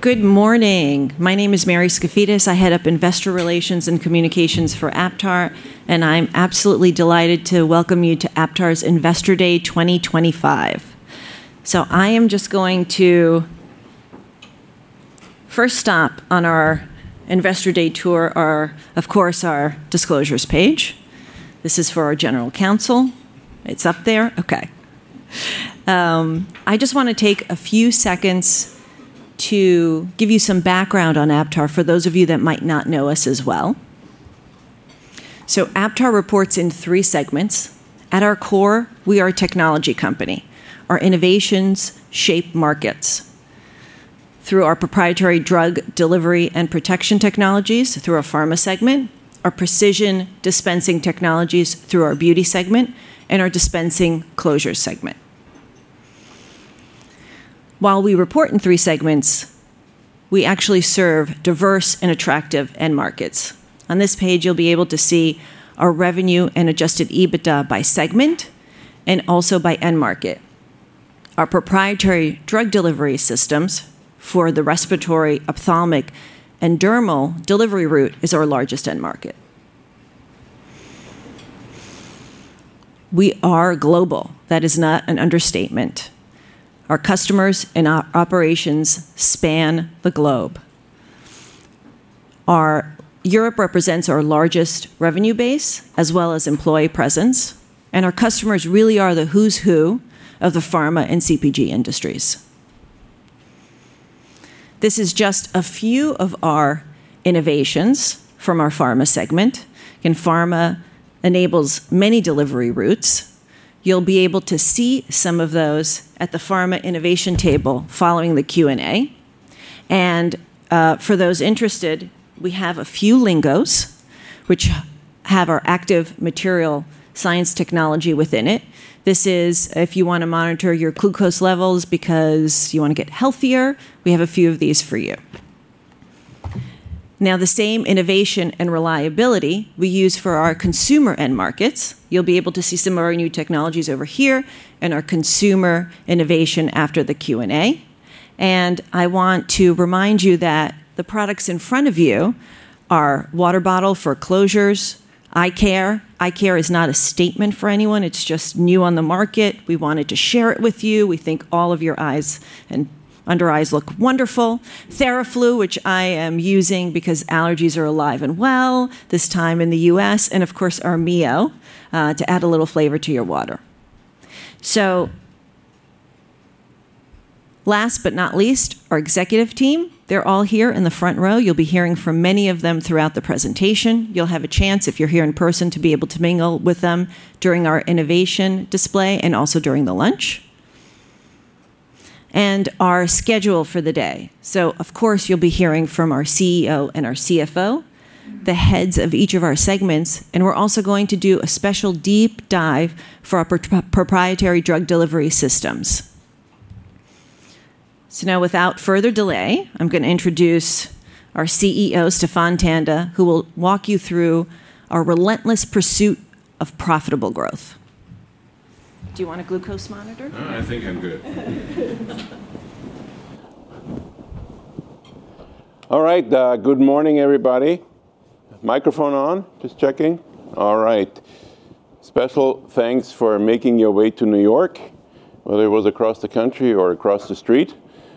Good morning. My name is Mary Skafidas. I head up Investor Relations and Communications for Aptar, and I'm absolutely delighted to welcome you to Aptar's Investor Day 2025. I am just going to first stop on our Investor Day tour at, of course, our disclosures page. This is for our General Counsel. It's up there. I just want to take a few seconds to give you some background on Aptar for those of you that might not know us as well. Aptar reports in three segments. At our core, we are a technology company. Our innovations shape markets through our proprietary drug delivery and protection technologies through our Pharma segment, our precision dispensing technologies through our Beauty segment, and our Dispensing Closures segment. While we report in three segments, we actually serve diverse and attractive end markets. On this page, you'll be able to see our revenue and adjusted EBITDA by segment and also by end market. Our proprietary drug delivery systems for the respiratory, ophthalmic, and dermal delivery route are our largest end market. We are global. That is not an understatement. Our customers and operations span the globe. Europe represents our largest revenue base, as well as employee presence, and our customers really are the who's who of the Pharma and CPG industries. This is just a few of our innovations from our Pharma segment, and Pharma enables many delivery routes. You'll be able to see some of those at the Pharma innovation table following the Q&A. For those interested, we have a few lingos, which have our active material science technology within it. This is if you want to monitor your glucose levels because you want to get healthier, we have a few of these for you. The same innovation and reliability we use for our consumer end markets. You'll be able to see some of our new technologies over here and our consumer innovation after the Q&A. I want to remind you that the products in front of you are water bottle for closures, eye care. Eye care is not a statement for anyone. It's just new on the market. We wanted to share it with you. We think all of your eyes and under eyes look wonderful. Theraflu, which I am using because allergies are alive and well this time in the U.S., and of course our Mio to add a little flavor to your water. Last but not least, our executive team, they're all here in the front row. You'll be hearing from many of them throughout the presentation. You'll have a chance, if you're here in person, to be able to mingle with them during our innovation display and also during the lunch. Our schedule for the day includes hearing from our CEO and our CFO, the heads of each of our segments, and we're also going to do a special deep dive for our proprietary drug delivery systems. Now, without further delay, I'm going to introduce our CEO, Stephan Tanda, who will walk you through our relentless pursuit of profitable growth. Do you want a glucose monitor? No, I think I'm good. All right. Good morning, everybody. Microphone on? Just checking. All right. Special thanks for making your way to New York, whether it was across the country or across the street.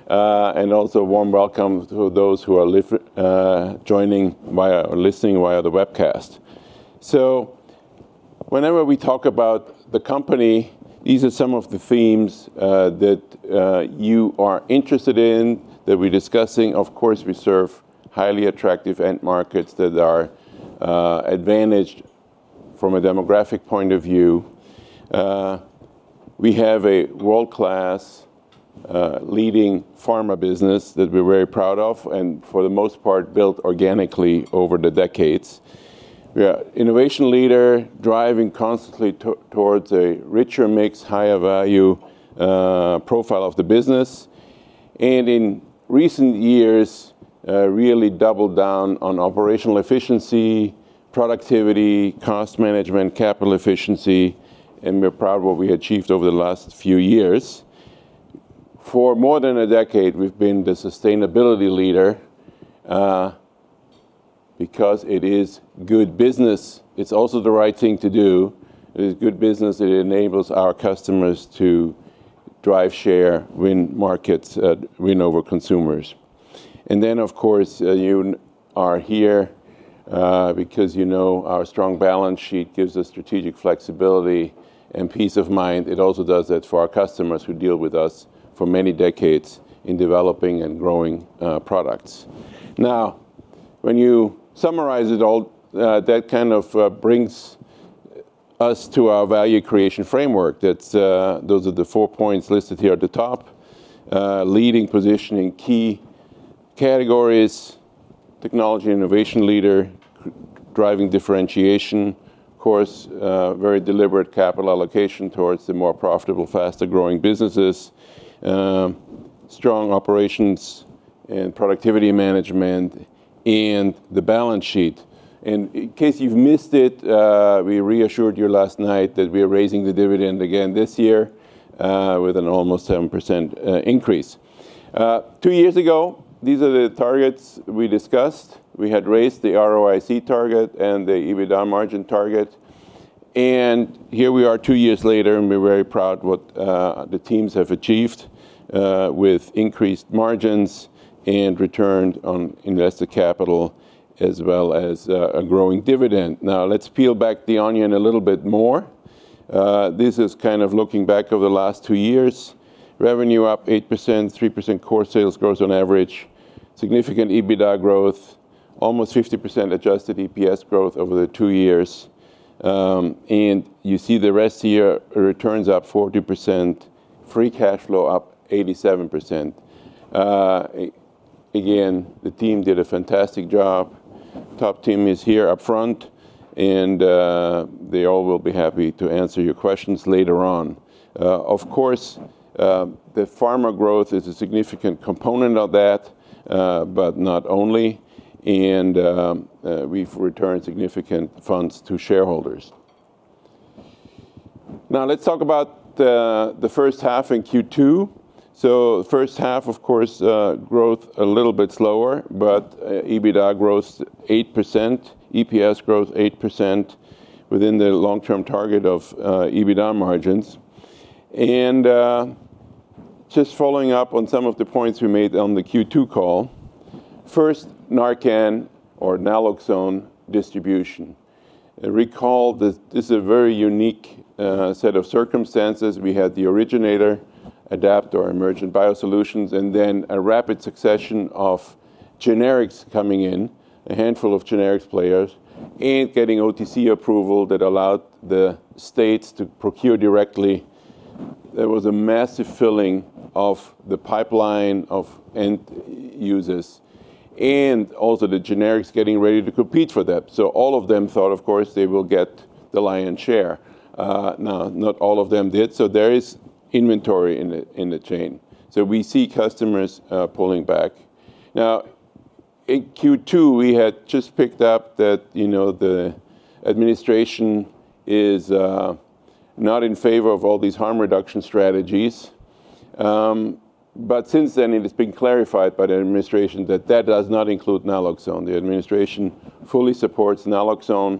Also a warm welcome to those who are joining by listening via the webcast. Whenever we talk about the company, these are some of the themes that you are interested in, that we're discussing. Of course, we serve highly attractive end markets that are advantaged from a demographic point of view. We have a world-class leading Pharma business that we're very proud of, and for the most part, built organically over the decades. We are an innovation leader, driving constantly towards a richer mix, higher value profile of the business. In recent years, we really doubled down on operational efficiency, productivity, cost management, capital efficiency, and we're proud of what we achieved over the last few years. For more than a decade, we've been the sustainability leader because it is good business. It's also the right thing to do. It is good business. It enables our customers to drive share, win markets, win over consumers. You are here because you know our strong balance sheet gives us strategic flexibility and peace of mind. It also does that for our customers who deal with us for many decades in developing and growing products. When you summarize it all, that kind of brings us to our value creation framework. Those are the four points listed here at the top: leading positioning, key categories, technology innovation leader, driving differentiation, very deliberate capital allocation towards the more profitable, faster-growing businesses, strong operations and productivity management, and the balance sheet. In case you've missed it, we reassured you last night that we are raising the dividend again this year with an almost 7% increase. Two years ago, these are the targets we discussed. We had raised the ROIC target and the EBITDA margin target. Here we are two years later, and we're very proud of what the teams have achieved with increased margins and return on invested capital, as well as a growing dividend. Now, let's peel back the onion a little bit more. This is kind of looking back over the last two years. Revenue up 8%, 3% core sales growth on average, significant EBITDA growth, almost 50% adjusted EPS growth over the two years. You see the rest here, returns up 40%, free cash flow up 87%. Again, the team did a fantastic job. Top team is here up front, and they all will be happy to answer your questions later on. Of course, the Pharma growth is a significant component of that, but not only. We have returned significant funds to shareholders. Now, let's talk about the first half in Q2. The first half, of course, growth a little bit slower, but EBITDA growth 8%, EPS growth 8% within the long-term target of EBITDA margins. Just following up on some of the points we made on the Q2 call. First, Narcan or naloxone distribution. Recall that this is a very unique set of circumstances. We had the originator, Emergent BioSolutions, and then a rapid succession of generics coming in, a handful of generics players, and getting OTC approval that allowed the states to procure directly. There was a massive filling of the pipeline of end users and also the generics getting ready to compete for them. All of them thought, of course, they will get the lion's share. Not all of them did. There is inventory in the chain. We see customers pulling back. In Q2, we had just picked up that the administration is not in favor of all these harm reduction strategies. Since then, it has been clarified by the administration that that does not include naloxone. The administration fully supports naloxone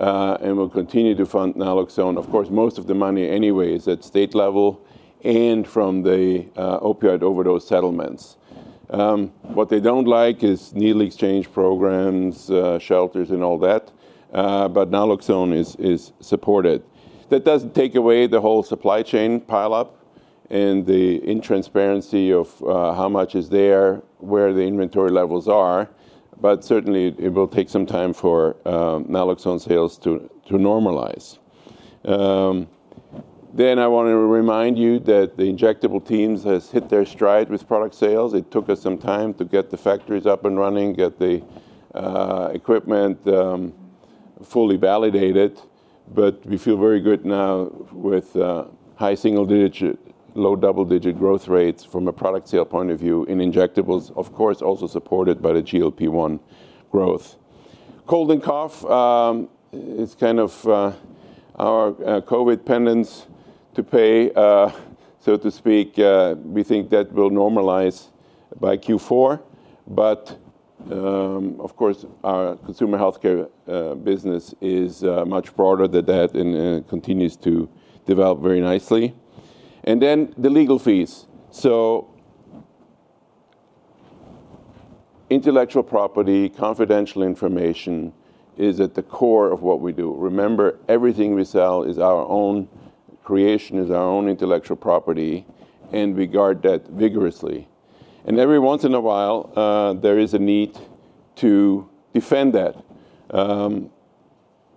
and will continue to fund naloxone. Most of the money anyway is at state level and from the opioid overdose settlements. What they don't like is needle exchange programs, shelters, and all that. Naloxone is supported. That doesn't take away the whole supply chain pile-up and the intransparency of how much is there, where the inventory levels are. Certainly, it will take some time for naloxone sales to normalize. I want to remind you that the injectable teams have hit their stride with product sales. It took us some time to get the factories up and running, get the equipment fully validated. We feel very good now with high single-digit, low double-digit growth rates from a product sale point of view in injectables, of course, also supported by the GLP-1 growth. Cold and cough is kind of our COVID pendants to pay, so to speak. We think that will normalize by Q4. Our consumer healthcare business is much broader than that and continues to develop very nicely. The legal fees. Intellectual property, confidential information is at the core of what we do. Remember, everything we sell is our own creation, is our own intellectual property, and we guard that vigorously. Every once in a while, there is a need to defend that.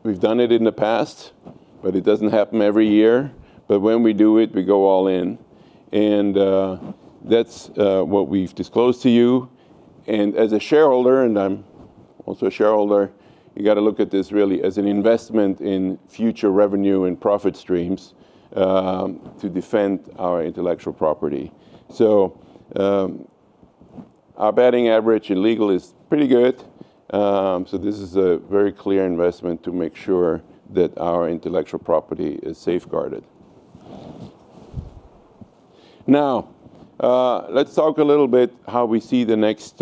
We've done it in the past, but it doesn't happen every year. When we do it, we go all in. That's what we've disclosed to you. As a shareholder, and I'm also a shareholder, you got to look at this really as an investment in future revenue and profit streams to defend our intellectual property. Our batting average in legal is pretty good. This is a very clear investment to make sure that our intellectual property is safeguarded. Now, let's talk a little bit about how we see the next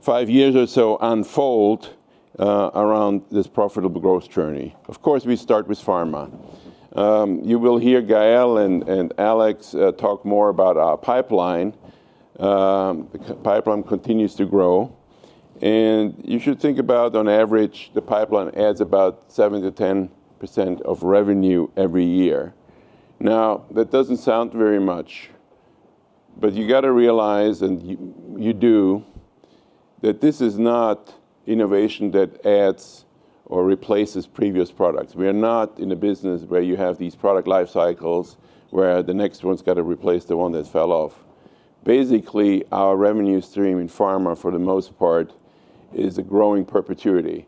five years or so unfold around this profitable growth journey. Of course, we start with Pharma. You will hear Gael and Alex talk more about our pipeline. The pipeline continues to grow. You should think about, on average, the pipeline adds about 7%-10% of revenue every year. That doesn't sound very much. You got to realize, and you do, that this is not innovation that adds or replaces previous products. We are not in a business where you have these product life cycles where the next one's got to replace the one that fell off. Basically, our revenue stream in Pharma, for the most part, is a growing perpetuity.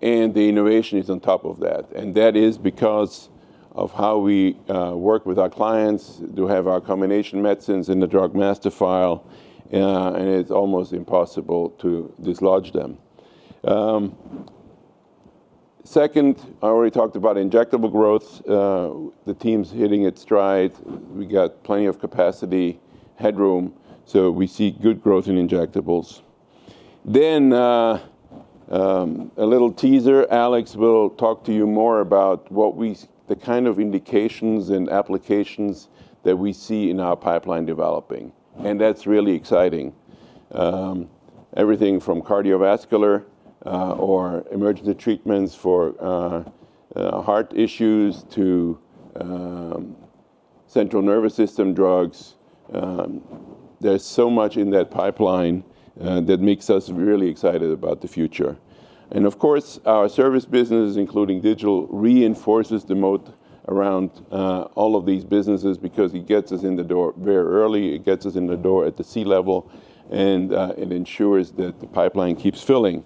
The innovation is on top of that. That is because of how we work with our clients. We do have our combination medicines in the drug master file, and it's almost impossible to dislodge them. Second, I already talked about injectable growth. The team's hitting its stride. We got plenty of capacity, headroom. We see good growth in injectables. A little teaser, Alex will talk to you more about what we see, the kind of indications and applications that we see in our pipeline developing. That's really exciting. Everything from cardiovascular or emergency treatments for heart issues to central nervous system drugs. There's so much in that pipeline that makes us really excited about the future. Of course, our service business, including digital, reinforces the moat around all of these businesses because it gets us in the door very early. It gets us in the door at the C level, and it ensures that the pipeline keeps filling.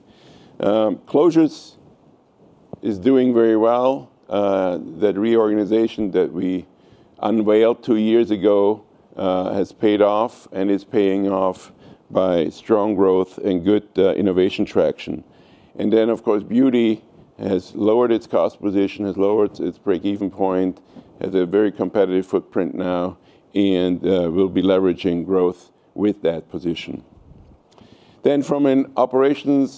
Closures are doing very well. That reorganization that we unveiled two years ago has paid off and is paying off by strong growth and good innovation traction. Of course, Beauty has lowered its cost position, has lowered its break-even point, has a very competitive footprint now, and we'll be leveraging growth with that position. From an operational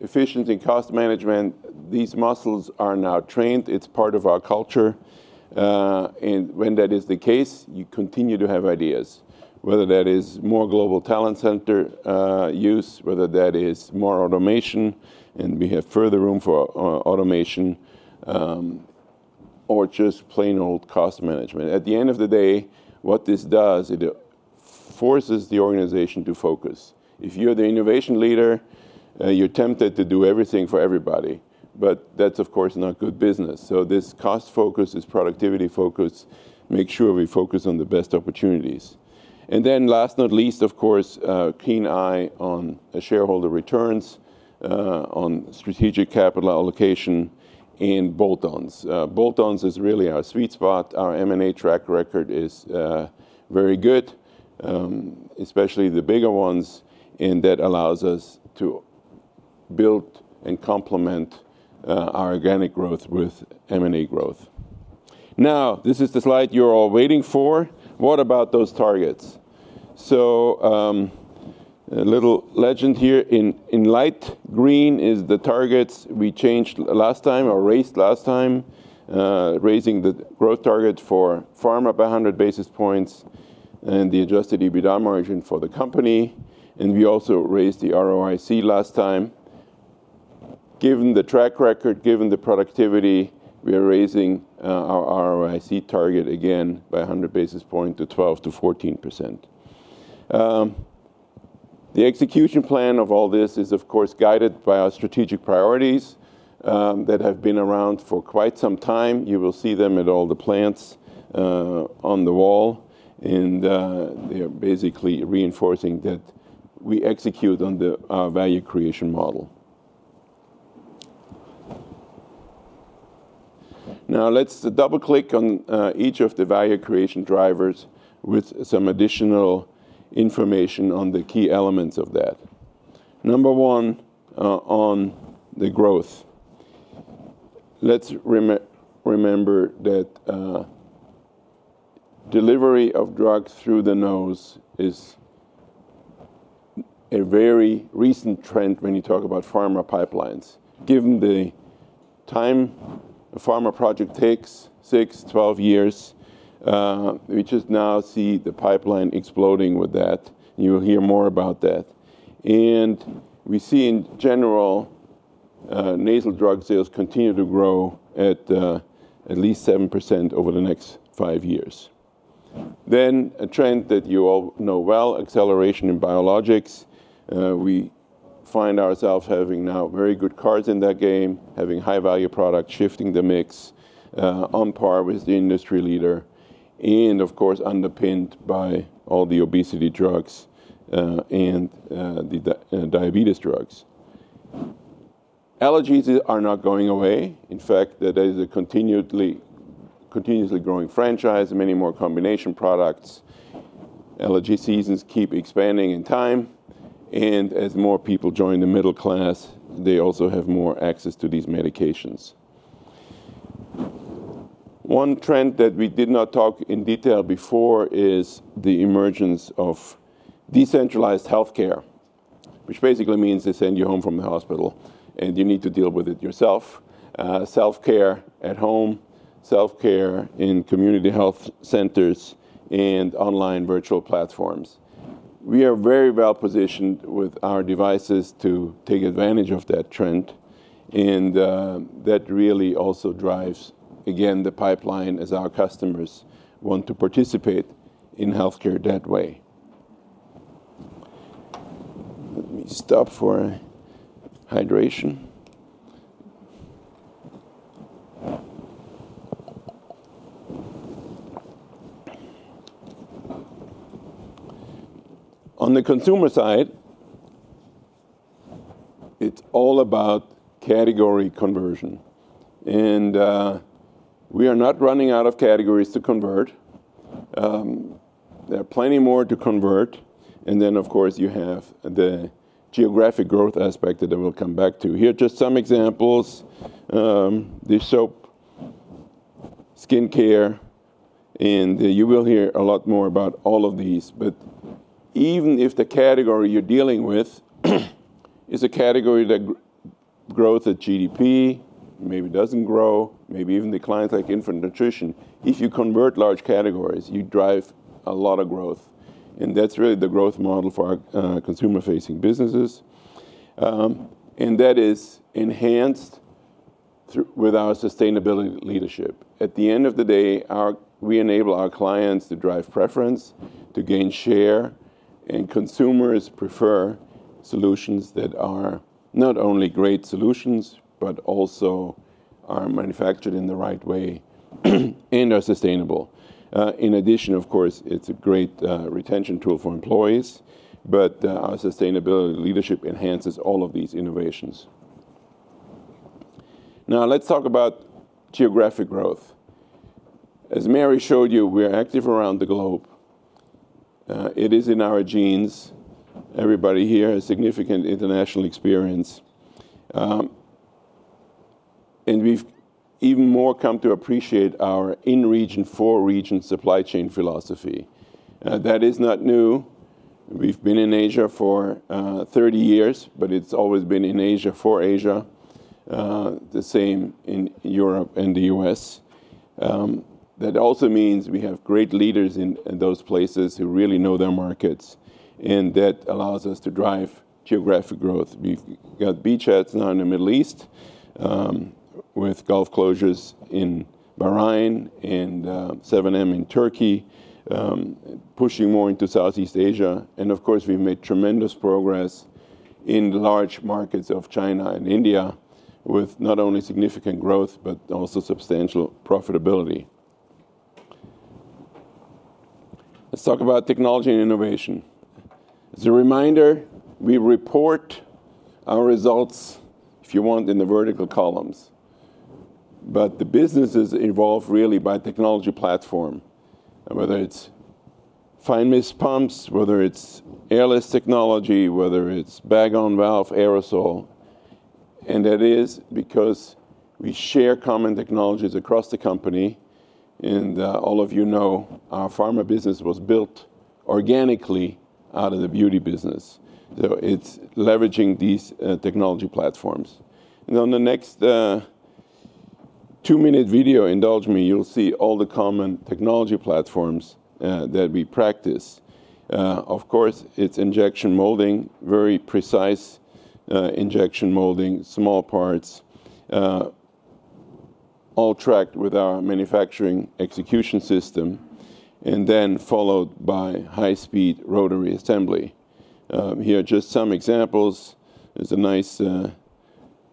efficiency cost management perspective, these muscles are now trained. It's part of our culture. When that is the case, you continue to have ideas, whether that is more global talent center use, whether that is more automation, and we have further room for automation, or just plain old cost management. At the end of the day, what this does is it forces the organization to focus. If you're the innovation leader, you're tempted to do everything for everybody. That's, of course, not good business. This cost focus, this productivity focus, makes sure we focus on the best opportunities. Last but not least, of course, a keen eye on shareholder returns, on strategic capital allocation, and bolt-ons. Bolt-ons is really our sweet spot. Our M&A track record is very good, especially the bigger ones, and that allows us to build and complement our organic growth with M&A growth. Now, this is the slide you're all waiting for. What about those targets? A little legend here: in light green are the targets we changed last time or raised last time, raising the growth targets for Pharma by 100 basis points and the adjusted EBITDA margin for the company. We also raised the ROIC last time. Given the track record, given the productivity, we are raising our ROIC target again by 100 basis points to 12%-14%. The execution plan of all this is, of course, guided by our strategic priorities that have been around for quite some time. You will see them at all the plants on the wall. They are basically reinforcing that we execute on our value creation model. Let's double-click on each of the value creation drivers with some additional information on the key elements of that. Number one, on the growth. Let's remember that delivery of drugs through the nose is a very recent trend when you talk about Pharma pipelines. Given the time a Pharma project takes, six, 12 years, we just now see the pipeline exploding with that. You'll hear more about that. We see, in general, nasal drug sales continue to grow at least 7% over the next five years. A trend that you all know well is acceleration in biologics. We find ourselves having now very good cards in that game, having high-value products, shifting the mix, on par with the industry leader, and of course, underpinned by all the obesity drugs and the diabetes drugs. Allergies are not going away. In fact, that is a continuously growing franchise, many more combination products. Allergy seasons keep expanding in time. As more people join the middle class, they also have more access to these medications. One trend that we did not talk in detail before is the emergence of decentralized health care, which basically means they send you home from the hospital and you need to deal with it yourself. Self-care at home, self-care in community health centers, and online virtual platforms. We are very well positioned with our devices to take advantage of that trend. That really also drives, again, the pipeline as our customers want to participate in health care that way. We stop for hydration. On the consumer side, it's all about category conversion. We are not running out of categories to convert. There are plenty more to convert. You have the geographic growth aspect that I will come back to. Here are just some examples: the soap, skincare, and you will hear a lot more about all of these. Even if the category you're dealing with is a category that grows at GDP, maybe doesn't grow, maybe even declines like infant nutrition, if you convert large categories, you drive a lot of growth. That's really the growth model for our consumer-facing businesses. That is enhanced with our sustainability leadership. At the end of the day, we enable our clients to drive preference, to gain share, and consumers prefer solutions that are not only great solutions, but also are manufactured in the right way and are sustainable. In addition, of course, it's a great retention tool for employees. Our sustainability leadership enhances all of these innovations. Now, let's talk about geographic growth. As Mary showed you, we're active around the globe. It is in our genes. Everybody here has significant international experience. We've even more come to appreciate our in-region for region supply chain philosophy. That is not new. We've been in Asia for 30 years, but it's always been in Asia for Asia, the same in Europe and the U.S. That also means we have great leaders in those places who really know their markets. That allows us to drive geographic growth. We've got Bichat now in the Middle East with Gulf Closures in Bahrain and 7,000,000 in Turkey, pushing more into Southeast Asia. Of course, we've made tremendous progress in the large markets of China and India with not only significant growth, but also substantial profitability. Let's talk about technology and innovation. As a reminder, we report our results, if you want, in the vertical columns. The businesses evolve really by technology platform, whether it's fine mist pumps, airless technology, or bag-on-valve aerosol. That is because we share common technologies across the company. All of you know, our Pharma business was built organically out of the beauty business, so it's leveraging these technology platforms. On the next two-minute video, indulge me, you'll see all the common technology platforms that we practice. Of course, it's injection molding, very precise injection molding, small parts, all tracked with our manufacturing execution system, and then followed by high-speed rotary assembly. Here are just some examples. There's a nice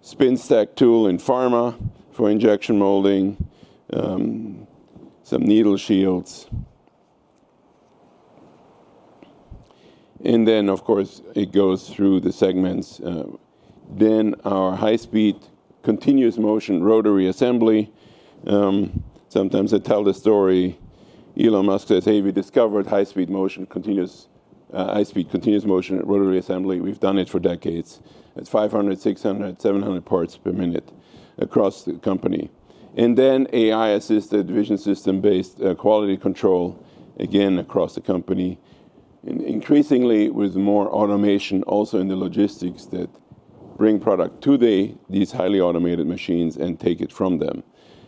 spin stack tool in Pharma for injection molding, some needle shields. It goes through the segments. Our high-speed continuous motion rotary assembly is another example. Sometimes I tell the story. Elon Musk says, "Hey, we discovered high-speed motion, continuous high-speed continuous motion rotary assembly. We've done it for decades." It's 500, 600, 700 parts per minute across the company. AI-assisted vision system-based quality control is used again across the company. Increasingly, with more automation also in the logistics that bring product to these highly automated machines and take it from them.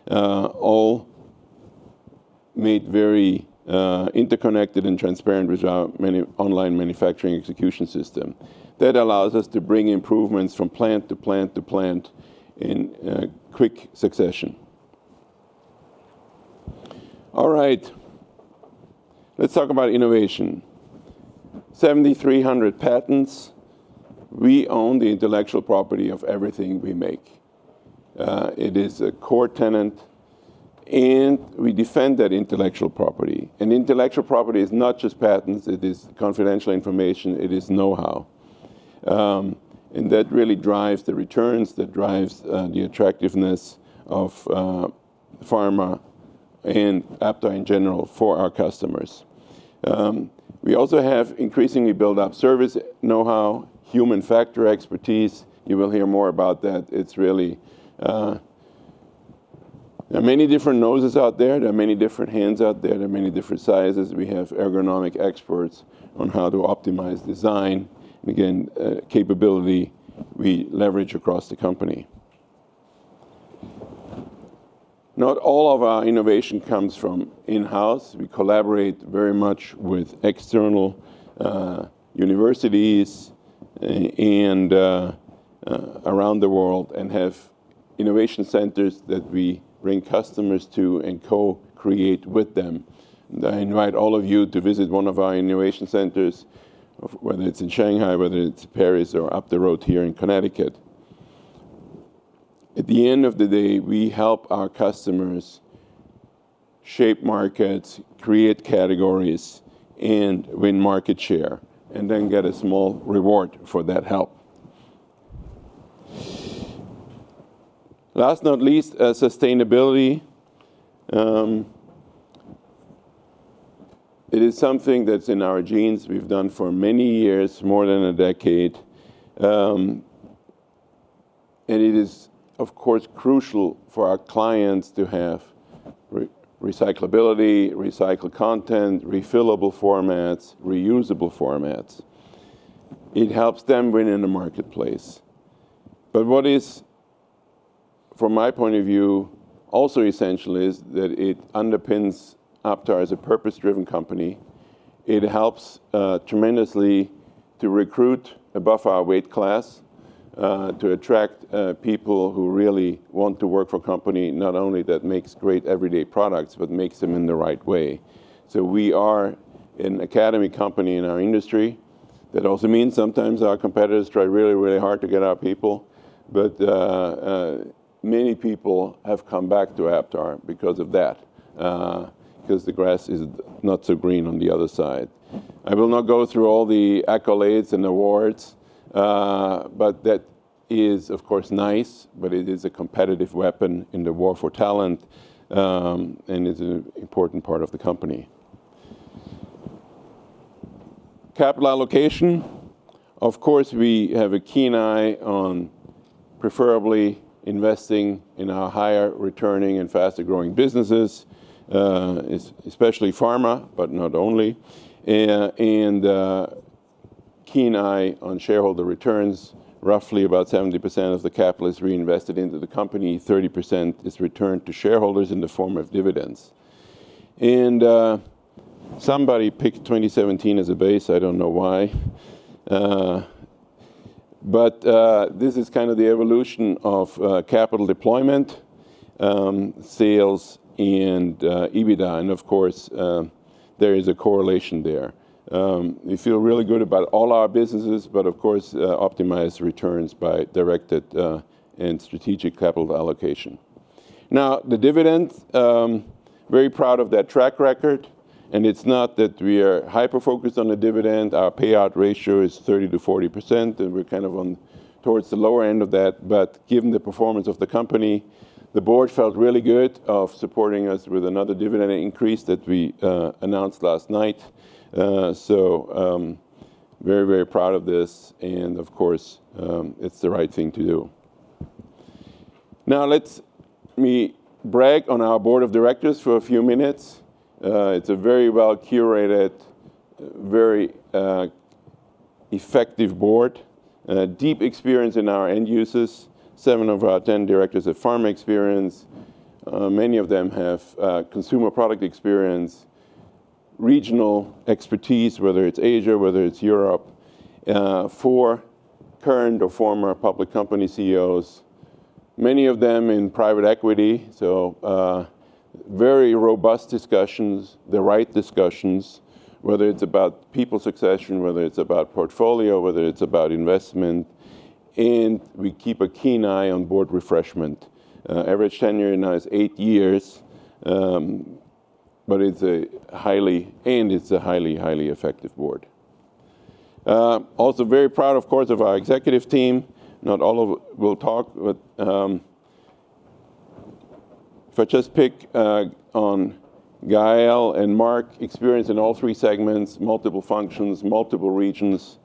All made very interconnected and transparent with our online manufacturing execution system. That allows us to bring improvements from plant to plant to plant in quick succession. All right. Let's talk about innovation. 7,300 patents. We own the intellectual property of everything we make. It is a core tenet, and we defend that intellectual property. Intellectual property is not just patents. It is confidential information. It is know-how. That really drives the returns, that drives the attractiveness of Pharma and Aptar in general for our customers. We also have increasingly built up service know-how, human factor expertise. You will hear more about that. There are many different noses out there. There are many different hands out there. There are many different sizes. We have ergonomic experts on how to optimize design. Again, capability we leverage across the company. Not all of our innovation comes from in-house. We collaborate very much with external universities around the world and have innovation centers that we bring customers to and co-create with them. I invite all of you to visit one of our innovation centers, whether it's in Shanghai, whether it's Paris, or up the road here in Connecticut. At the end of the day, we help our customers shape markets, create categories, and win market share, and then get a small reward for that help. Last but not least, sustainability. It is something that's in our genes. We've done it for many years, more than a decade. It is, of course, crucial for our clients to have recyclability, recycled content, refillable formats, reusable formats. It helps them win in the marketplace. What is, from my point of view, also essential is that it underpins Aptar as a purpose-driven company. It helps tremendously to recruit above our weight class, to attract people who really want to work for a company not only that makes great everyday products, but makes them in the right way. We are an academy company in our industry. That also means sometimes our competitors try really, really hard to get our people. Many people have come back to Aptar because of that, because the grass is not so green on the other side. I will not go through all the accolades and awards, but that is, of course, nice, but it is a competitive weapon in the war for talent and is an important part of the company. Capital allocation. We have a keen eye on preferably investing in our higher returning and faster-growing businesses, especially Pharma, but not only. A keen eye on shareholder returns. Roughly about 70% of the capital is reinvested into the company. 30% is returned to shareholders in the form of dividends. Somebody picked 2017 as a base. I don't know why. This is kind of the evolution of capital deployment, sales, and EBITDA. There is a correlation there. We feel really good about all our businesses, but optimize returns by directed and strategic capital allocation. The dividends, very proud of that track record. It's not that we are hyper-focused on the dividend. Our payout ratio is 30%-40%. We're kind of towards the lower end of that. Given the performance of the company, the board felt really good supporting us with another dividend increase that we announced last night. Very, very proud of this. Of course, it's the right thing to do. Now, let me brag on our board of directors for a few minutes. It's a very well-curated, very effective board. Deep experience in our end users. Seven of our 10 directors have Pharma experience. Many of them have consumer product experience, regional expertise, whether it's Asia, whether it's Europe, four current or former public company CEOs, many of them in private equity. Very robust discussions, the right discussions, whether it's about people succession, whether it's about portfolio, whether it's about investment. We keep a keen eye on board refreshment. Average tenure now is eight years. It's a highly, highly effective board. Also, very proud, of course, of our executive team. Not all of them will talk, but if I just pick on Gael and Marc, experience in all three segments, multiple functions, multiple regions.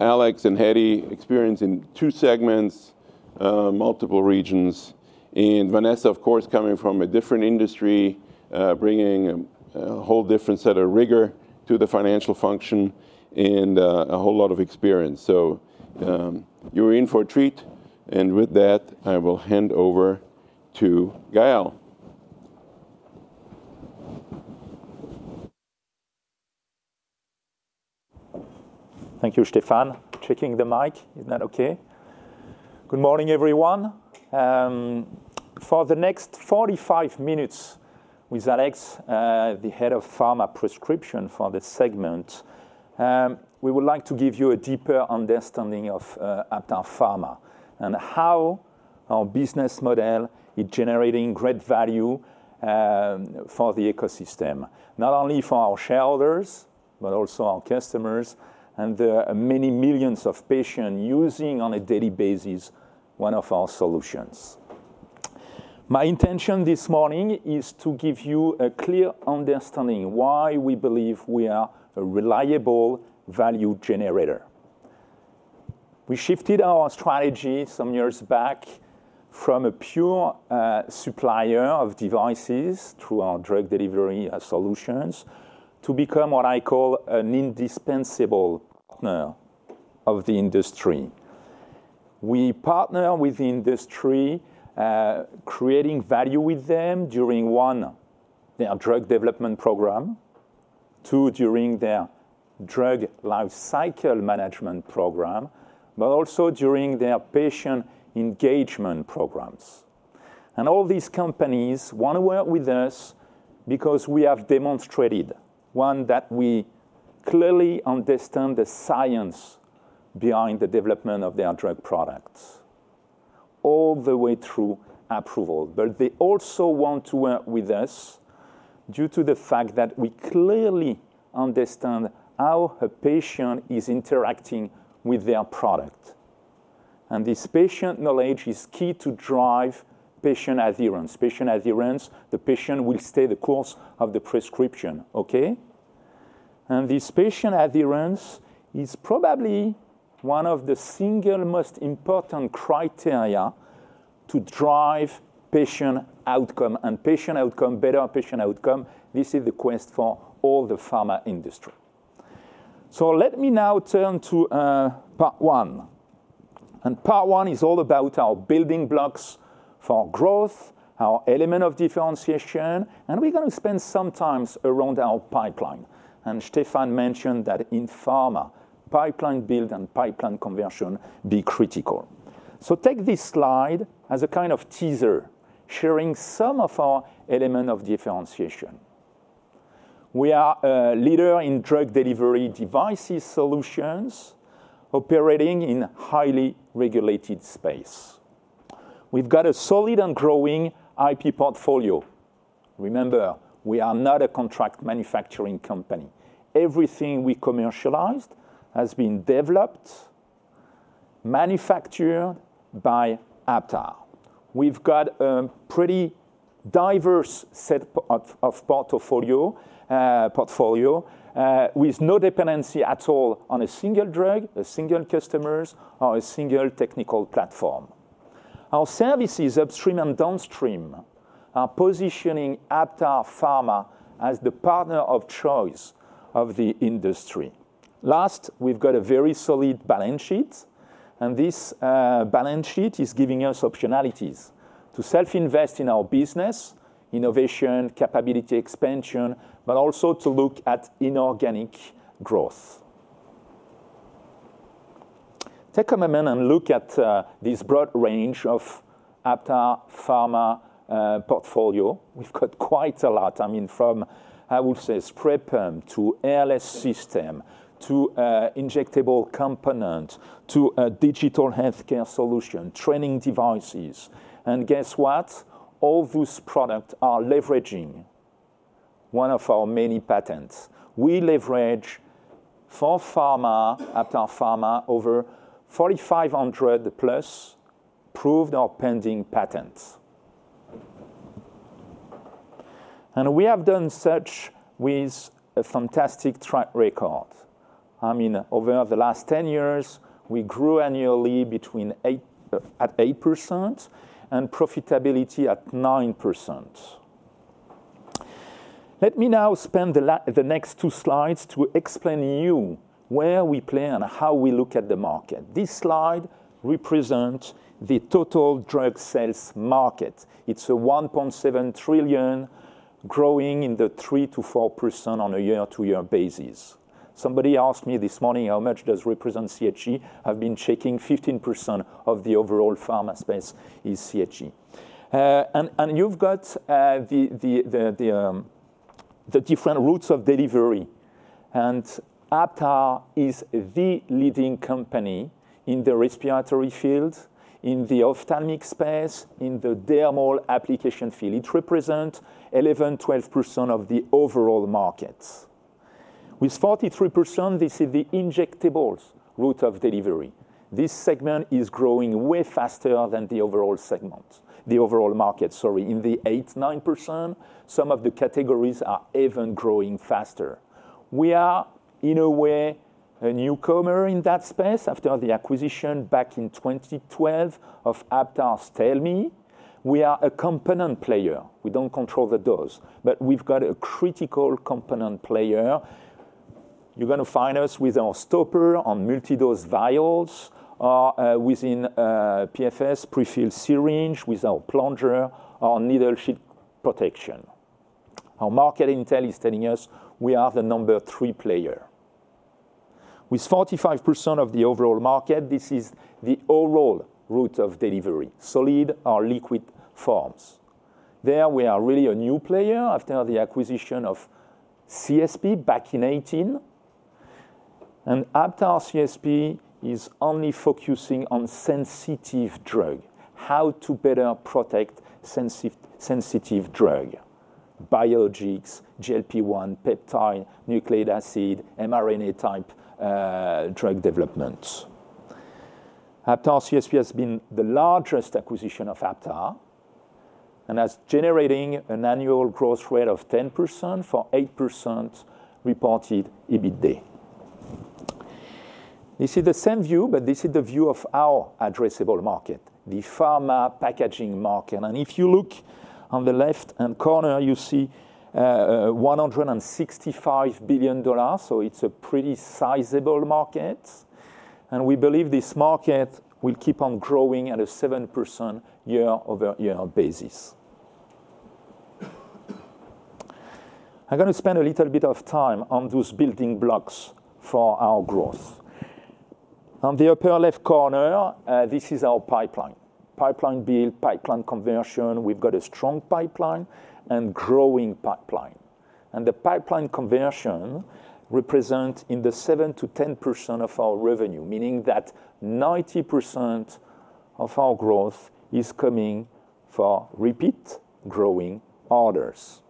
Alex and Heidi, experience in two segments, multiple regions. Vanessa, of course, coming from a different industry, bringing a whole different set of rigor to the financial function and a whole lot of experience. You're in for a treat. With that, I will hand over to Gael. Thank you, Stephan. Checking the mic. Is that okay? Good morning, everyone. For the next 45 minutes with Alex, the Head of Pharma Prescription for this segment, we would like to give you a deeper understanding of Aptar Pharma and how our business model is generating great value for the ecosystem, not only for our shareholders, but also our customers and the many millions of patients using on a daily basis one of our solutions. My intention this morning is to give you a clear understanding of why we believe we are a reliable value generator. We shifted our strategy some years back from a pure supplier of devices through our drug delivery solutions to become what I call an indispensable partner of the industry. We partner with the industry, creating value with them during, one, their drug development program, two, during their drug lifecycle management program, but also during their patient engagement programs. All these companies want to work with us because we have demonstrated, one, that we clearly understand the science behind the development of their drug products all the way through approval. They also want to work with us due to the fact that we clearly understand how a patient is interacting with their product. This patient knowledge is key to drive patient adherence. Patient adherence, the patient will stay the course of the prescription, okay? This patient adherence is probably one of the single most important criteria to drive patient outcome. Patient outcome, better patient outcome, this is the quest for all the Pharma industry. Let me now turn to part one. Part one is all about our building blocks for growth, our element of differentiation. We are going to spend some time around our pipeline. Stephan mentioned that in Pharma, pipeline build and pipeline conversion are critical. Take this slide as a kind of teaser, sharing some of our element of differentiation. We are a leader in drug delivery devices solutions operating in a highly regulated space. We have a solid and growing IP portfolio. Remember, we are not a contract manufacturing company. Everything we commercialize has been developed, manufactured by Aptar. We have a pretty diverse set of portfolio with no dependency at all on a single drug, a single customer, or a single technical platform. Our services upstream and downstream are positioning Aptar Pharma as the partner of choice of the industry. Last, we have a very solid balance sheet. This balance sheet is giving us optionalities to self-invest in our business, innovation, capability expansion, but also to look at inorganic growth. Take a moment and look at this broad range of Aptar Pharma portfolio. We've got quite a lot. I mean, from, I would say, spray pump to airless system to injectable component to a digital healthcare solution, training devices. Guess what? All those products are leveraging one of our many patents. We leverage for Pharma, Aptar Pharma, over 4,500+ approved or pending patents. We have done such with a fantastic track record. Over the last 10 years, we grew annually between 8% and profitability at 9%. Let me now spend the next two slides to explain to you where we play and how we look at the market. This slide represents the total drug sales market. It's a $1.7 trillion market, growing in the 3%-4% on a year-to-year basis. Somebody asked me this morning, how much does represent CHE? I've been checking, 15% of the overall Pharma space is CHE. You've got the different routes of delivery. Aptar is the leading company in the respiratory field, in the ophthalmic space, in the dermal application field. It represents 11%, 12% of the overall markets. With 43%, this is the injectables route of delivery. This segment is growing way faster than the overall segment, the overall market, in the 8%, 9%. Some of the categories are even growing faster. We are, in a way, a newcomer in that space after the acquisition back in 2012 of Aptar Stelmi. We are a component player. We don't control the dose, but we've got a critical component player. You are going to find us with our stopper on multi-dose vials or within PFS, prefilled syringe with our plunger or needle shield protection. Our market intel is telling us we are the number three player. With 45% of the overall market, this is the overall route of delivery, solid or liquid forms. There, we are really a new player after the acquisition of CSP back in 2018. Aptar CSP is only focusing on sensitive drugs, how to better protect sensitive drugs, biologics, GLP-1, peptide, nucleic acid, mRNA type drug development. Aptar CSP has been the largest acquisition of Aptar and is generating an annual growth rate of 10% for 8% reported EBITDA. This is the same view, but this is the view of our addressable market, the Pharma packaging market. If you look on the left-hand corner, you see $165 billion. It's a pretty sizable market. We believe this market will keep on growing at a 7% year-over-year basis. I'm going to spend a little bit of time on those building blocks for our growth. On the upper left corner, this is our pipeline, pipeline build, pipeline conversion. We've got a strong pipeline and a growing pipeline. The pipeline conversion represents in the 7%-10% of our revenue, meaning that 90% of our growth is coming from repeat growing orders.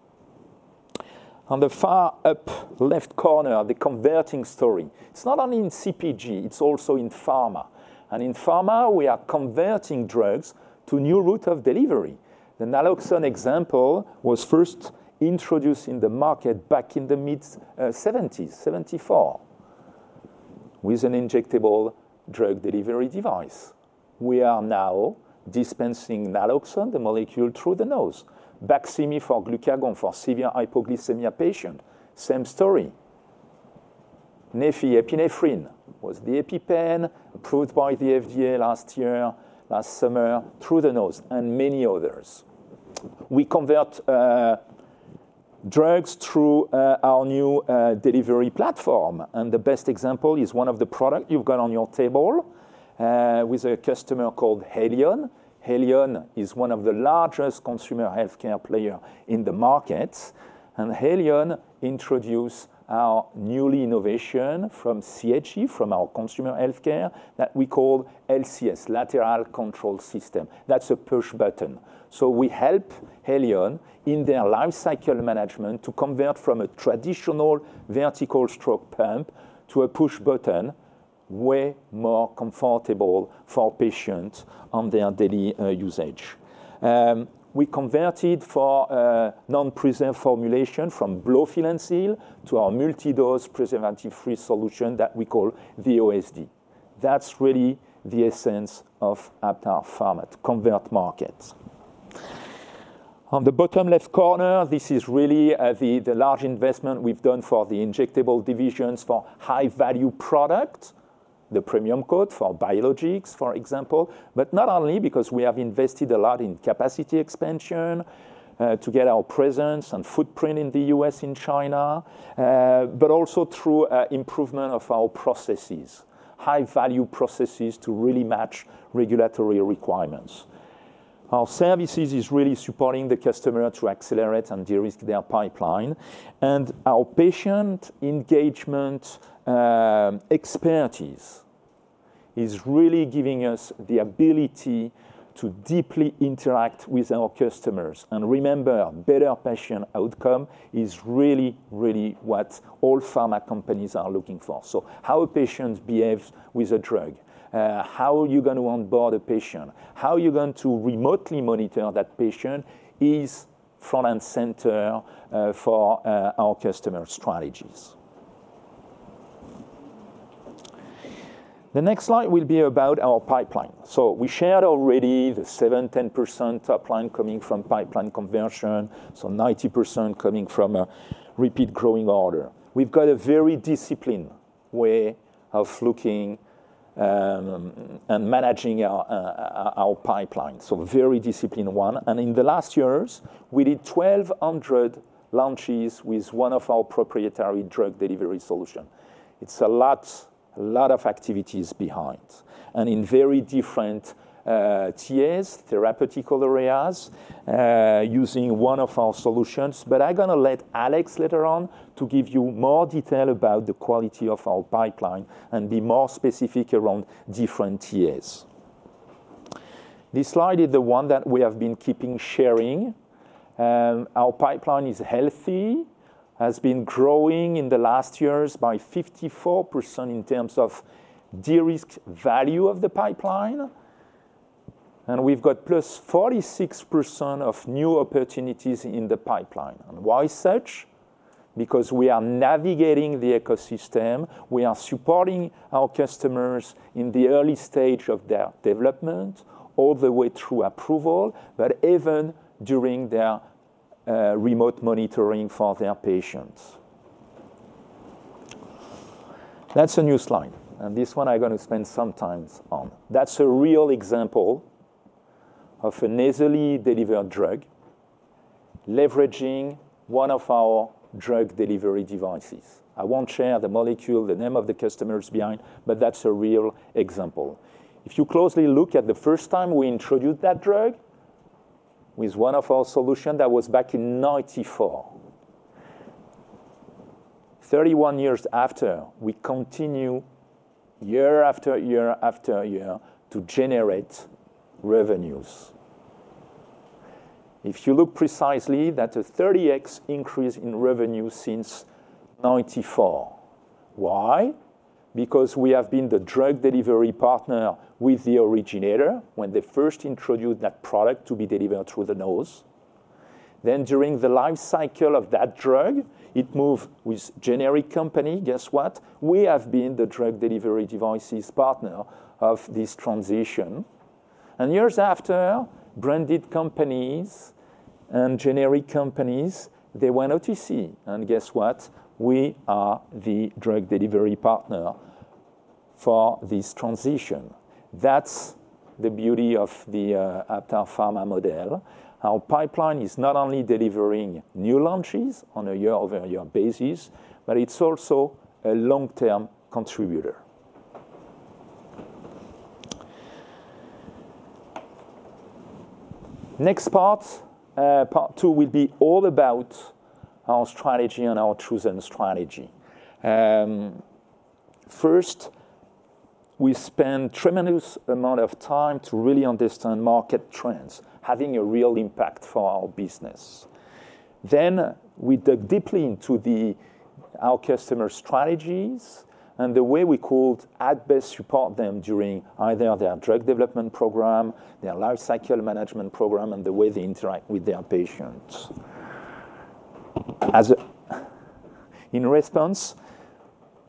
On the far upper left corner, the converting story. It's not only in CPG. It's also in Pharma. In Pharma, we are converting drugs to a new route of delivery. The naloxone example was first introduced in the market back in the mid-1970s, 1974, with an injectable drug delivery device. We are now dispensing naloxone, the molecule, through the nose. Baqsimi for glucagon for severe hypoglycemia patients, same story. Neffy epinephrine was the EpiPen approved by the FDA last year, last summer, through the nose, and many others. We convert drugs through our new delivery platform. The best example is one of the products you've got on your table with a customer called Helion. Helion is one of the largest consumer healthcare players in the market. Helion introduced our new innovation from CHE, from our consumer healthcare, that we call LCS, lateral control system. That's a push button. We help Helion in their lifecycle management to convert from a traditional vertical stroke pump to a push button, way more comfortable for patients on their daily usage. We converted for a non-preserved formulation from blowfill and seal to our multi-dose preservative-free solution that we call VOSD. That's really the essence of Aptar Pharma, to convert markets. On the bottom left corner, this is really the large investment we've done for the injectable divisions for high-value products, the premium code for biologics, for example. Not only because we have invested a lot in capacity expansion to get our presence and footprint in the U.S. and China, but also through improvement of our processes, high-value processes to really match regulatory requirements. Our services are really supporting the customer to accelerate and de-risk their pipeline. Our patient engagement expertise is really giving us the ability to deeply interact with our customers. Remember, better patient outcome is really, really what all Pharma companies are looking for. How a patient behaves with a drug, how you are going to onboard a patient, how you are going to remotely monitor that patient is front and center for our customer strategies. The next slide will be about our pipeline. We shared already the 7%, 10% top line coming from pipeline conversion, so 90% coming from a repeat growing order. We have a very disciplined way of looking and managing our pipeline. In the last years, we did 1,200 launches with one of our proprietary drug delivery solutions. It's a lot, a lot of activities behind, and in very different tiers, therapeutic areas, using one of our solutions. I'm going to let Alex later on give you more detail about the quality of our pipeline and be more specific around different tiers. This slide is the one that we have been keeping sharing. Our pipeline is healthy, has been growing in the last years by 54% in terms of de-risk value of the pipeline. We have +46% of new opportunities in the pipeline. Why is such? We are navigating the ecosystem. We are supporting our customers in the early stage of their development, all the way through approval, even during their remote monitoring for their patients. That's a new slide. This one I'm going to spend some time on. That's a real example of a nasally delivered drug leveraging one of our drug delivery devices. I won't share the molecule, the name of the customers behind, but that's a real example. If you closely look at the first time we introduced that drug with one of our solutions, that was back in 1994. Thirty-one years after, we continue year after year after year to generate revenues. If you look precisely, that's a 30x increase in revenue since 1994. Why? We have been the drug delivery partner with the originator when they first introduced that product to be delivered through the nose. During the lifecycle of that drug, it moved with a generic company. Guess what? We have been the drug delivery devices partner of this transition. Years after, branded companies and generic companies, they went OTC. Guess what? We are the drug delivery partner for this transition. That's the beauty of the Aptar Pharma model. Our pipeline is not only delivering new launches on a year-over-year basis, but it's also a long-term contributor. Next part, part two, will be all about our strategy and our chosen strategy. First, we spend a tremendous amount of time to really understand market trends, having a real impact for our business. Then we dug deeply into our customer strategies and the way we could at best support them during either their drug development program, their lifecycle management program, and the way they interact with their patients. In response,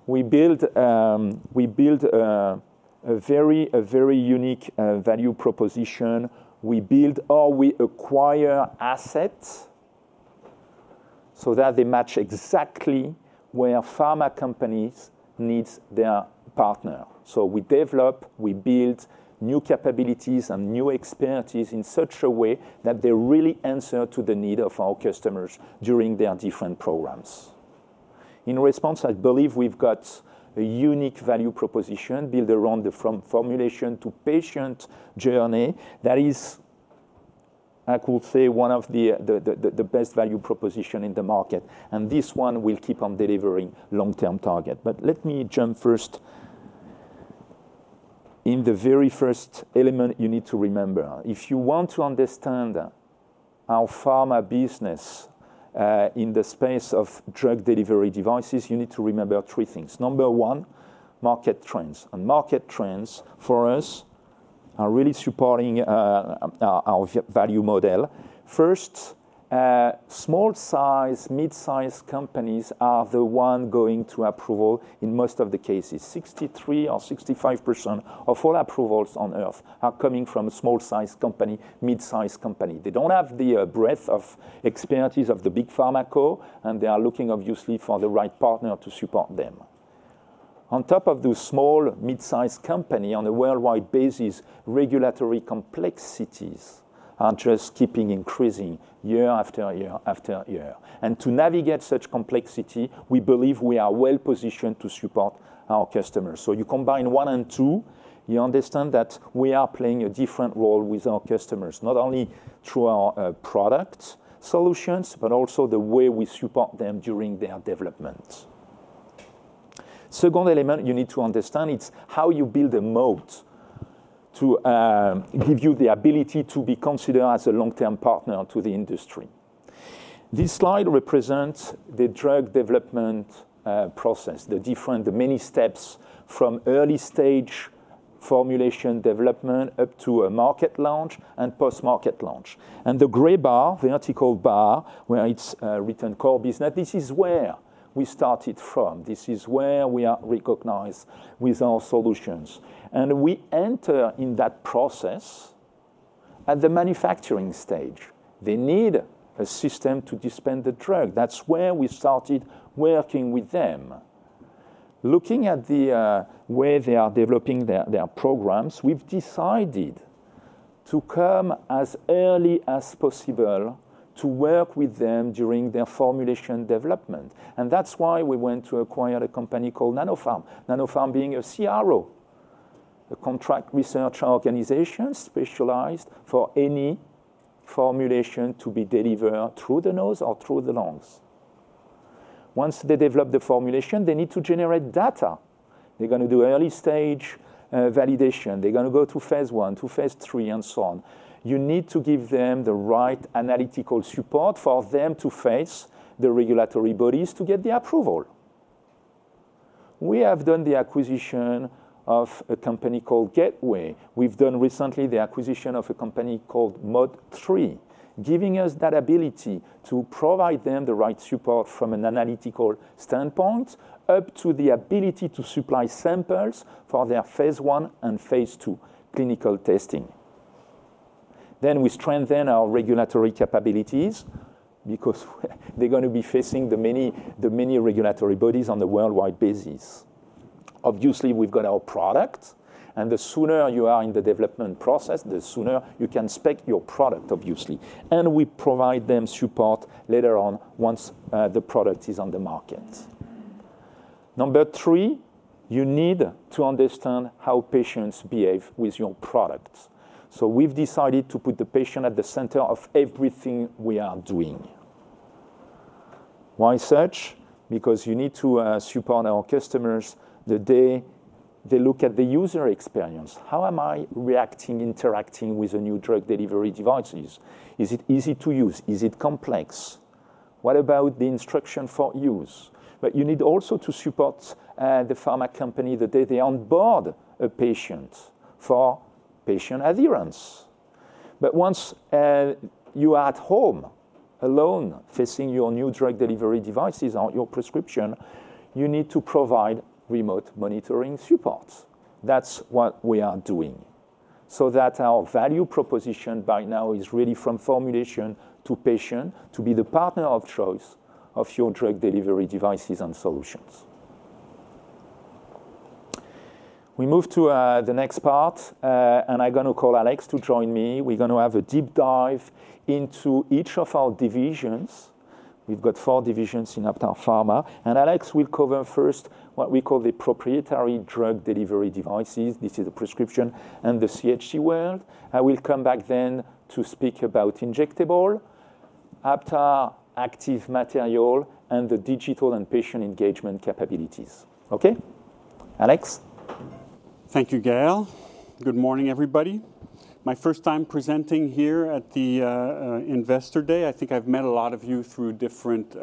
we build a very unique value proposition. We build or we acquire assets so that they match exactly where Pharma companies need their partner. We develop, we build new capabilities and new expertise in such a way that they really answer to the need of our customers during their different programs. In response, I believe we've got a unique value proposition built around the formulation to patient journey that is, I would say, one of the best value propositions in the market. This one will keep on delivering long-term targets. Let me jump first in the very first element you need to remember. If you want to understand our Pharma business in the space of drug delivery systems, you need to remember three things. Number one, market trends. market trends for us are really supporting our value model. First, small-sized, mid-sized companies are the ones going to approval in most of the cases. 63% or 65% of all approvals on Earth are coming from a small-sized company, mid-sized company. They don't have the breadth of expertise of the big Pharmaco, and they are looking, obviously, for the right partner to support them. On top of those small, mid-sized companies, on a worldwide basis, regulatory complexities are just keeping increasing year after year after year. To navigate such complexity, we believe we are well positioned to support our customers. You combine one and two, you understand that we are playing a different role with our customers, not only through our product solutions, but also the way we support them during their development. Second element you need to understand is how you build a moat to give you the ability to be considered as a long-term partner to the industry. This slide represents the drug development process, the different, the many steps from early stage formulation development up to a market launch and post-market launch. The gray bar, vertical bar, where it's written core business, this is where we started from. This is where we are recognized with our solutions. We enter in that process at the manufacturing stage. They need a system to dispense the drug. That's where we started working with them. Looking at the way they are developing their programs, we've decided to come as early as possible to work with them during their formulation development. That's why we went to acquire a company called Nanopharm, Nanopharm being a CRO, a contract research organization specialized for any formulation to be delivered through the nose or through the lungs. Once they develop the formulation, they need to generate data. They're going to do early stage validation. They're going to go through phase one, phase two, phase three, and so on. You need to give them the right analytical support for them to face the regulatory bodies to get the approval. We have done the acquisition of a company called Gateway. We've done recently the acquisition of a company called Mod3, giving us that ability to provide them the right support from an analytical standpoint up to the ability to supply samples for their phase one and phase two clinical testing. We strengthen our regulatory capabilities because they're going to be facing the many regulatory bodies on a worldwide basis. Obviously, we've got our product. The sooner you are in the development process, the sooner you can spec your product, obviously. We provide them support later on once the product is on the market. Number three, you need to understand how patients behave with your product. We've decided to put the patient at the center of everything we are doing. Why is such? You need to support our customers the day they look at the user experience. How am I reacting, interacting with a new drug delivery device? Is it easy to use? Is it complex? What about the instruction for use? You need also to support the Pharma company the day they onboard a patient for patient adherence. Once you are at home alone facing your new drug delivery devices or your prescription, you need to provide remote monitoring support. That's what we are doing. Our value proposition by now is really from formulation to patient to be the partner of choice of your drug delivery devices and solutions. We move to the next part, and I'm going to call Alex to join me. We're going to have a deep dive into each of our divisions. We've got four divisions in Aptar Pharma. Alex will cover first what we call the proprietary drug delivery devices. This is the prescription and the CHE world. I will come back then to speak about injectables, Aptar active material, and the digital patient engagement capabilities. Okay? Alex? Thank you, Gael. Good morning, everybody. My first time presenting here at the Investor Day. I think I've met a lot of you through different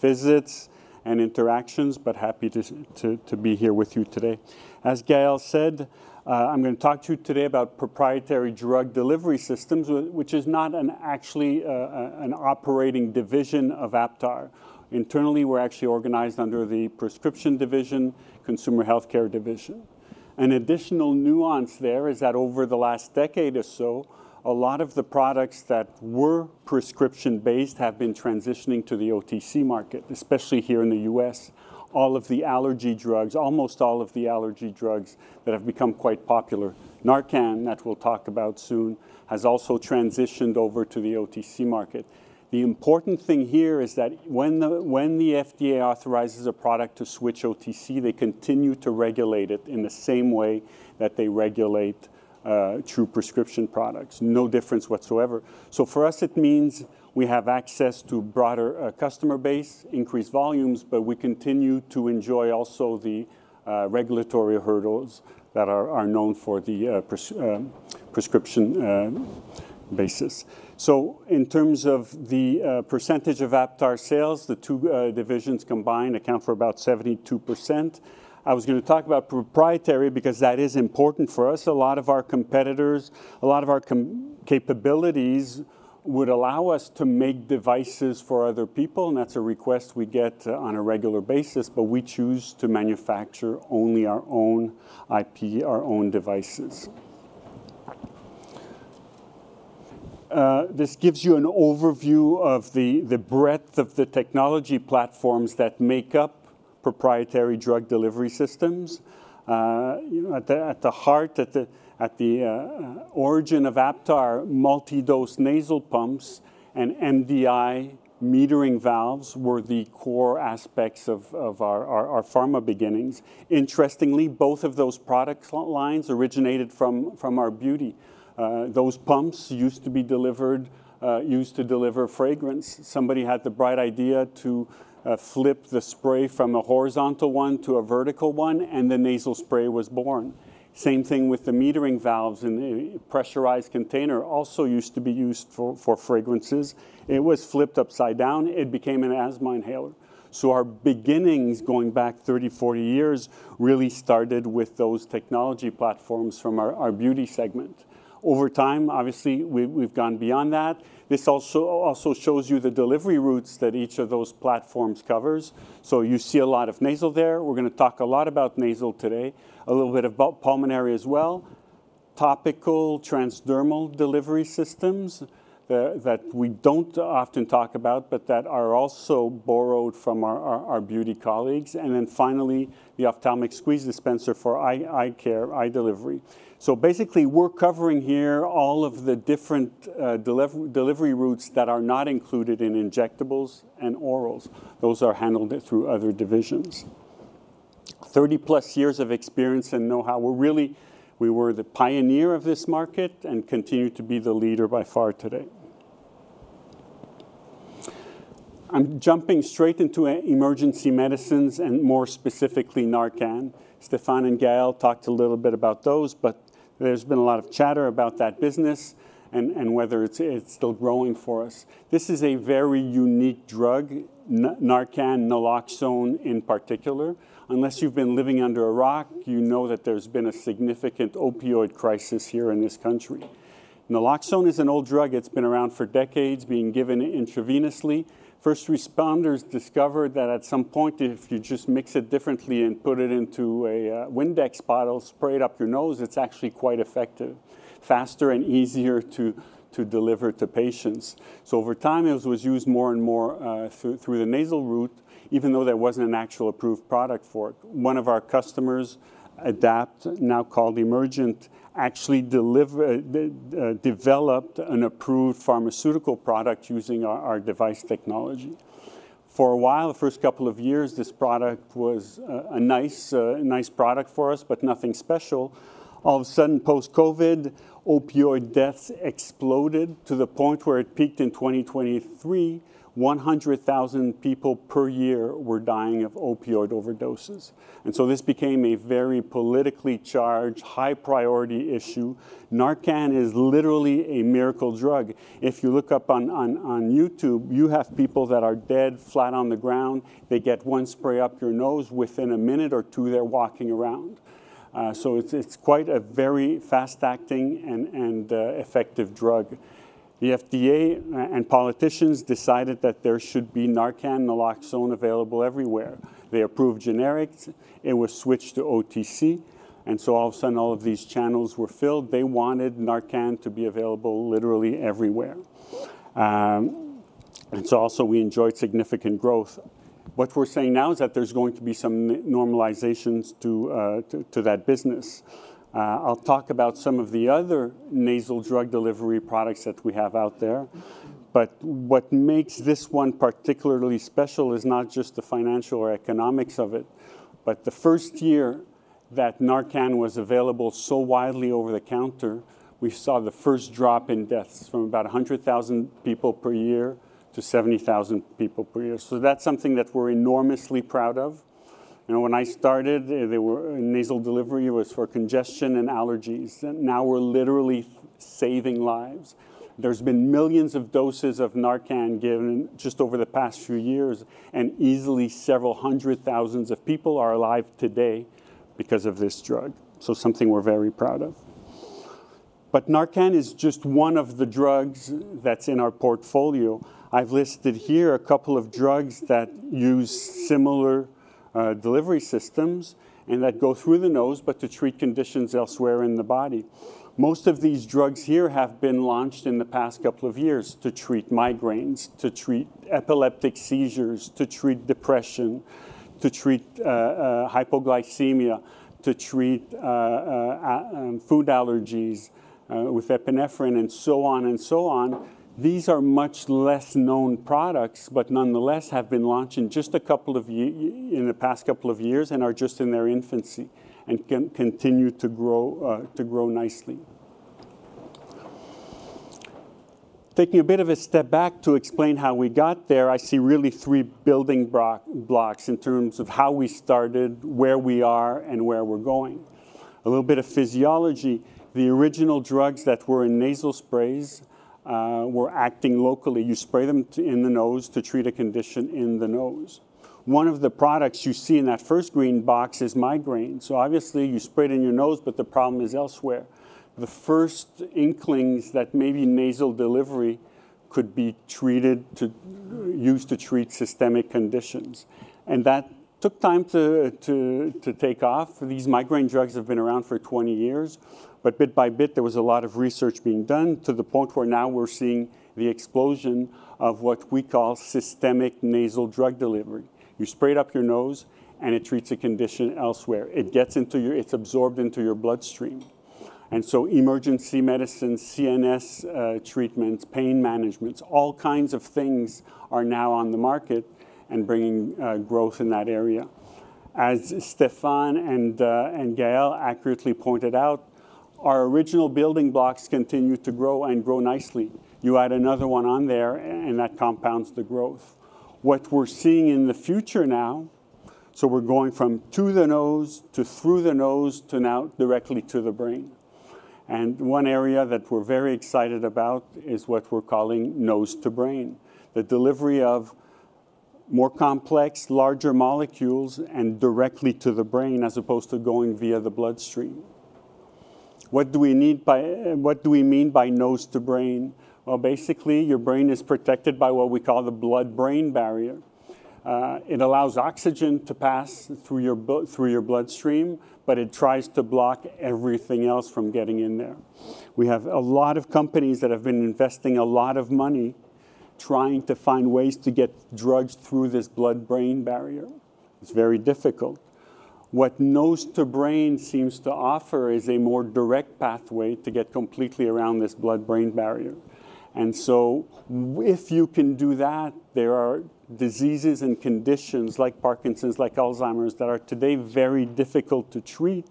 visits and interactions, but happy to be here with you today. As Gael said, I'm going to talk to you today about proprietary drug delivery systems, which is not actually an operating division of Aptar. Internally, we're actually organized under the Prescription division, Consumer Healthcare division. An additional nuance there is that over the last decade or so, a lot of the products that were prescription-based have been transitioning to the OTC market, especially here in the U.S. Almost all of the allergy drugs that have become quite popular, Narcan, that we'll talk about soon, has also transitioned over to the OTC market. The important thing here is that when the FDA authorizes a product to switch OTC, they continue to regulate it in the same way that they regulate true prescription products, no difference whatsoever. For us, it means we have access to a broader customer base, increased volumes, but we continue to enjoy also the regulatory hurdles that are known for the prescription basis. In terms of the percentage of Aptar sales, the two divisions combined account for about 72%. I was going to talk about proprietary because that is important for us. A lot of our competitors, a lot of our capabilities would allow us to make devices for other people, and that's a request we get on a regular basis, but we choose to manufacture only our own IP, our own devices. This gives you an overview of the breadth of the technology platforms that make up proprietary drug delivery systems. At the heart, at the origin of Aptar, multi-dose nasal pumps and MDI metering valves were the core aspects of our Pharma beginnings. Interestingly, both of those product lines originated from our Beauty. Those pumps used to deliver fragrance. Somebody had the bright idea to flip the spray from a horizontal one to a vertical one, and the nasal spray was born. Same thing with the metering valves in the pressurized container also used to be used for fragrances. It was flipped upside down. It became an asthma inhaler. Our beginnings, going back 30, 40 years, really started with those technology platforms from our Beauty segment. Over time, we've gone beyond that. This also shows you the delivery routes that each of those platforms covers. You see a lot of nasal there. We're going to talk a lot about nasal today, a little bit about pulmonary as well, topical transdermal delivery systems that we don't often talk about, but that are also borrowed from our Beauty colleagues. Finally, the ophthalmic squeeze dispenser for eye care, eye delivery. Basically, we're covering here all of the different delivery routes that are not included in injectables and orals. Those are handled through other divisions. 30+ years of experience and know-how. We were the pioneer of this market and continue to be the leader by far today. I'm jumping straight into emergency medicines and more specifically Narcan. Stephan and Gael talked a little bit about those, but there's been a lot of chatter about that business and whether it's still growing for us. This is a very unique drug, Narcan, naloxone in particular. Unless you've been living under a rock, you know that there's been a significant opioid crisis here in this country. Naloxone is an old drug. It's been around for decades, being given intravenously. First responders discovered that at some point, if you just mix it differently and put it into a Windex bottle, spray it up your nose, it's actually quite effective, faster and easier to deliver to patients. Over time, it was used more and more through the nasal route, even though there wasn't an actual approved product for it. One of our customers, Adapt, now called Emergent, actually developed an approved pharmaceutical product using our device technology. For a while, the first couple of years, this product was a nice product for us, but nothing special. All of a sudden, post-COVID, opioid deaths exploded to the point where it peaked in 2023. 100,000 people per year were dying of opioid overdoses. This became a very politically charged, high-priority issue. Narcan is literally a miracle drug. If you look up on YouTube, you have people that are dead flat on the ground. They get one spray up your nose. Within a minute or two, they're walking around. It's quite a very fast-acting and effective drug. The FDA and politicians decided that there should be Narcan, naloxone available everywhere. They approved generics. It was switched to OTC. All of a sudden, all of these channels were filled. They wanted Narcan to be available literally everywhere. We enjoyed significant growth. What we're saying now is that there's going to be some normalizations to that business. I'll talk about some of the other nasal drug delivery products that we have out there. What makes this one particularly special is not just the financial or economics of it, but the first year that Narcan was available so widely over the counter, we saw the first drop in deaths from about 100,000 people per year to 70,000 people per year. That's something that we're enormously proud of. You know, when I started, nasal delivery was for congestion and allergies. Now we're literally saving lives. There have been millions of doses of Narcan given just over the past few years, and easily several hundred thousand people are alive today because of this drug. That's something we're very proud of. Narcan is just one of the drugs that's in our portfolio. I've listed here a couple of drugs that use similar delivery systems and that go through the nose, but to treat conditions elsewhere in the body. Most of these drugs here have been launched in the past couple of years to treat migraines, to treat epileptic seizures, to treat depression, to treat hypoglycemia, to treat food allergies with epinephrine, and so on. These are much less known products, but nonetheless have been launched in just a couple of years, in the past couple of years, and are just in their infancy and continue to grow nicely. Taking a bit of a step back to explain how we got there, I see really three building blocks in terms of how we started, where we are, and where we're going. A little bit of physiology. The original drugs that were in nasal sprays were acting locally. You spray them in the nose to treat a condition in the nose. One of the products you see in that first green box is migraines. Obviously, you spray it in your nose, but the problem is elsewhere. The first inklings that maybe nasal delivery could be used to treat systemic conditions. That took time to take off. These migraine drugs have been around for 20 years, but bit by bit, there was a lot of research being done to the point where now we're seeing the explosion of what we call systemic nasal drug delivery. You spray it up your nose, and it treats a condition elsewhere. It gets absorbed into your bloodstream. Emergency medicines, CNS treatments, pain managements, all kinds of things are now on the market and bringing growth in that area. As Stephan and Gael accurately pointed out, our original building blocks continue to grow and grow nicely. You add another one on there, and that compounds the growth. What we're seeing in the future now, we're going from to the nose to through the nose to now directly to the brain. One area that we're very excited about is what we're calling nose to brain, the delivery of more complex, larger molecules and directly to the brain as opposed to going via the bloodstream. What do we mean by nose to brain? Basically, your brain is protected by what we call the blood-brain barrier. It allows oxygen to pass through your bloodstream, but it tries to block everything else from getting in there. We have a lot of companies that have been investing a lot of money trying to find ways to get drugs through this blood-brain barrier. It's very difficult. What nose to brain seems to offer is a more direct pathway to get completely around this blood-brain barrier. If you can do that, there are diseases and conditions like Parkinson's, like Alzheimer's that are today very difficult to treat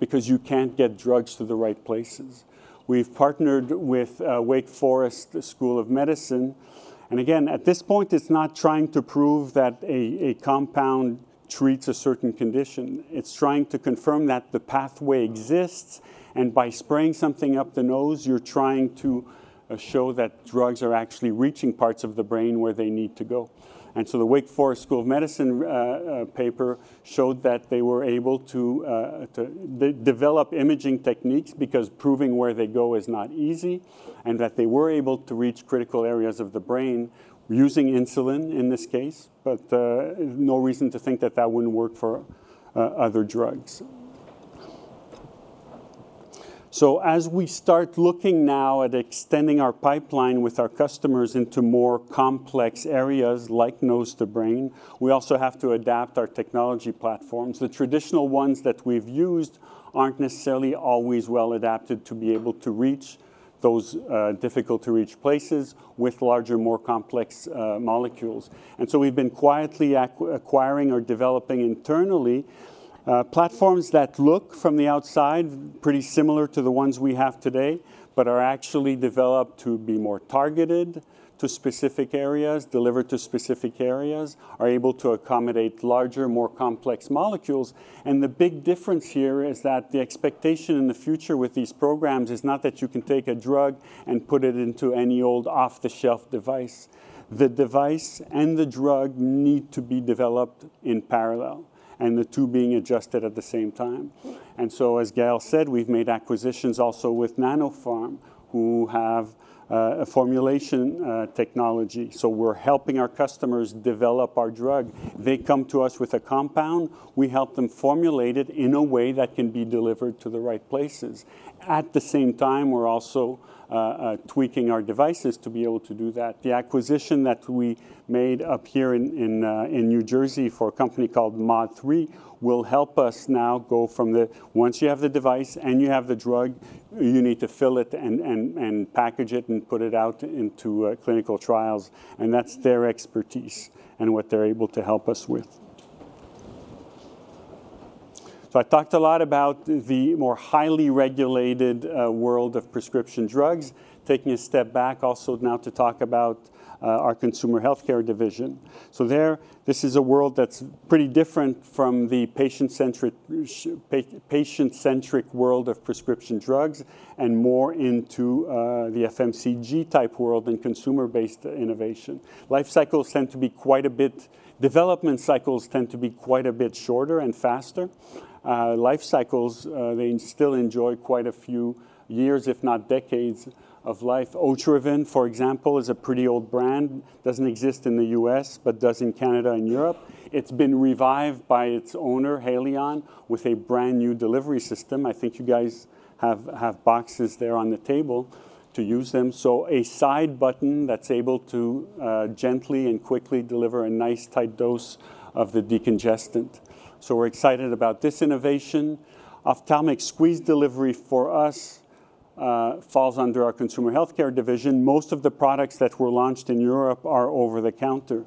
because you can't get drugs to the right places. We've partnered with Wake Forest School of Medicine. At this point, it's not trying to prove that a compound treats a certain condition. It's trying to confirm that the pathway exists. By spraying something up the nose, you're trying to show that drugs are actually reaching parts of the brain where they need to go. The Wake Forest School of Medicine paper showed that they were able to develop imaging techniques because proving where they go is not easy and that they were able to reach critical areas of the brain using insulin in this case. There's no reason to think that that wouldn't work for other drugs. As we start looking now at extending our pipeline with our customers into more complex areas like nose to brain, we also have to adapt our technology platforms. The traditional ones that we've used aren't necessarily always well adapted to be able to reach those difficult-to-reach places with larger, more complex molecules. We've been quietly acquiring or developing internally platforms that look from the outside pretty similar to the ones we have today, but are actually developed to be more targeted to specific areas, delivered to specific areas, are able to accommodate larger, more complex molecules. The big difference here is that the expectation in the future with these programs is not that you can take a drug and put it into any old off-the-shelf device. The device and the drug need to be developed in parallel, and the two being adjusted at the same time. As Gael said, we've made acquisitions also with Nanopharm, who have a formulation technology. We're helping our customers develop our drug. They come to us with a compound. We help them formulate it in a way that can be delivered to the right places. At the same time, we're also tweaking our devices to be able to do that. The acquisition that we made up here in New Jersey for a company called Mod3 will help us now go from the once you have the device and you have the drug, you need to fill it and package it and put it out into clinical trials. That's their expertise and what they're able to help us with. I talked a lot about the more highly regulated world of prescription drugs, taking a step back also now to talk about our consumer healthcare division. This is a world that's pretty different from the patient-centric world of prescription drugs and more into the FMCG type world and consumer-based innovation. Lifecycles tend to be quite a bit, development cycles tend to be quite a bit shorter and faster. Lifecycles, they still enjoy quite a few years, if not decades, of life. Otriven, for example, is a pretty old brand. It doesn't exist in the U.S., but does in Canada and Europe. It's been revived by its owner, Helion, with a brand new delivery system. I think you guys have boxes there on the table to use them. A side button that's able to gently and quickly deliver a nice tight dose of the decongestant. We're excited about this innovation. Ophthalmic squeeze delivery for us falls under our consumer healthcare division. Most of the products that were launched in Europe are over the counter.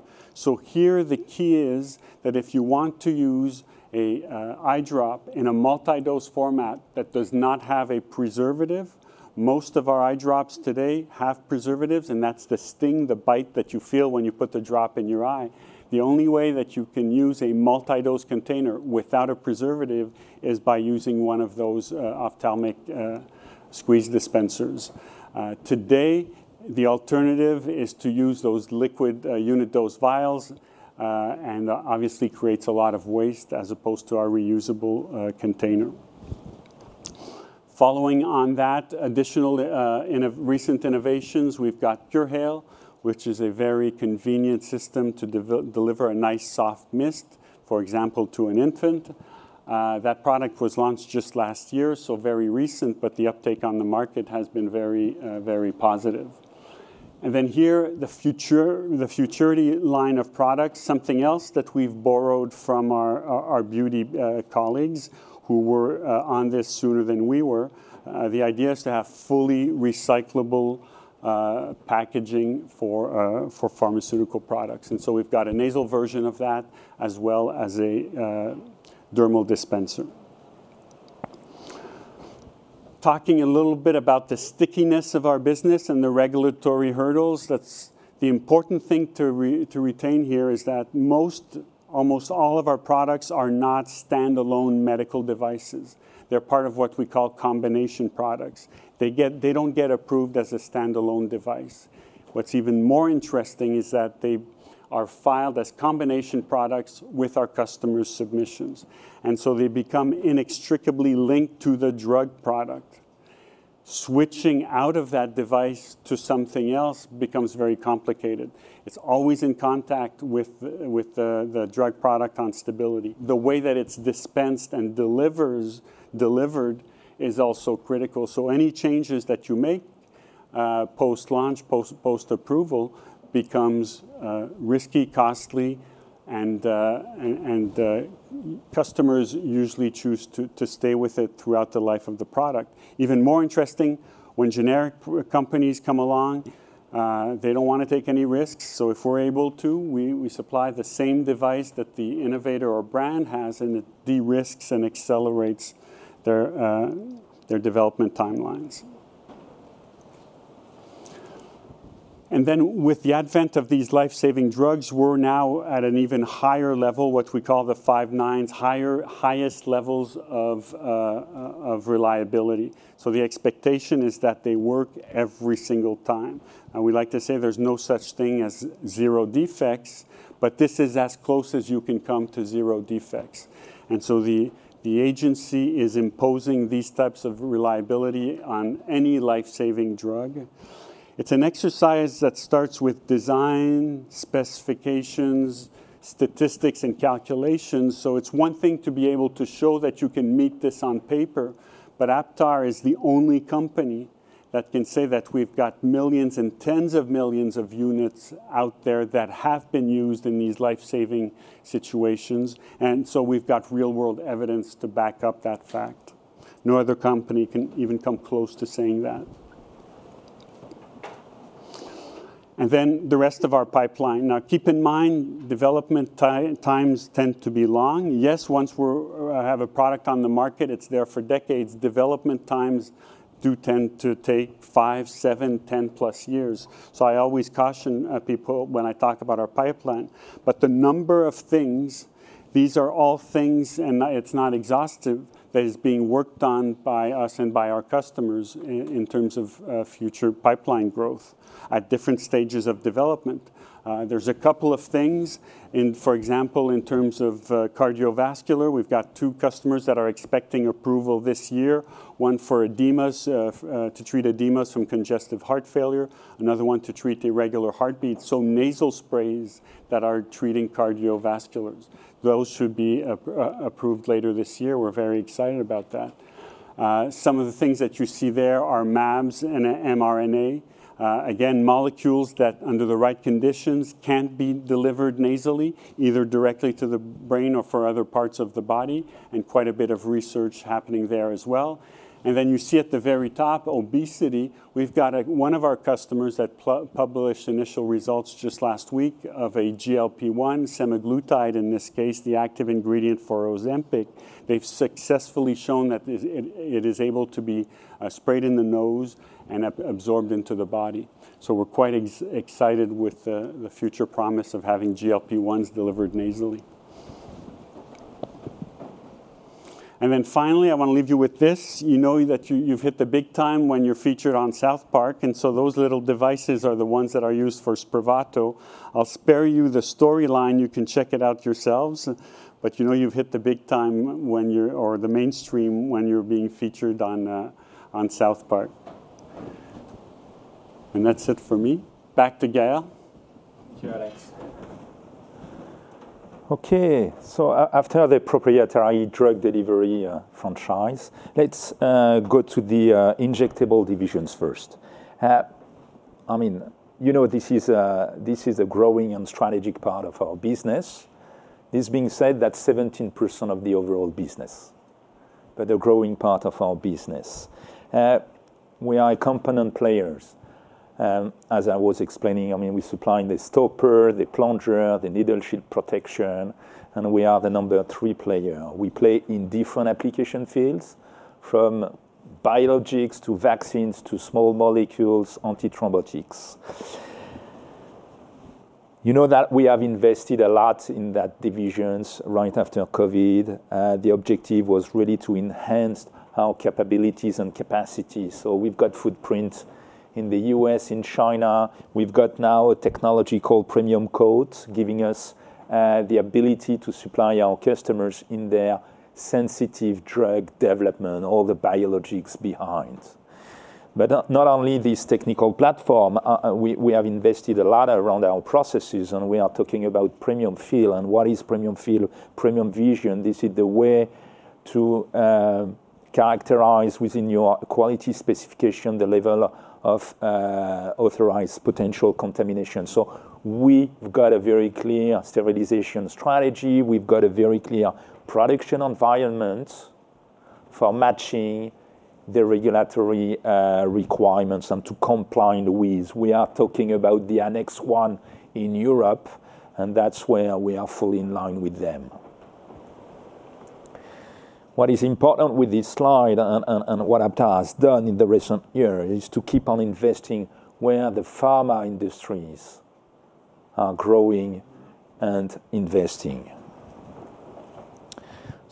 Here, the key is that if you want to use an eye drop in a multi-dose format that does not have a preservative, most of our eye drops today have preservatives, and that's the sting, the bite that you feel when you put the drop in your eye. The only way that you can use a multi-dose container without a preservative is by using one of those ophthalmic squeeze dispensers. Today, the alternative is to use those liquid unit dose vials, and obviously creates a lot of waste as opposed to our reusable container. Following on that, additional recent innovations, we've got PureHale, which is a very convenient system to deliver a nice soft mist, for example, to an infant. That product was launched just last year, so very recent, but the uptake on the market has been very, very positive. The Futurity line of products is something else that we've borrowed from our Beauty colleagues who were on this sooner than we were. The idea is to have fully recyclable packaging for pharmaceutical products. We've got a nasal version of that as well as a dermal dispenser. A little bit about the stickiness of our business and the regulatory hurdles. The important thing to retain here is that most, almost all of our products are not standalone medical devices. They're part of what we call combination products. They don't get approved as a standalone device. What's even more interesting is that they are filed as combination products with our customers' submissions, and they become inextricably linked to the drug product. Switching out of that device to something else becomes very complicated. It's always in contact with the drug product on stability. The way that it's dispensed and delivered is also critical. Any changes that you make post-launch, post-approval, become risky, costly, and customers usually choose to stay with it throughout the life of the product. Even more interesting, when generic companies come along, they don't want to take any risks. If we're able to, we supply the same device that the innovator or brand has, and it de-risks and accelerates their development timelines. With the advent of these life-saving drugs, we're now at an even higher level, what we call the five nines, highest levels of reliability. The expectation is that they work every single time. We like to say there's no such thing as zero defects, but this is as close as you can come to zero defects. The agency is imposing these types of reliability on any life-saving drug. It's an exercise that starts with design, specifications, statistics, and calculations. It's one thing to be able to show that you can meet this on paper, but Aptar is the only company that can say that we've got millions and tens of millions of units out there that have been used in these life-saving situations. We've got real-world evidence to back up that fact. No other company can even come close to saying that. The rest of our pipeline, now, keep in mind, development times tend to be long. Yes, once we have a product on the market, it's there for decades. Development times do tend to take five, seven, ten plus years. I always caution people when I talk about our pipeline. The number of things, these are all things, and it's not exhaustive, that is being worked on by us and by our customers in terms of future pipeline growth at different stages of development. There's a couple of things. For example, in terms of cardiovascular, we've got two customers that are expecting approval this year, one for edemas, to treat edemas from congestive heart failure, another one to treat irregular heartbeats. Nasal sprays that are treating cardiovasculars should be approved later this year. We're very excited about that. Some of the things that you see there are MAVS and mRNA. Molecules that under the right conditions can be delivered nasally, either directly to the brain or for other parts of the body, and quite a bit of research happening there as well. At the very top, obesity. We've got one of our customers that published initial results just last week of a GLP-1 semaglutide, in this case, the active ingredient for Ozempic. They've successfully shown that it is able to be sprayed in the nose and absorbed into the body. We're quite excited with the future promise of having GLP-1s delivered nasally. Finally, I want to leave you with this. You know that you've hit the big time when you're featured on South Park. Those little devices are the ones that are used for Spravato. I'll spare you the storyline. You can check it out yourselves. You know you've hit the big time, or the mainstream, when you're being featured on South Park. That's it for me. Back to Gael. Okay, so after the proprietary drug delivery franchise, let's go to the injectable divisions first. This is a growing and strategic part of our business. This being said, that's 17% of the overall business, but a growing part of our business. We are a component player. As I was explaining, we supply the stopper, the plunger, the needle shield protection, and we are the number three player. We play in different application fields, from biologics to vaccines to small molecules, antithrombotics. You know that we have invested a lot in that division right after COVID. The objective was really to enhance our capabilities and capacity. We've got footprints in the U.S., in China. We've got now a technology called Premium Coats, giving us the ability to supply our customers in their sensitive drug development, all the biologics behind. Not only this technical platform, we have invested a lot around our processes, and we are talking about premium feel. What is premium feel? Premium vision. This is the way to characterize within your quality specification the level of authorized potential contamination. We've got a very clear sterilization strategy. We've got a very clear production environment for matching the regulatory requirements and to comply in the ways. We are talking about the Annex 1 in Europe, and that's where we are fully in line with them. What is important with this slide and what Aptar has done in the recent years is to keep on investing where the pharma industries are growing and investing.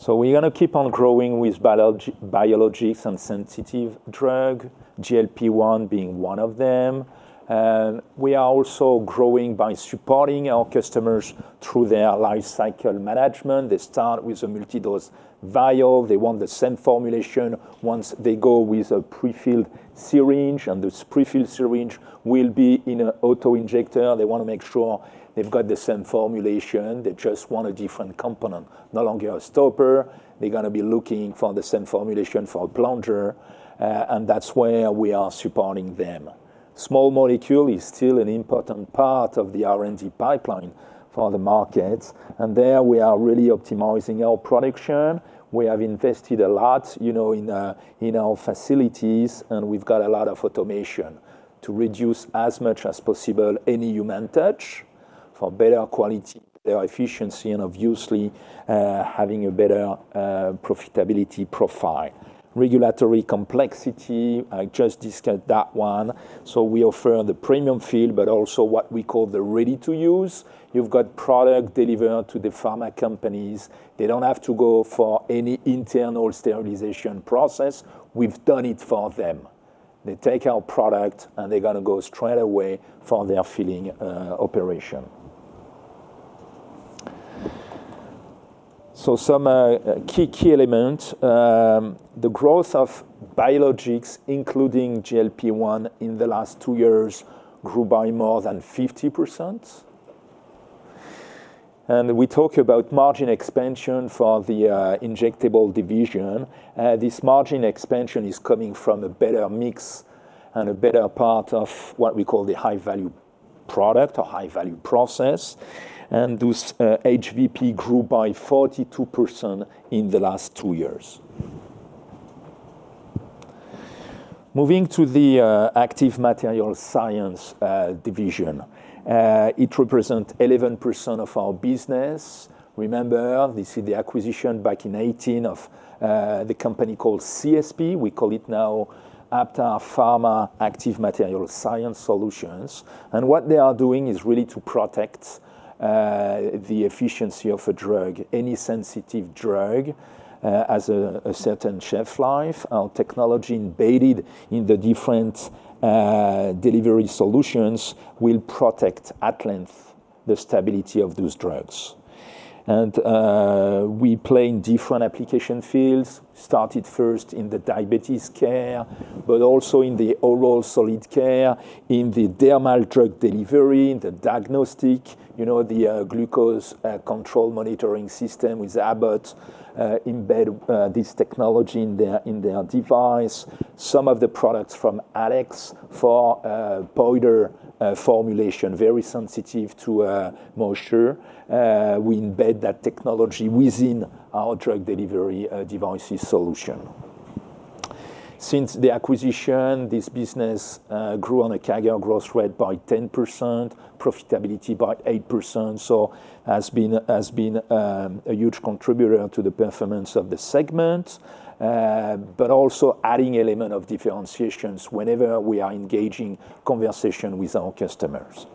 We're going to keep on growing with biologics and sensitive drugs, GLP-1 being one of them. We are also growing by supporting our customers through their lifecycle management. They start with a multi-dose vial. They want the same formulation once they go with a prefilled syringe, and this prefilled syringe will be in an auto-injector. They want to make sure they've got the same formulation. They just want a different component, no longer a stopper. They're going to be looking for the same formulation for a plunger, and that's where we are supporting them. Small molecule is still an important part of the R&D pipeline for the markets, and there we are really optimizing our production. We have invested a lot in our facilities, and we've got a lot of automation to reduce as much as possible any human touch for better quality, their efficiency, and obviously having a better profitability profile. Regulatory complexity, I just discussed that one. We offer the premium feel, but also what we call the ready-to-use. You've got product delivered to the pharma companies. They don't have to go for any internal sterilization process. We've done it for them. They take our product, and they're going to go straight away for their filling operation. Some key elements, the growth of biologics, including GLP-1s, in the last two years grew by more than 50%. We talk about margin expansion for the injectable division. This margin expansion is coming from a better mix and a better part of what we call the high-value product or high-value process. Those HVP grew by 42% in the last two years. Moving to the active materials science division, it represents 11% of our business. Remember, this is the acquisition back in 2018 of the company called CSP. We call it now Aptar Pharma Active Materials Science Solutions. What they are doing is really to protect the efficiency of a drug, any sensitive drug, as a certain shelf life. Our technology embedded in the different delivery solutions will protect at length the stability of those drugs. We play in different application fields. Started first in the diabetes care, but also in the oral solid care, in the dermal drug delivery, in the diagnostic, you know, the glucose control monitoring system with Abbott. Embed this technology in their device. Some of the products from Alyx for powder formulation, very sensitive to moisture. We embed that technology within our drug delivery devices solution. Since the acquisition, this business grew on a CAGR growth rate by 10%, profitability by 8%. It has been a huge contributor to the performance of the segment, but also adding an element of differentiation whenever we are engaging in conversation with our customers.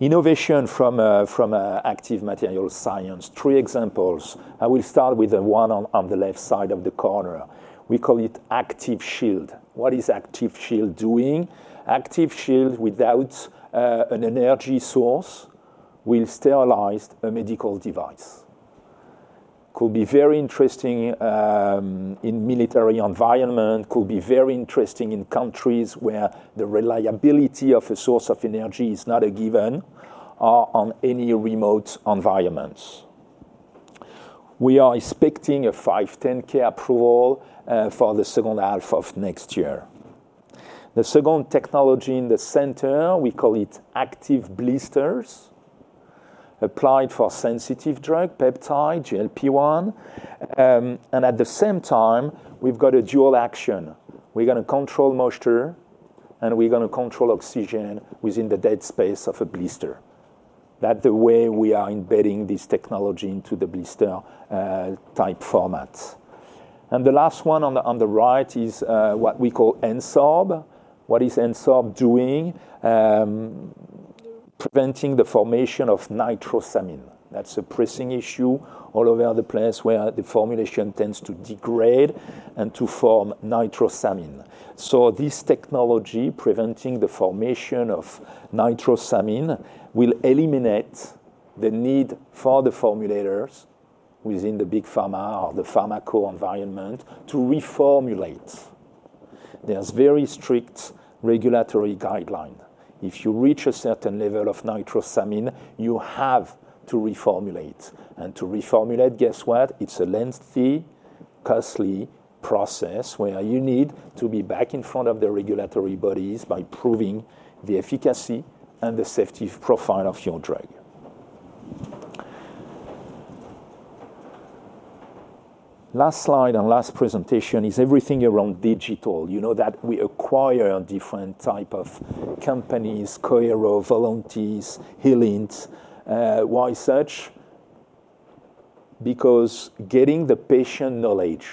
Innovation from active materials science, three examples. I will start with the one on the left side of the corner. We call it ActivShield. What is ActivShield doing? ActivShield, without an energy source, will sterilize a medical device. Could be very interesting in military environments. Could be very interesting in countries where the reliability of a source of energy is not a given or on any remote environments. We are expecting a 510(k) approval for the second half of next year. The second technology in the center, we call it Activ-Blisters, applied for sensitive drug, peptide, GLP-1. At the same time, we've got a dual action. We're going to control moisture, and we're going to control oxygen within the dead space of a blister. That's the way we are embedding this technology into the blister type formats. The last one on the right is what we call N-Sorb. What is N-Sorb doing? Preventing the formation of nitrosamine. That's a pressing issue all over the place where the formulation tends to degrade and to form nitrosamine. This technology, preventing the formation of nitrosamine, will eliminate the need for the formulators within the big Pharma or the Pharmaco environment to reformulate. There are very strict regulatory guidelines. If you reach a certain level of nitrosamine, you have to reformulate. To reformulate, guess what? It's a lengthy, costly process where you need to be back in front of the regulatory bodies by proving the efficacy and the safety profile of your drug. Last slide and last presentation is everything around digital. You know that we acquire different types of companies, Cohero, Voluntees, Healint. Why such? Because getting the patient knowledge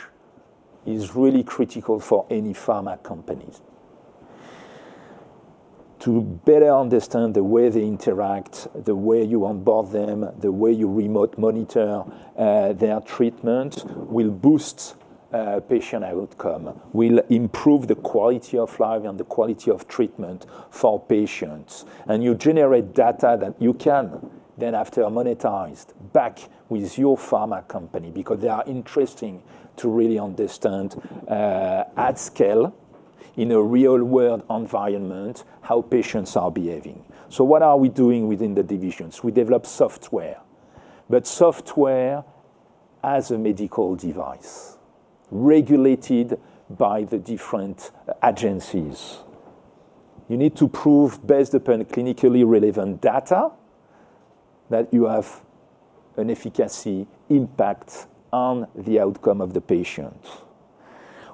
is really critical for any pharma company. To better understand the way they interact, the way you onboard them, the way you remote monitor their treatment will boost patient outcome, will improve the quality of life and the quality of treatment for patients. You generate data that you can then, after, monetize back with your pharma company because they are interested to really understand at scale in a real-world environment how patients are behaving. What are we doing within the divisions? We develop software, but software as a medical device regulated by the different agencies. You need to prove based upon clinically relevant data that you have an efficacy impact on the outcome of the patient.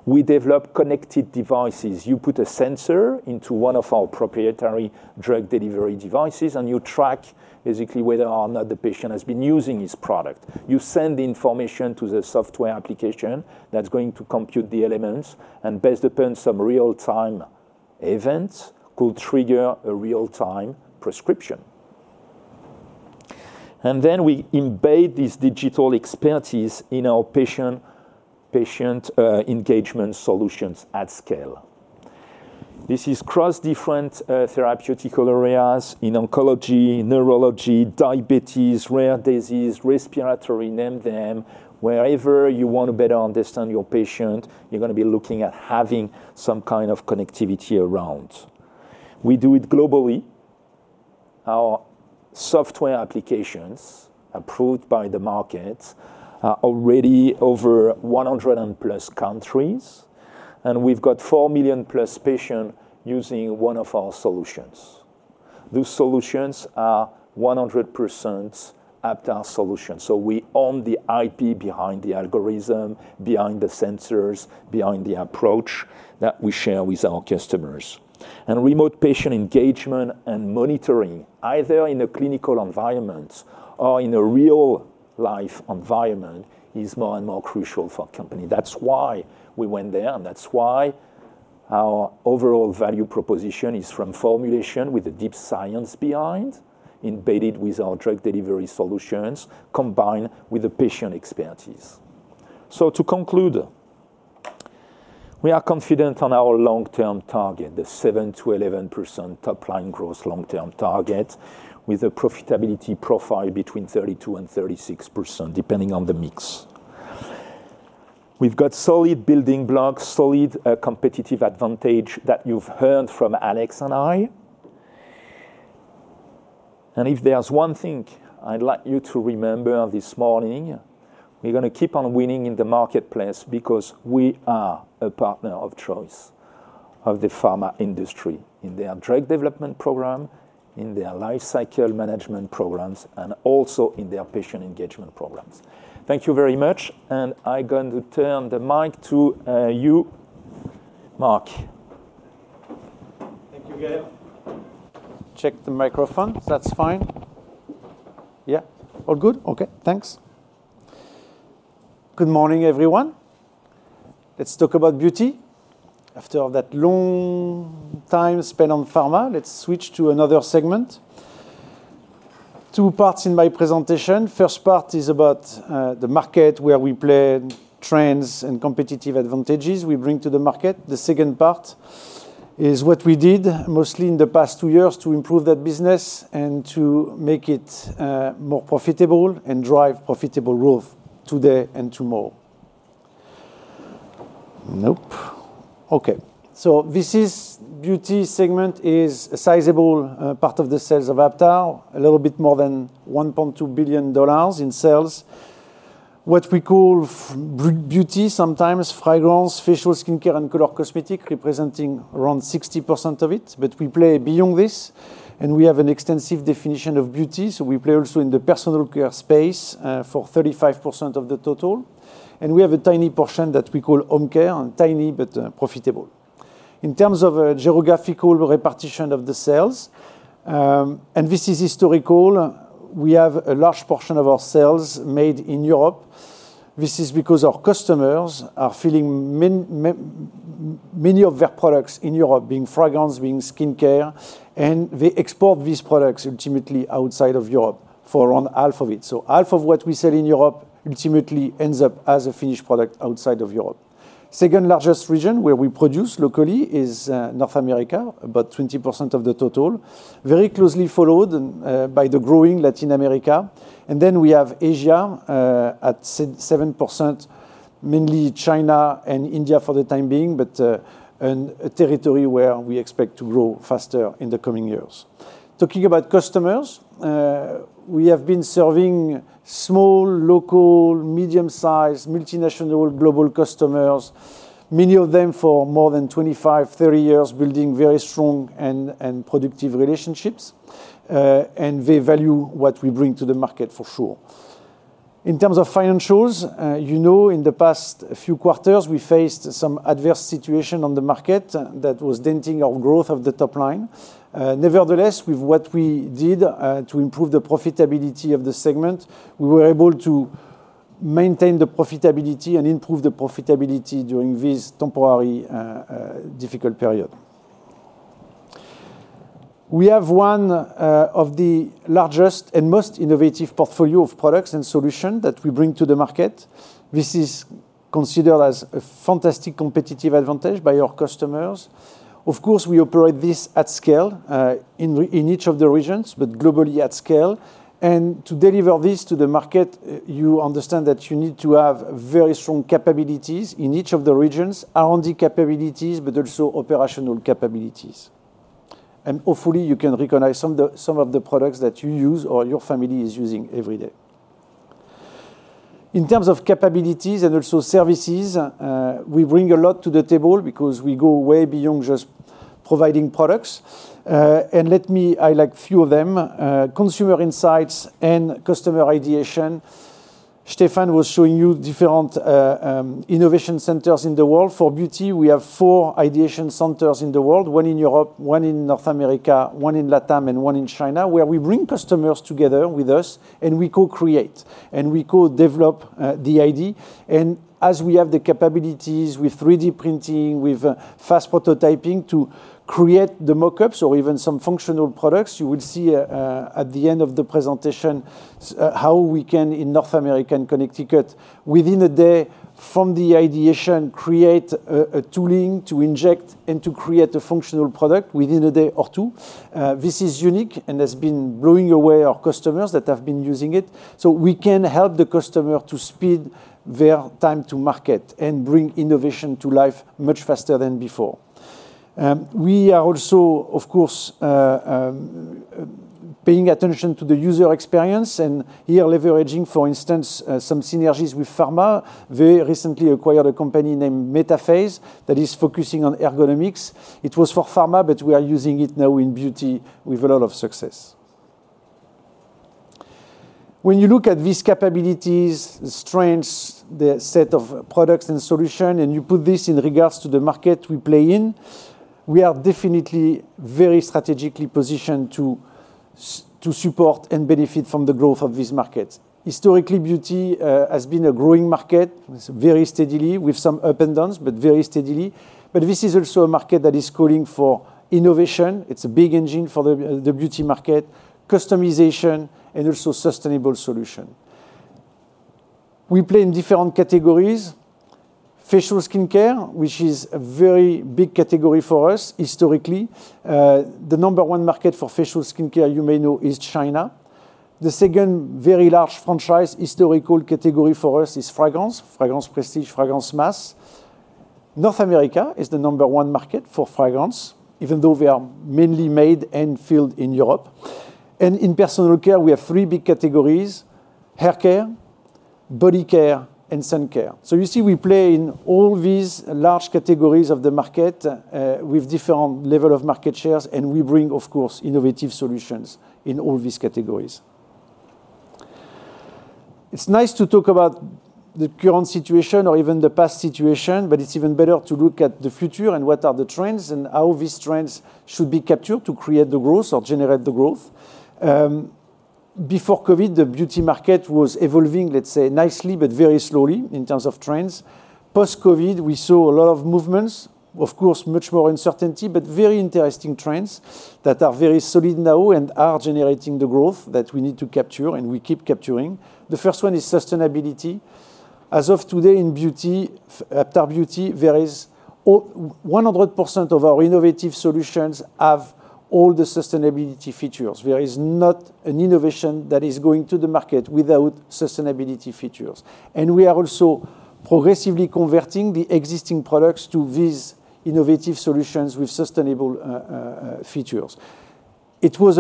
We develop connected devices. You put a sensor into one of our proprietary drug delivery devices, and you track basically whether or not the patient has been using this product. You send the information to the software application that's going to compute the elements, and based upon some real-time events, could trigger a real-time prescription. We embed this digital expertise in our patient engagement solutions at scale. This is across different therapeutical areas in oncology, neurology, diabetes, rare disease, respiratory, name them, wherever you want to better understand your patient, you're going to be looking at having some kind of connectivity around. We do it globally. Our software applications approved by the market are already over 100+ countries, and we've got 4 million+ patients using one of our solutions. Those solutions are 100% Aptar solutions. We own the IP behind the algorithm, behind the sensors, behind the approach that we share with our customers. Remote patient engagement and monitoring, either in a clinical environment or in a real-life environment, is more and more crucial for a company. That's why we went there, and that's why our overall value proposition is from formulation with a deep science behind, embedded with our drug delivery solutions, combined with the patient expertise. To conclude, we are confident on our long-term target, the 7%-11% top line growth long-term target, with a profitability profile between 32% and 36%, depending on the mix. We've got solid building blocks, solid competitive advantage that you've heard from Alex and I. If there's one thing I'd like you to remember this morning, we're going to keep on winning in the marketplace because we are a partner of choice of the Pharma industry in their drug development program, in their lifecycle management programs, and also in their patient engagement programs. Thank you very much. I'm going to turn the mic to you, Marc. Thank you, Gael. Check the microphones. That's fine. Yeah, all good. Okay, thanks. Good morning, everyone. Let's talk about beauty. After that long time spent on Pharma, let's switch to another segment. Two parts in my presentation. First part is about the market, where we play, trends, and competitive advantages we bring to the market. The second part is what we did mostly in the past two years to improve that business and to make it more profitable and drive profitable growth today and tomorrow. Okay. This beauty segment is a sizable part of the sales of Aptar, a little bit more than $1.2 billion in sales. What we call beauty, sometimes fragrance, facial skincare, and color cosmetic, representing around 60% of it. We play beyond this, and we have an extensive definition of beauty. We play also in the personal care space for 35% of the total. We have a tiny portion that we call home care, tiny but profitable. In terms of a geographical repartition of the sales, and this is historical, we have a large portion of our sales made in Europe. This is because our customers are filling many of their products in Europe, being fragrance, being skincare, and they export these products ultimately outside of Europe for around half of it. Half of what we sell in Europe ultimately ends up as a finished product outside of Europe. The second largest region where we produce locally is North America, about 20% of the total, very closely followed by the growing Latin America. We have Asia at 7%, mainly China and India for the time being, but a territory where we expect to grow faster in the coming years. Talking about customers, we have been serving small, local, medium-sized, multinational, global customers, many of them for more than 25, 30 years, building very strong and productive relationships. They value what we bring to the market for sure. In terms of financials, in the past few quarters, we faced some adverse situations on the market that were denting our growth of the top line. Nevertheless, with what we did to improve the profitability of the segment, we were able to maintain the profitability and improve the profitability during this temporary difficult period. We have one of the largest and most innovative portfolios of products and solutions that we bring to the market. This is considered as a fantastic competitive advantage by our customers. Of course, we operate this at scale in each of the regions, but globally at scale. To deliver this to the market, you understand that you need to have very strong capabilities in each of the regions, R&D capabilities, but also operational capabilities. Hopefully, you can recognize some of the products that you use or your family is using every day. In terms of capabilities and also services, we bring a lot to the table because we go way beyond just providing products. Let me, I like a few of them, consumer insights and customer ideation. Stephan was showing you different innovation centers in the world. For Beauty, we have four ideation centers in the world, one in Europe, one in North America, one in LatAm, and one in China, where we bring customers together with us and we co-create and we co-develop the idea. As we have the capabilities with 3D printing, with fast prototyping to create the mockups or even some functional products, you will see at the end of the presentation how we can, in North America, in Connecticut, within a day, from the ideation, create a tooling to inject and to create a functional product within a day or two. This is unique and has been blowing away our customers that have been using it. We can help the customer to speed their time to market and bring innovation to life much faster than before. We are also, of course, paying attention to the user experience and here leveraging, for instance, some synergies with Pharma. They recently acquired a company named MetaPhase that is focusing on ergonomics. It was for Pharma, but we are using it now in Beauty with a lot of success. When you look at these capabilities, the strengths, the set of products and solutions, and you put this in regards to the market we play in, we are definitely very strategically positioned to support and benefit from the growth of these markets. Historically, Beauty has been a growing market, very steadily, with some up and downs, but very steadily. This is also a market that is calling for innovation. It's a big engine for the Beauty market, customization, and also sustainable solutions. We play in different categories. Facial skincare, which is a very big category for us, historically, the number one market for facial skincare, you may know, is China. The second very large franchise, historical category for us, is Fragrance, Fragrance Prestige, Fragrance Mass. North America is the number one market for fragrance, even though they are mainly made and filled in Europe. In personal care, we have three big categories: hair care, body care, and sun care. You see, we play in all these large categories of the market with different levels of market shares, and we bring, of course, innovative solutions in all these categories. It's nice to talk about the current situation or even the past situation, but it's even better to look at the future and what are the trends and how these trends should be captured to create the growth or generate the growth. Before COVID, the beauty market was evolving, let's say, nicely, but very slowly in terms of trends. Post-COVID, we saw a lot of movements, of course, much more uncertainty, but very interesting trends that are very solid now and are generating the growth that we need to capture and we keep capturing. The first one is sustainability. As of today, in beauty, Aptar Beauty, 100% of our innovative solutions have all the sustainability features. There is not an innovation that is going to the market without sustainability features. We are also progressively converting the existing products to these innovative solutions with sustainable features. It was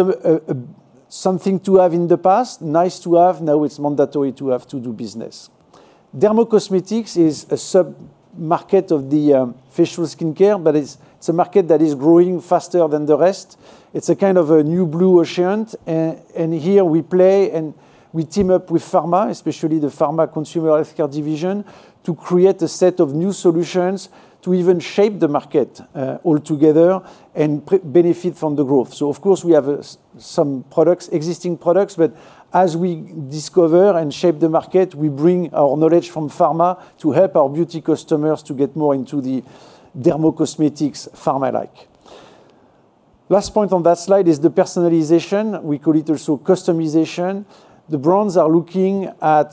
something to have in the past, nice to have. Now it's mandatory to have to do business. Dermocosmetics is a submarket of the facial skincare, but it's a market that is growing faster than the rest. It's a kind of a new blue ocean. Here we play and we team up with Pharma, especially the Pharma consumer healthcare division, to create a set of new solutions to even shape the market altogether and benefit from the growth. We have some products, existing products, but as we discover and shape the market, we bring our knowledge from Pharma to help our beauty customers to get more into the dermocosmetics Pharma-like. Last point on that slide is the personalization. We call it also customization. The brands are looking at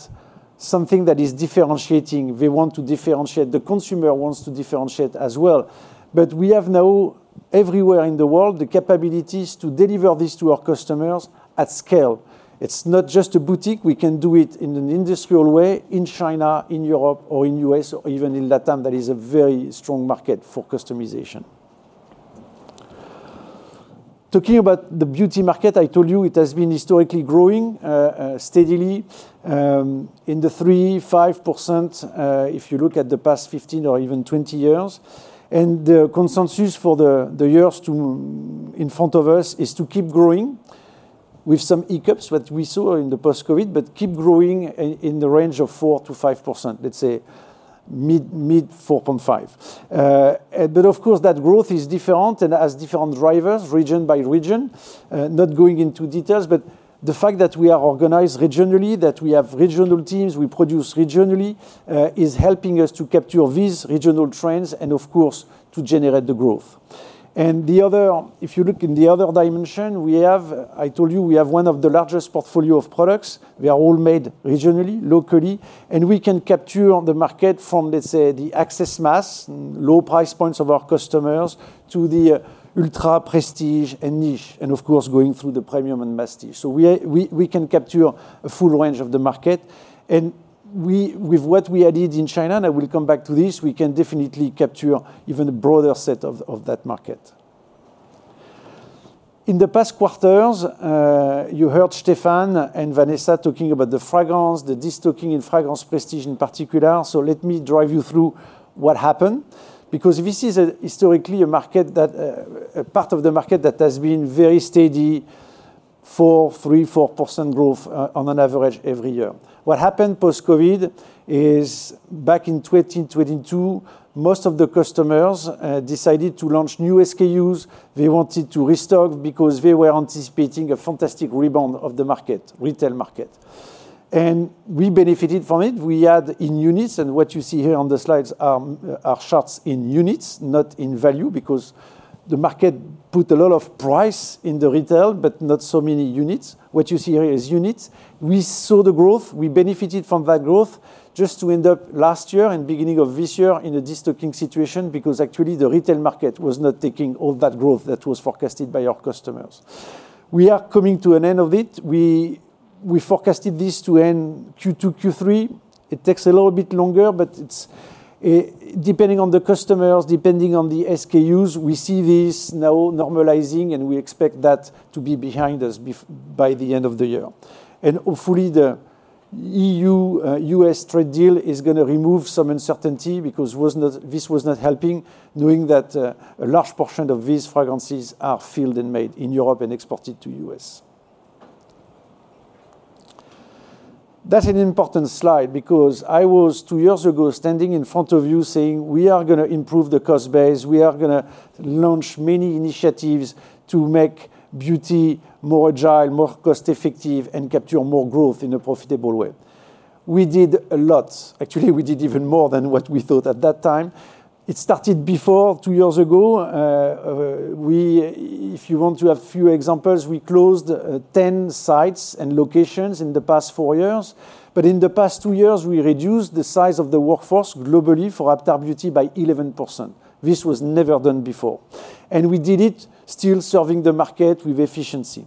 something that is differentiating. They want to differentiate. The consumer wants to differentiate as well. We have now everywhere in the world the capabilities to deliver this to our customers at scale. It's not just a boutique. We can do it in an industrial way in China, in Europe, or in the U.S., or even in LatAm. That is a very strong market for customization. Talking about the beauty market, I told you it has been historically growing steadily in the 3, 5% if you look at the past 15 or even 20 years. The consensus for the years in front of us is to keep growing with some hiccups that we saw in the post-COVID, but keep growing in the range of 4%-5%, let's say mid 4.5%. Of course, that growth is different and has different drivers region by region. Not going into details, the fact that we are organized regionally, that we have regional teams, we produce regionally, is helping us to capture these regional trends and, of course, to generate the growth. If you look in the other dimension, I told you, we have one of the largest portfolios of products. We are all made regionally, locally, and we can capture the market from, let's say, the access mass, low price points of our customers, to the ultra prestige and niche, and, of course, going through the premium and mass niche. We can capture a full range of the market. With what we added in China, and I will come back to this, we can definitely capture even a broader set of that market. In the past quarters, you heard Stephan and Vanessa talking about the fragrance, the distilling in Fragrance Prestige in particular. Let me drive you through what happened because this is historically a market that, a part of the market that has been very steady, 4%, 3%, 4% growth on an average every year. What happened post-COVID is back in 2022, most of the customers decided to launch new SKUs. They wanted to restock because they were anticipating a fantastic rebound of the market, retail market. We benefited from it. We add in units, and what you see here on the slides are shots in units, not in value, because the market put a lot of price in the retail, but not so many units. What you see here is units. We saw the growth. We benefited from that growth just to end up last year and beginning of this year in a distilling situation because actually the retail market was not taking all that growth that was forecasted by our customers. We are coming to an end of it. We forecasted this to end Q2, Q3. It takes a little bit longer, but depending on the customers, depending on the SKUs, we see this now normalizing, and we expect that to be behind us by the end of the year. Hopefully, the EU-U.S. trade deal is going to remove some uncertainty because this was not helping, knowing that a large portion of these fragrances are filled and made in Europe and exported to the U.S. That's an important slide because I was two years ago standing in front of you saying, we are going to improve the cost base. We are going to launch many initiatives to make beauty more agile, more cost-effective, and capture more growth in a profitable way. We did a lot. Actually, we did even more than what we thought at that time. It started before two years ago. If you want to have a few examples, we closed 10 sites and locations in the past four years. In the past two years, we reduced the size of the workforce globally for Aptar Beauty by 11%. This was never done before. We did it still serving the market with efficiency.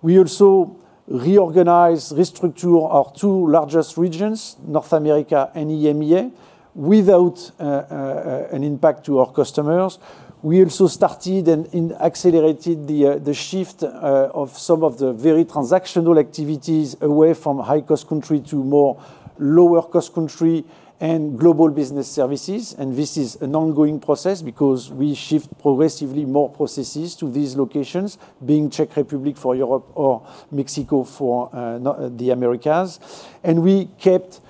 We also reorganized, restructured our two largest regions, North America and EMEA, without an impact to our customers. We also started and accelerated the shift of some of the very transactional activities away from high-cost countries to more lower-cost countries and global business services. This is an ongoing process because we shift progressively more processes to these locations, being Czech Republic for Europe or Mexico for the Americas. We kept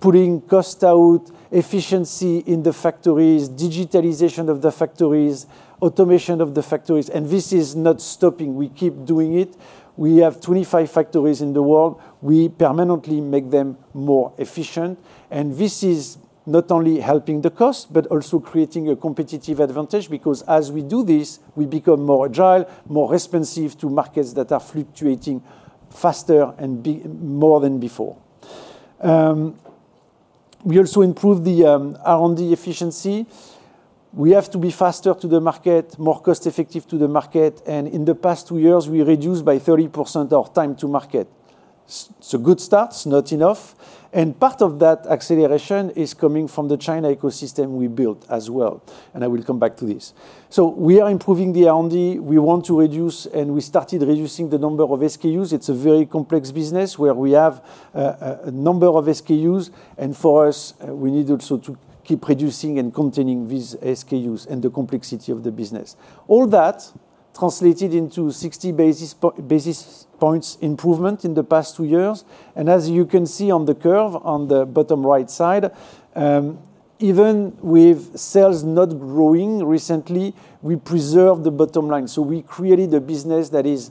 pulling costs out, efficiency in the factories, digitalization of the factories, automation of the factories. This is not stopping. We keep doing it. We have 25 factories in the world. We permanently make them more efficient. This is not only helping the cost, but also creating a competitive advantage because as we do this, we become more agile, more responsive to markets that are fluctuating faster and more than before. We also improved the R&D efficiency. We have to be faster to the market, more cost-effective to the market. In the past two years, we reduced by 30% our time to market. It's a good start. It's not enough. Part of that acceleration is coming from the China ecosystem we built as well. I will come back to this. We are improving the R&D. We want to reduce, and we started reducing the number of SKUs. It's a very complex business where we have a number of SKUs. For us, we need also to keep reducing and containing these SKUs and the complexity of the business. All that translated into 60 basis points improvement in the past two years. As you can see on the curve on the bottom right side, even with sales not growing recently, we preserve the bottom line. We created a business that is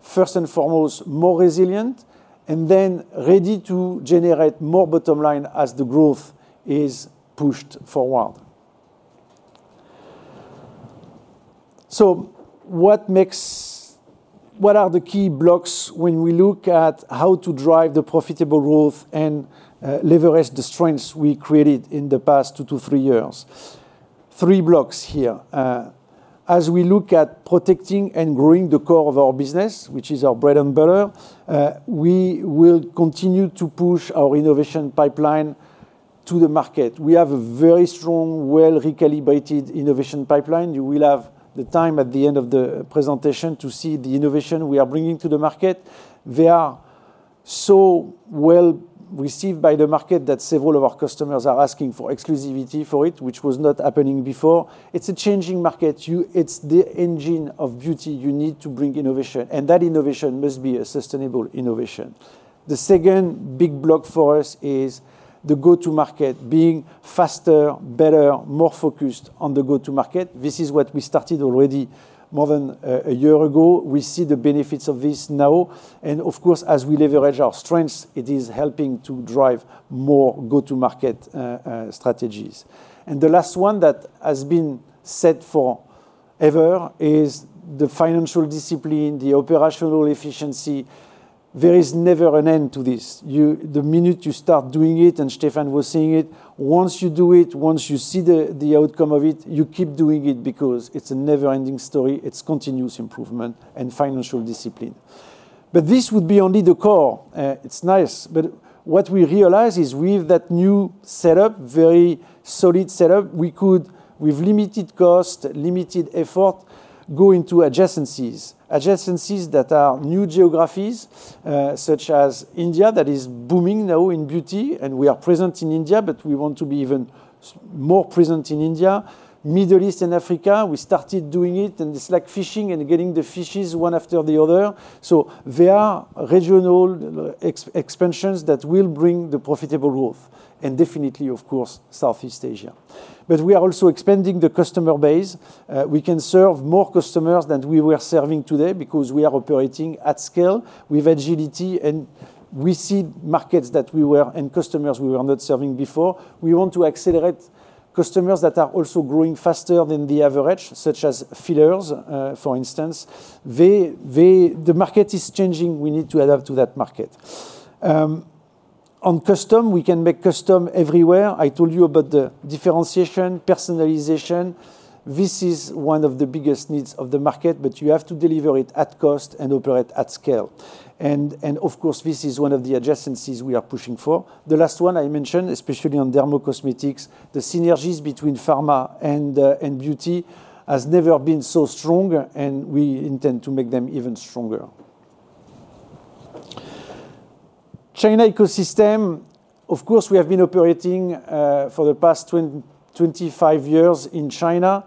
first and foremost more resilient and then ready to generate more bottom line as the growth is pushed forward. What makes, what are the key blocks when we look at how to drive the profitable growth and leverage the strengths we created in the past two to three years? Three blocks here. As we look at protecting and growing the core of our business, which is our bread and butter, we will continue to push our innovation pipeline to the market. We have a very strong, well recalibrated innovation pipeline. You will have the time at the end of the presentation to see the innovation we are bringing to the market. They are so well received by the market that several of our customers are asking for exclusivity for it, which was not happening before. It's a changing market. It's the engine of beauty. You need to bring innovation, and that innovation must be a sustainable innovation. The second big block for us is the go-to-market, being faster, better, more focused on the go-to-market. This is what we started already more than a year ago. We see the benefits of this now. As we leverage our strengths, it is helping to drive more go-to-market strategies. The last one that has been said forever is the financial discipline, the operational efficiency. There is never an end to this. The minute you start doing it, and Stephan was saying it, once you do it, once you see the outcome of it, you keep doing it because it's a never-ending story. It's continuous improvement and financial discipline. This would be only the core. It's nice. What we realized is with that new setup, very solid setup, we could, with limited cost, limited effort, go into adjacencies, adjacencies that are new geographies, such as India, that is booming now in beauty. We are present in India, but we want to be even more present in India, Middle East, and Africa. We started doing it, and it's like fishing and getting the fishes one after the other. There are regional expansions that will bring the profitable growth, and definitely, of course, Southeast Asia. We are also expanding the customer base. We can serve more customers than we were serving today because we are operating at scale with agility, and we see markets that we were and customers we were not serving before. We want to accelerate customers that are also growing faster than the average, such as fillers, for instance. The market is changing. We need to adapt to that market. On custom, we can make custom everywhere. I told you about the differentiation, personalization. This is one of the biggest needs of the market, but you have to deliver it at cost and operate at scale. Of course, this is one of the adjacencies we are pushing for. The last one I mentioned, especially on dermocosmetics, the synergies between Pharma and Beauty have never been so strong, and we intend to make them even stronger. China ecosystem, of course, we have been operating for the past 25 years in China.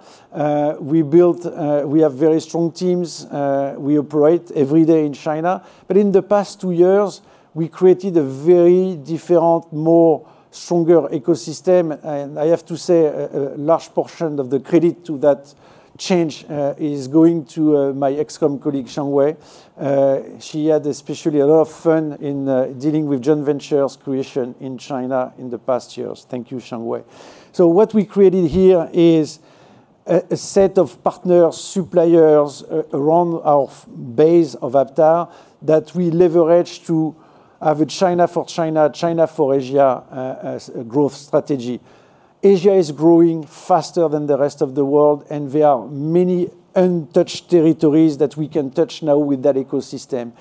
We built, we have very strong teams. We operate every day in China. In the past two years, we created a very different, more stronger ecosystem. I have to say a large portion of the credit to that change is going to my ex-comp colleague, Xiangwei. She had especially a lot of fun in dealing with joint ventures creation in China in the past years. Thank you, Xiangwei. What we created here is a set of partners, suppliers around our base of Aptar that we leverage to have a China for China, China for Asia growth strategy. Asia is growing faster than the rest of the world, and there are many untouched territories that we can touch now with that ecosystem.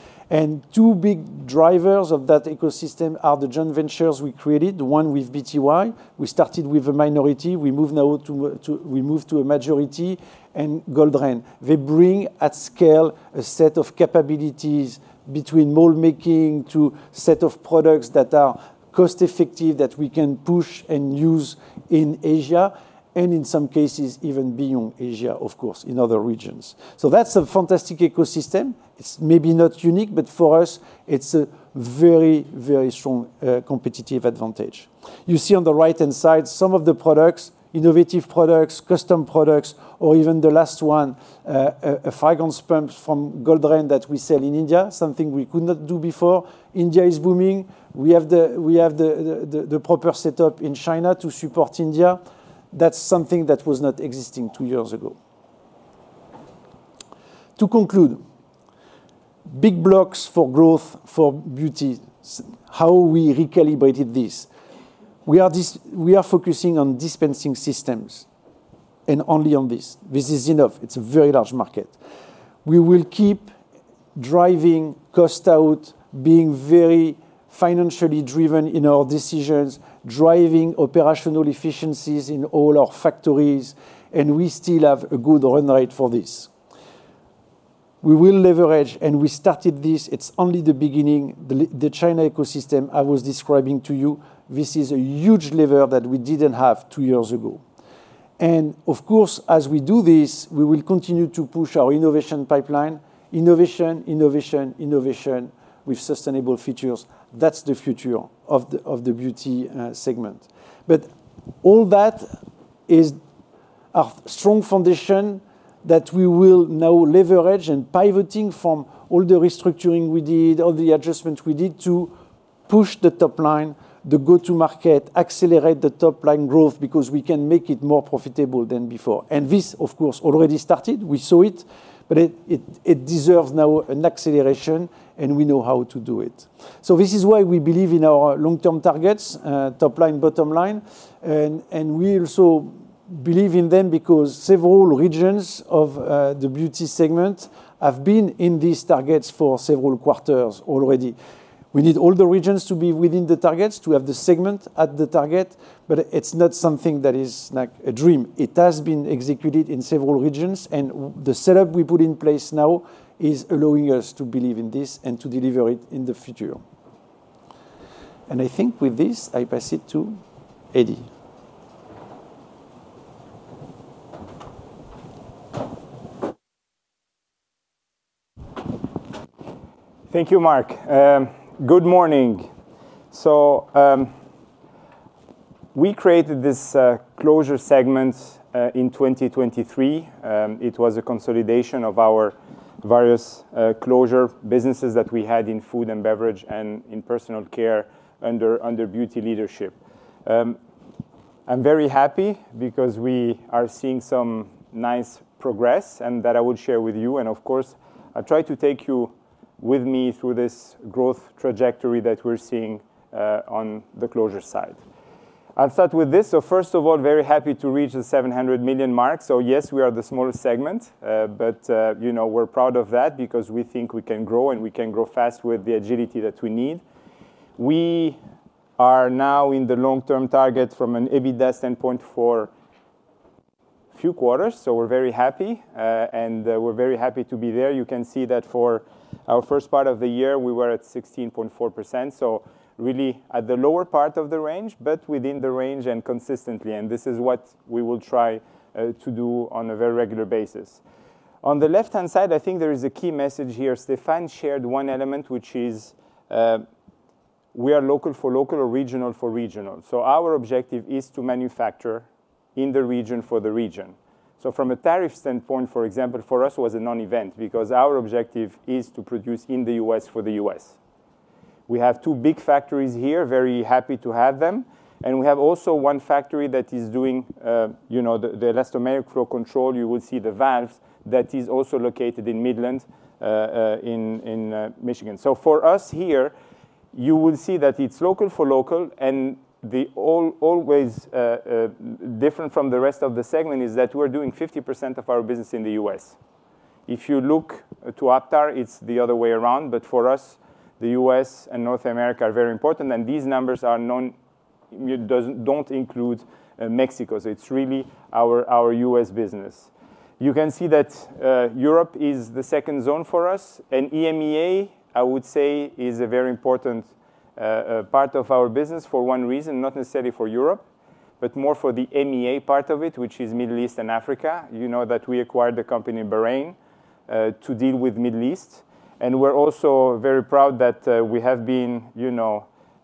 Two big drivers of that ecosystem are the joint ventures we created, the one with BTY. We started with a minority. We moved now to a majority and Goldran. They bring at scale a set of capabilities between mold making to a set of products that are cost-effective that we can push and use in Asia, and in some cases even beyond Asia, of course, in other regions. That's a fantastic ecosystem. It's maybe not unique, but for us, it's a very, very strong competitive advantage. You see on the right-hand side some of the products, innovative products, custom products, or even the last one, a fragrance pump from Goldran that we sell in India, something we could not do before. India is booming. We have the proper setup in China to support India. That's something that was not existing two years ago. To conclude, big blocks for growth for beauty, how we recalibrated this. We are focusing on dispensing systems and only on this. This is enough. It's a very large market. We will keep driving cost out, being very financially driven in our decisions, driving operational efficiencies in all our factories, and we still have a good run rate for this. We will leverage, and we started this. It's only the beginning. The China ecosystem I was describing to you, this is a huge lever that we didn't have two years ago. Of course, as we do this, we will continue to push our innovation pipeline, innovation, innovation, innovation with sustainable features. That's the future of the beauty segment. All that is our strong foundation that we will now leverage and pivoting from all the restructuring we did, all the adjustments we did to push the top line, the go-to-market, accelerate the top line growth because we can make it more profitable than before. This, of course, already started. We saw it, but it deserves now an acceleration, and we know how to do it. This is why we believe in our long-term targets, top line, bottom line. We also believe in them because several regions of the Beauty segment have been in these targets for several quarters already. We need all the regions to be within the targets, to have the segment at the target, but it's not something that is like a dream. It has been executed in several regions, and the setup we put in place now is allowing us to believe in this and to deliver it in the future. I think with this, I pass it to Hedi. Thank you, Marc. Good morning. We created this Closures segment in 2023. It was a consolidation of our various Closures businesses that we had in Food and Beverage and in Personal Care under Beauty leadership. I'm very happy because we are seeing some nice progress and that I will share with you. Of course, I try to take you with me through this growth trajectory that we're seeing on the Closures side. I'll start with this. First of all, very happy to reach the $700 million mark. Yes, we are the smallest segment, but we're proud of that because we think we can grow and we can grow fast with the agility that we need. We are now in the long-term target from an EBITDA standpoint for a few quarters. We're very happy, and we're very happy to be there. You can see that for our first part of the year, we were at 16.4%. Really at the lower part of the range, but within the range and consistently. This is what we will try to do on a very regular basis. On the left-hand side, I think there is a key message here. Stephan shared one element, which is we are local for local or regional for regional. Our objective is to manufacture in the region for the region. From a tariff standpoint, for example, for us was a non-event because our objective is to produce in the U.S. for the U.S. We have two big factories here, very happy to have them. We also have one factory that is doing the elastomeric flow control. You will see the valves that are also located in Midland in Michigan. For us here, you will see that it's local for local. The always different from the rest of the segment is that we're doing 50% of our business in the U.S. If you look to Aptar, it's the other way around. For us, the U.S. and North America are very important. These numbers don't include Mexico. It's really our U.S. business. You can see that Europe is the second zone for us. EMEA, I would say, is a very important part of our business for one reason, not necessarily for Europe, but more for the EMEA part of it, which is Middle East and Africa. You know that we acquired the company Bahrain to deal with the Middle East. We're also very proud that we have been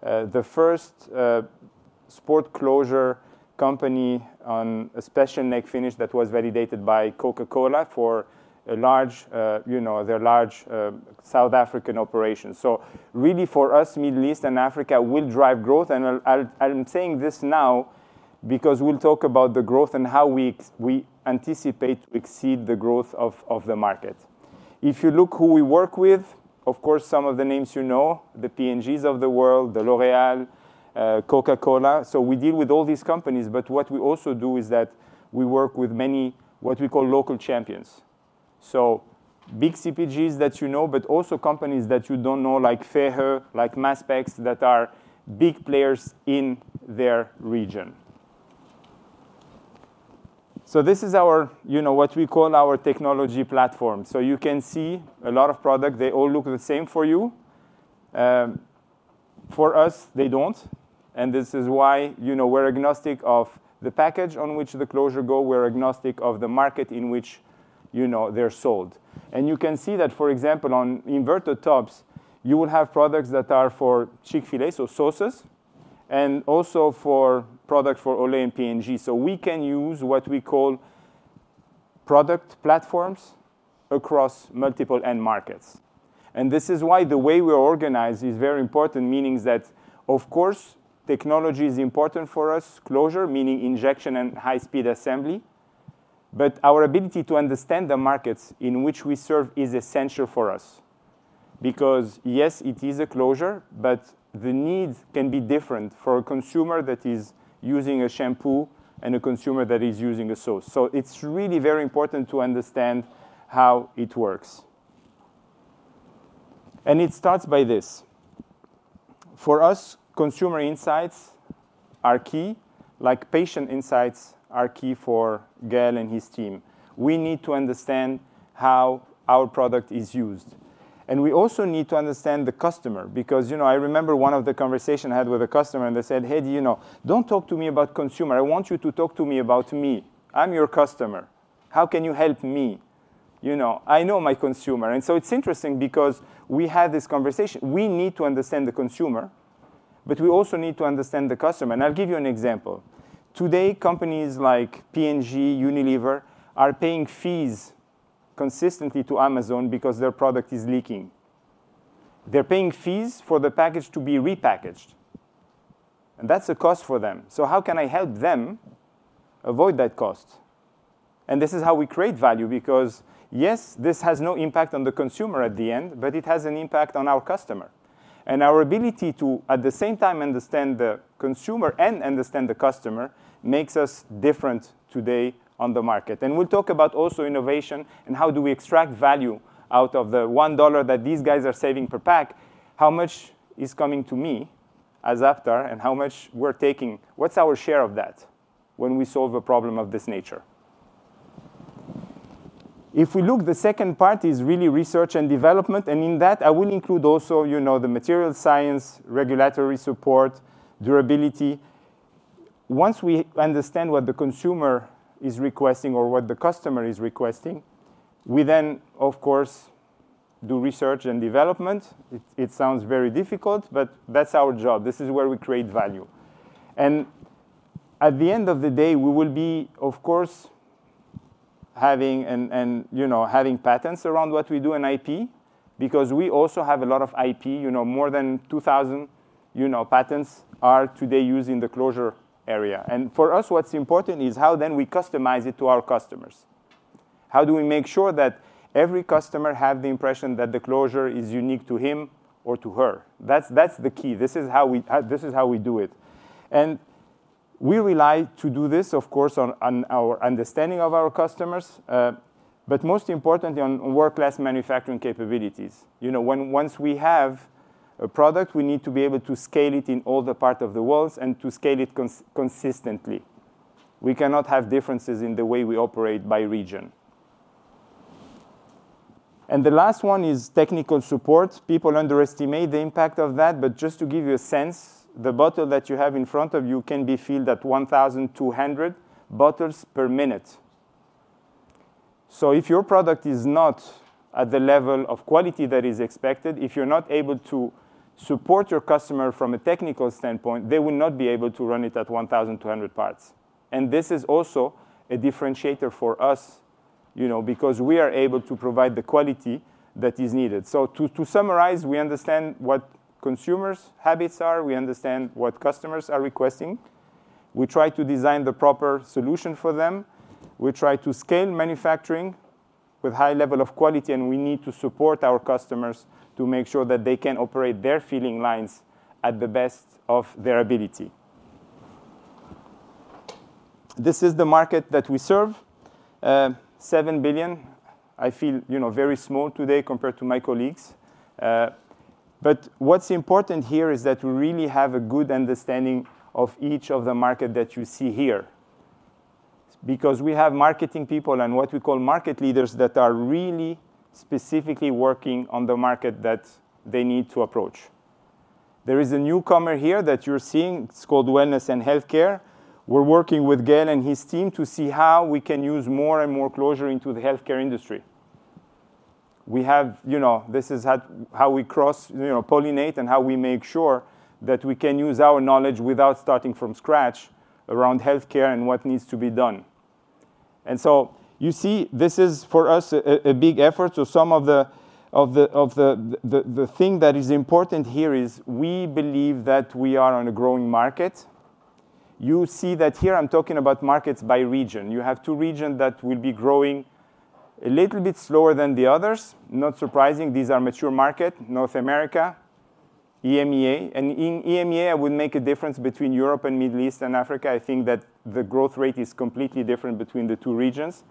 the first sport closure company on a special neck finish that was validated by Coca-Cola for their large South African operations. For us, Middle East and Africa will drive growth. I'm saying this now because we'll talk about the growth and how we anticipate to exceed the growth of the market. If you look at who we work with, of course, some of the names you know, the P&Gs of the world, L'Oréal, Coca-Cola. We deal with all these companies. What we also do is that we work with many what we call local champions, big CPGs that you know, but also companies that you don't know, like Fehu, like Maspex, that are big players in their region. This is what we call our technology platform. You can see a lot of products. They all look the same for you. For us, they don't. This is why we're agnostic of the package on which the closure goes. We're agnostic of the market in which they're sold. You can see that, for example, on inverted tops, you will have products that are for Chick-fil-A, so sauces, and also for products for Olay and P&G. We can use what we call product platforms across multiple end markets. This is why the way we're organized is very important, meaning that, of course, technology is important for us, closure, meaning injection and high-speed assembly. Our ability to understand the markets in which we serve is essential for us because, yes, it is a closure, but the need can be different for a consumer that is using a shampoo and a consumer that is using a sauce. It's really very important to understand how it works. It starts by this. For us, consumer insights are key, like patient insights are key for Gael and his team. We need to understand how our product is used. We also need to understand the customer because I remember one of the conversations I had with a customer and they said, "Hey, don't talk to me about consumer. I want you to talk to me about me. I'm your customer. How can you help me? You know I know my consumer." It's interesting because we had this conversation. We need to understand the consumer, but we also need to understand the customer. I'll give you an example. Today, companies like P&G, Unilever are paying fees consistently to Amazon because their product is leaking. They're paying fees for the package to be repackaged. That's a cost for them. How can I help them avoid that cost? This is how we create value because, yes, this has no impact on the consumer at the end, but it has an impact on our customer. Our ability to, at the same time, understand the consumer and understand the customer makes us different today on the market. We'll talk about also innovation and how do we extract value out of the $1 that these guys are saving per pack. How much is coming to me as Aptar and how much we're taking? What's our share of that when we solve a problem of this nature? If we look, the second part is really research and development. In that, I will include also the material science, regulatory support, durability. Once we understand what the consumer is requesting or what the customer is requesting, we then, of course, do research and development. It sounds very difficult, but that's our job. This is where we create value. At the end of the day, we will be, of course, having patents around what we do in IP because we also have a lot of IP. More than 2,000 patents are today used in the closure area. For us, what's important is how then we customize it to our customers. How do we make sure that every customer has the impression that the closure is unique to him or to her? That's the key. This is how we do it. We rely to do this, of course, on our understanding of our customers, but most importantly, on world-class manufacturing capabilities. Once we have a product, we need to be able to scale it in all the parts of the world and to scale it consistently. We cannot have differences in the way we operate by region. The last one is technical support. People underestimate the impact of that, but just to give you a sense, the bottle that you have in front of you can be filled at 1,200 bottles per minute. If your product is not at the level of quality that is expected, if you're not able to support your customer from a technical standpoint, they will not be able to run it at 1,200 parts. This is also a differentiator for us because we are able to provide the quality that is needed. To summarize, we understand what consumers' habits are. We understand what customers are requesting. We try to design the proper solution for them. We try to scale manufacturing with a high level of quality, and we need to support our customers to make sure that they can operate their filling lines at the best of their ability. This is the market that we serve, $7 billion. I feel very small today compared to my colleagues. What's important here is that we really have a good understanding of each of the markets that you see here because we have marketing people and what we call market leaders that are really specifically working on the market that they need to approach. There is a newcomer here that you're seeing. It's called Wellness and Healthcare. We're working with Gael and his team to see how we can use more and more closure into the healthcare industry. This is how we cross-pollinate and how we make sure that we can use our knowledge without starting from scratch around healthcare and what needs to be done. You see, this is for us a big effort. Some of the things that are important here is we believe that we are on a growing market. You see that here I'm talking about markets by region. You have two regions that will be growing a little bit slower than the others. Not surprising, these are mature markets, North America, EMEA. In EMEA, I would make a difference between Europe and Middle East and Africa. I think that the growth rate is completely different between the two regions.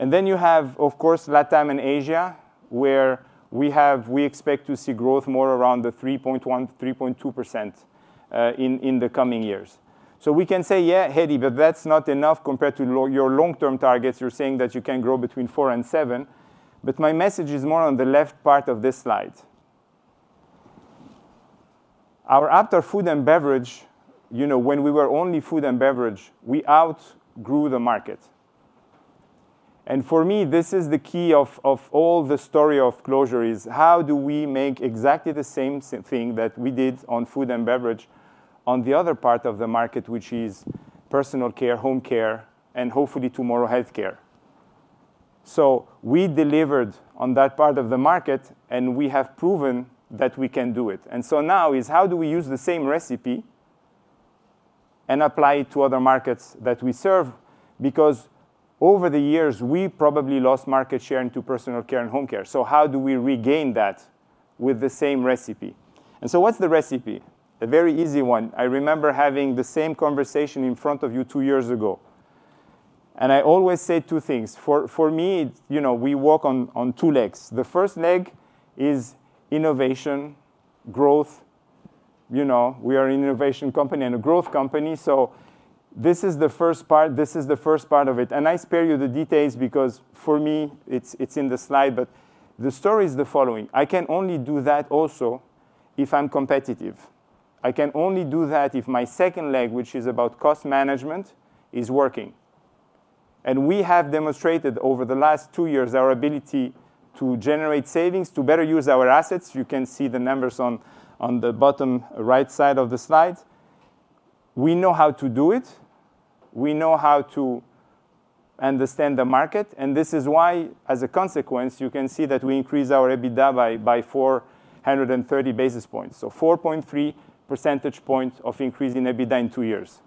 You have, of course, LatAm and Asia, where we expect to see growth more around 3.1%, 3.2% in the coming years. We can say, yeah, Hedi, but that's not enough compared to your long-term targets. You're saying that you can grow between 4% and 7%. My message is more on the left part of this slide. Our Aptar Food and Beverage, when we were only food and beverage, we outgrew the market. For me, this is the key of all the story of closure, is how do we make exactly the same thing that we did on food and beverage on the other part of the market, which is personal care, home care, and hopefully tomorrow healthcare. We delivered on that part of the market, and we have proven that we can do it. Now is how do we use the same recipe and apply it to other markets that we serve? Over the years, we probably lost market share into personal care and home care. How do we regain that with the same recipe? What's the recipe? A very easy one. I remember having the same conversation in front of you two years ago. I always say two things. For me, we walk on two legs. The first leg is innovation, growth. We are an innovation company and a growth company. This is the first part. This is the first part of it. I spare you the details because for me, it's in the slide. The story is the following. I can only do that also if I'm competitive. I can only do that if my second leg, which is about cost management, is working. We have demonstrated over the last two years our ability to generate savings, to better use our assets. You can see the numbers on the bottom right side of the slide. We know how to do it. We know how to understand the market. As a consequence, you can see that we increased our EBITDA by 430 basis points. That is 4.3 percentage points of increase in EBITDA in two years.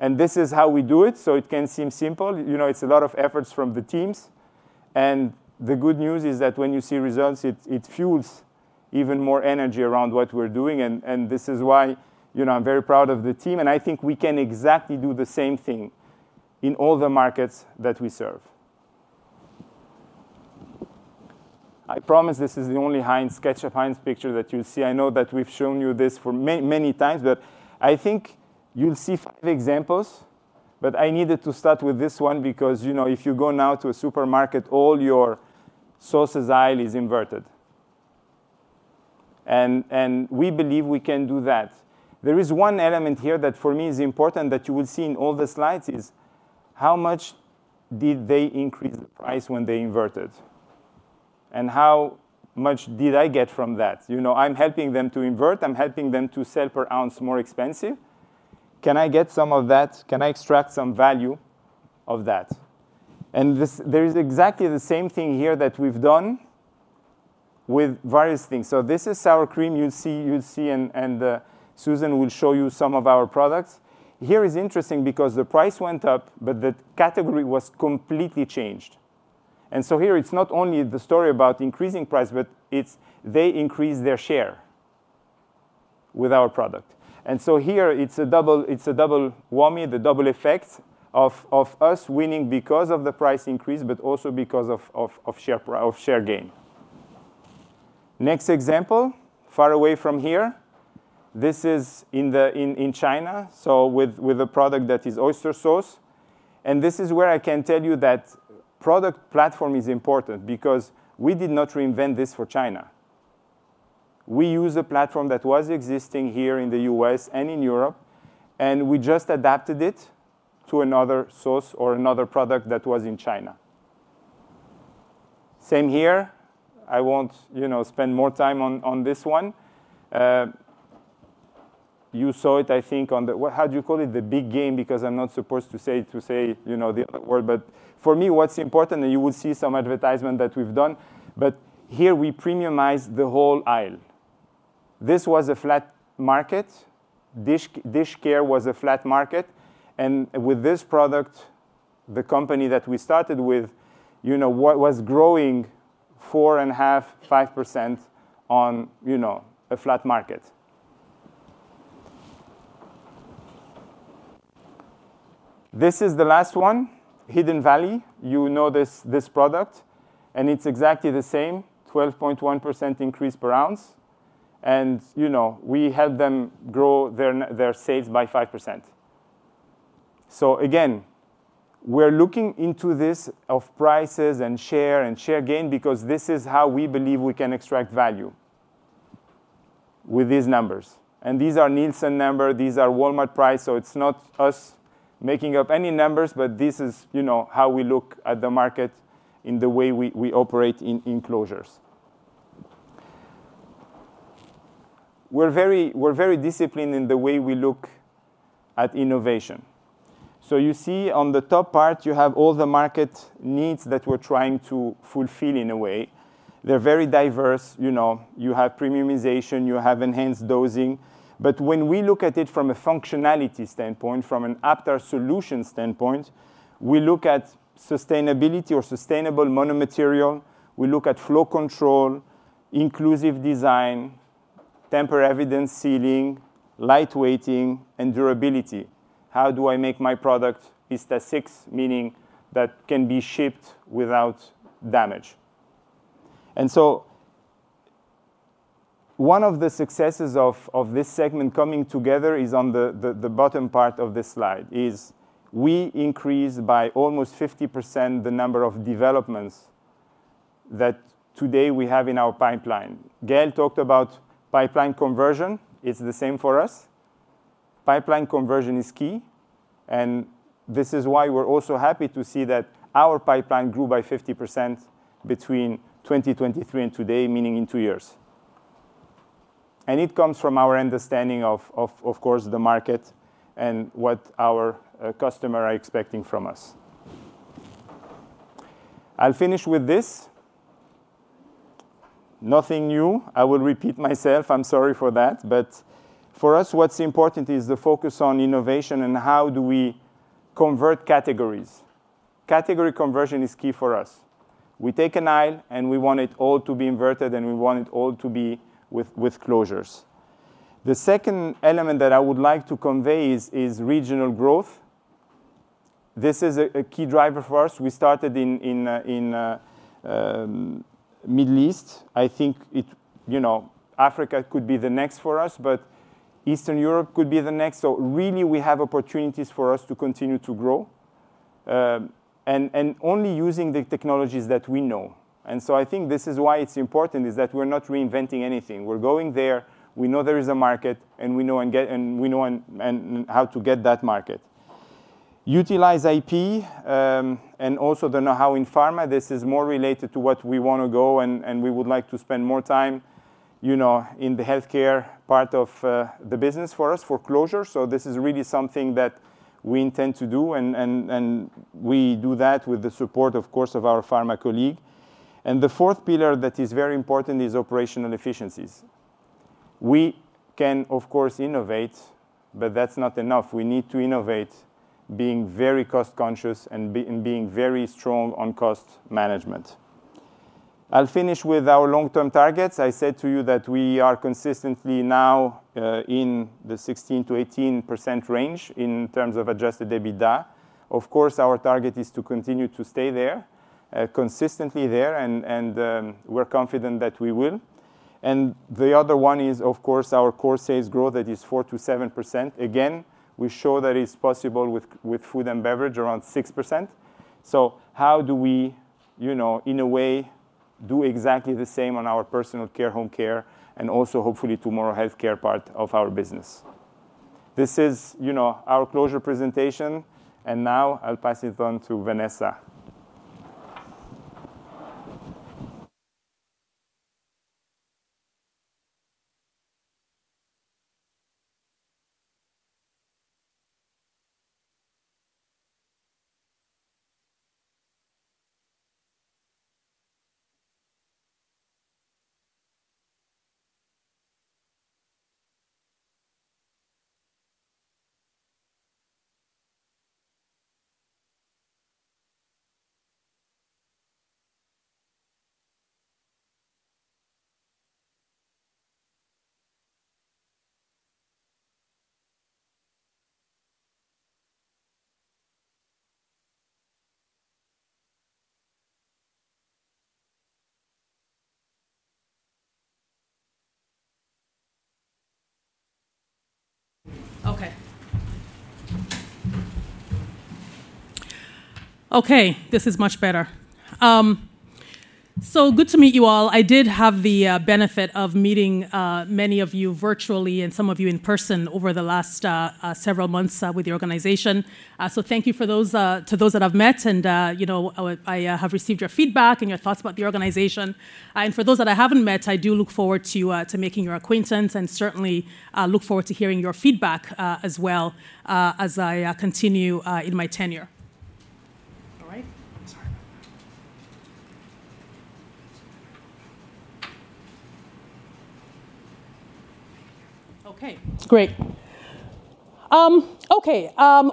This is how we do it. It can seem simple. It's a lot of effort from the teams. The good news is that when you see results, it fuels even more energy around what we're doing. This is why I'm very proud of the team. I think we can exactly do the same thing in all the markets that we serve. I promise this is the only ketchup Heinz picture that you'll see. I know that we've shown you this many, many times, but I think you'll see five examples. I needed to start with this one because if you go now to a supermarket, all your sauces aisle is inverted. We believe we can do that. There is one element here that for me is important that you will see in all the slides: how much did they increase the price when they inverted, and how much did I get from that? I'm helping them to invert. I'm helping them to sell per ounce more expensive. Can I get some of that? Can I extract some value of that? There is exactly the same thing here that we've done with various things. This is sour cream. You'll see, and Susan will show you some of our products. Here it is interesting because the price went up, but the category was completely changed. Here it's not only the story about increasing price, but they increased their share with our product. Here it's a double whammy, the double effect of us winning because of the price increase, but also because of share gain. Next example, far away from here. This is in China with a product that is oyster sauce. This is where I can tell you that product platform is important because we did not reinvent this for China. We used a platform that was existing here in the U.S. and in Europe, and we just adapted it to another sauce or another product that was in China. Same here. I won't spend more time on this one. You saw it, I think, on the, well, how do you call it, the big game because I'm not supposed to say it to say the word. For me, what's important is that you will see some advertisement that we've done. Here we premiumized the whole aisle. This was a flat market. Dishcare was a flat market. With this product, the company that we started with, you know, was growing 4.5%, 5% on a flat market. This is the last one, Hidden Valley. You know this product, and it's exactly the same, 12.1% increase per ounce. You know, we helped them grow their sales by 5%. Again, we're looking into this of prices and share and share gain because this is how we believe we can extract value with these numbers. These are Nielsen numbers. These are Walmart prices. It's not us making up any numbers, but this is, you know, how we look at the market in the way we operate in closures. We're very disciplined in the way we look at innovation. You see on the top part, you have all the market needs that we're trying to fulfill in a way. They're very diverse. You know, you have premiumization. You have enhanced dosing. When we look at it from a functionality standpoint, from an Aptar solution standpoint, we look at sustainability or sustainable monomaterial. We look at flow control, inclusive design, tamper evidence sealing, lightweighting, and durability. How do I make my product ISTA 6, meaning that can be shipped without damage? One of the successes of this segment coming together is on the bottom part of this slide. We increased by almost 50% the number of developments that today we have in our pipeline. Gael talked about pipeline conversion. It's the same for us. Pipeline conversion is key. This is why we're also happy to see that our pipeline grew by 50% between 2023 and today, meaning in two years. It comes from our understanding of, of course, the market and what our customers are expecting from us. I'll finish with this. Nothing new. I will repeat myself. I'm sorry for that. For us, what's important is the focus on innovation and how do we convert categories. Category conversion is key for us. We take an aisle and we want it all to be inverted and we want it all to be with closures. The second element that I would like to convey is regional growth. This is a key driver for us. We started in the Middle East. I think, you know, Africa could be the next for us, but Eastern Europe could be the next. We have opportunities for us to continue to grow and only using the technologies that we know. I think this is why it's important, that we're not reinventing anything. We're going there. We know there is a market and we know how to get that market. Utilize IP and also the know-how in Pharma. This is more related to what we want to go and we would like to spend more time in the healthcare part of the business for us for closure. This is really something that we intend to do and we do that with the support, of course, of our Pharma colleague. The fourth pillar that is very important is operational efficiencies. We can, of course, innovate, but that's not enough. We need to innovate, being very cost-conscious and being very strong on cost management. I'll finish with our long-term targets. I said to you that we are consistently now in the 16%-18% range in terms of adjusted EBITDA margin. Our target is to continue to stay there, consistently there, and we're confident that we will. The other one is, of course, our core sales growth that is 4%-7%. Again, we show that it's possible with food and beverage around 6%. How do we, in a way, do exactly the same on our personal care, home care, and also hopefully tomorrow healthcare part of our business? This is our closure presentation. Now I'll pass it on to Vanessa. Okay. This is much better. Good to meet you all. I did have the benefit of meeting many of you virtually and some of you in person over the last several months with the organization. Thank you to those that I've met. I have received your feedback and your thoughts about the organization. For those that I haven't met, I do look forward to making your acquaintance and certainly look forward to hearing your feedback as well as I continue in my tenure.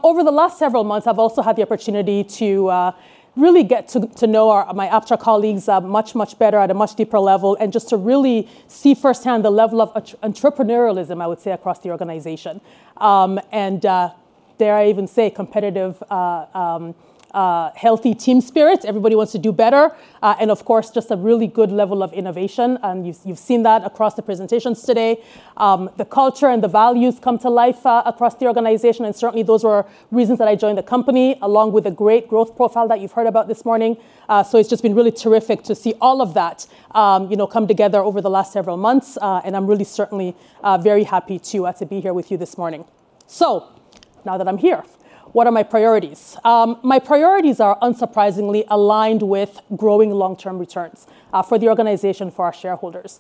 Over the last several months, I've also had the opportunity to really get to know my Aptar colleagues much, much better at a much deeper level and just to really see firsthand the level of entrepreneurialism, I would say, across the organization. Dare I even say, competitive, healthy team spirit. Everybody wants to do better. Of course, just a really good level of innovation. You've seen that across the presentations today. The culture and the values come to life across the organization. Certainly, those are reasons that I joined the company, along with the great growth profile that you've heard about this morning. It's just been really terrific to see all of that come together over the last several months. I'm really certainly very happy to be here with you this morning. Now that I'm here, what are my priorities? My priorities are unsurprisingly aligned with growing long-term returns for the organization, for our shareholders.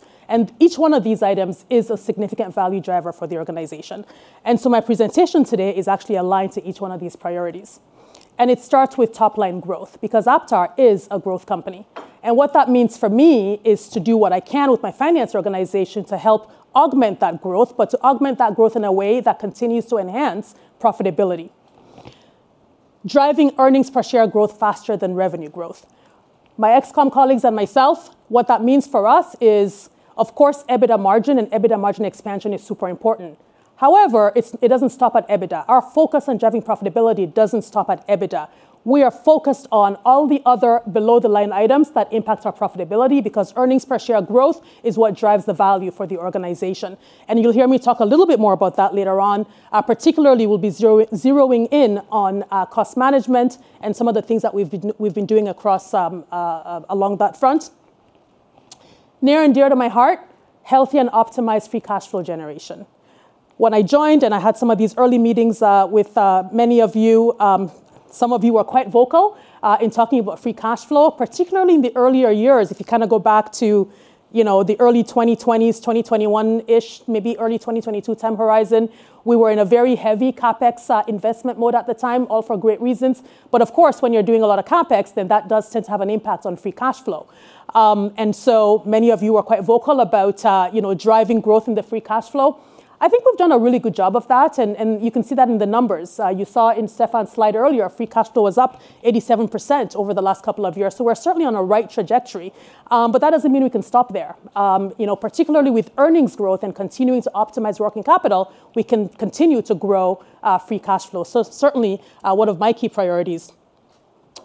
Each one of these items is a significant value driver for the organization. My presentation today is actually aligned to each one of these priorities. It starts with top line growth because Aptar is a growth company. What that means for me is to do what I can with my finance organization to help augment that growth, but to augment that growth in a way that continues to enhance profitability, driving earnings per share growth faster than revenue growth. My ex-comp colleagues and myself, what that means for us is, of course, EBITDA margin and EBITDA margin expansion is super important. However, it doesn't stop at EBITDA. Our focus on driving profitability doesn't stop at EBITDA. We are focused on all the other below-the-line items that impact our profitability because earnings per share growth is what drives the value for the organization. You'll hear me talk a little bit more about that later on. Particularly, we'll be zeroing in on cost management and some of the things that we've been doing along that front. Near and dear to my heart, healthy and optimized free cash flow generation. When I joined and I had some of these early meetings with many of you, some of you were quite vocal in talking about free cash flow, particularly in the earlier years. If you kind of go back to the early 2020s, 2021-ish, maybe early 2022 time horizon, we were in a very heavy CapEx investment mode at the time, all for great reasons. Of course, when you're doing a lot of CapEx, then that does tend to have an impact on free cash flow. Many of you were quite vocal about driving growth in the free cash flow. I think we've done a really good job of that. You can see that in the numbers. You saw in Stephan's slide earlier, free cash flow was up 87% over the last couple of years. We're certainly on a right trajectory. That doesn't mean we can stop there. Particularly with earnings growth and continuing to optimize working capital, we can continue to grow free cash flow. Certainly, one of my key priorities,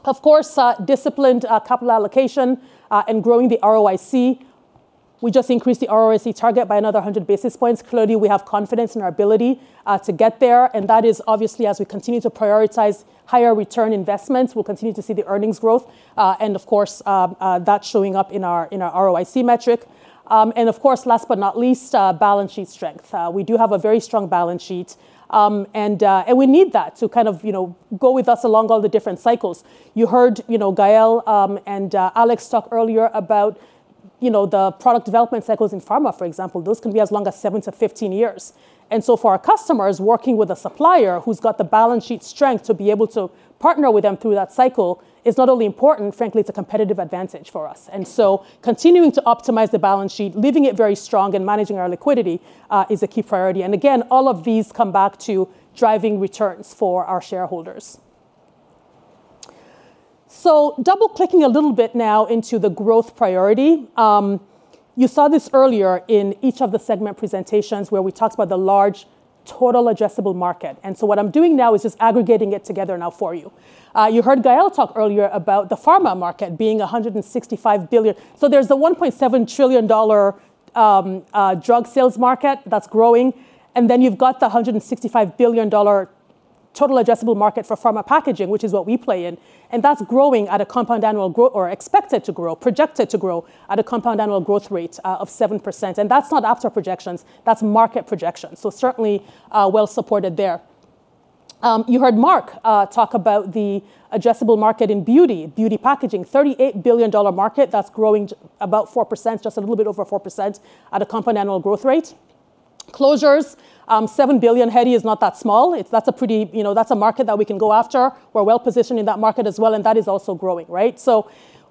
of course, disciplined capital allocation and growing the ROIC. We just increased the ROIC target by another 100 basis points. Clearly, we have confidence in our ability to get there. That is obviously as we continue to prioritize higher return investments, we'll continue to see the earnings growth. Of course, that's showing up in our ROIC metric. Last but not least, balance sheet strength. We do have a very strong balance sheet. We need that to kind of go with us along all the different cycles. You heard Gael and Alex talk earlier about the product development cycles in Pharma, for example. Those can be as long as seven to 15 years. For our customers, working with a supplier who's got the balance sheet strength to be able to partner with them through that cycle is not only important, frankly, it's a competitive advantage for us. Continuing to optimize the balance sheet, leaving it very strong, and managing our liquidity is a key priority. Again, all of these come back to driving returns for our shareholders. Double-clicking a little bit now into the growth priority. You saw this earlier in each of the segment presentations where we talked about the large total addressable market. What I'm doing now is just aggregating it together now for you. You heard Gael talk earlier about the Pharma market being $165 billion. There is a $1.7 trillion drug sales market that's growing. Then you've got the $165 billion total addressable market for Pharma packaging, which is what we play in. That's growing at a compound annual growth or expected to grow, projected to grow at a compound annual growth rate of 7%. That's not Aptar projections. That's market projections. Certainly well supported there. You heard Marc talk about the addressable market in beauty, beauty packaging, $38 billion market that's growing about 4%, just a little bit over 4% at a compound annual growth rate. Closures, $7 billion, Hedi, is not that small. That's a pretty, you know, that's a market that we can go after. We're well positioned in that market as well. That is also growing, right?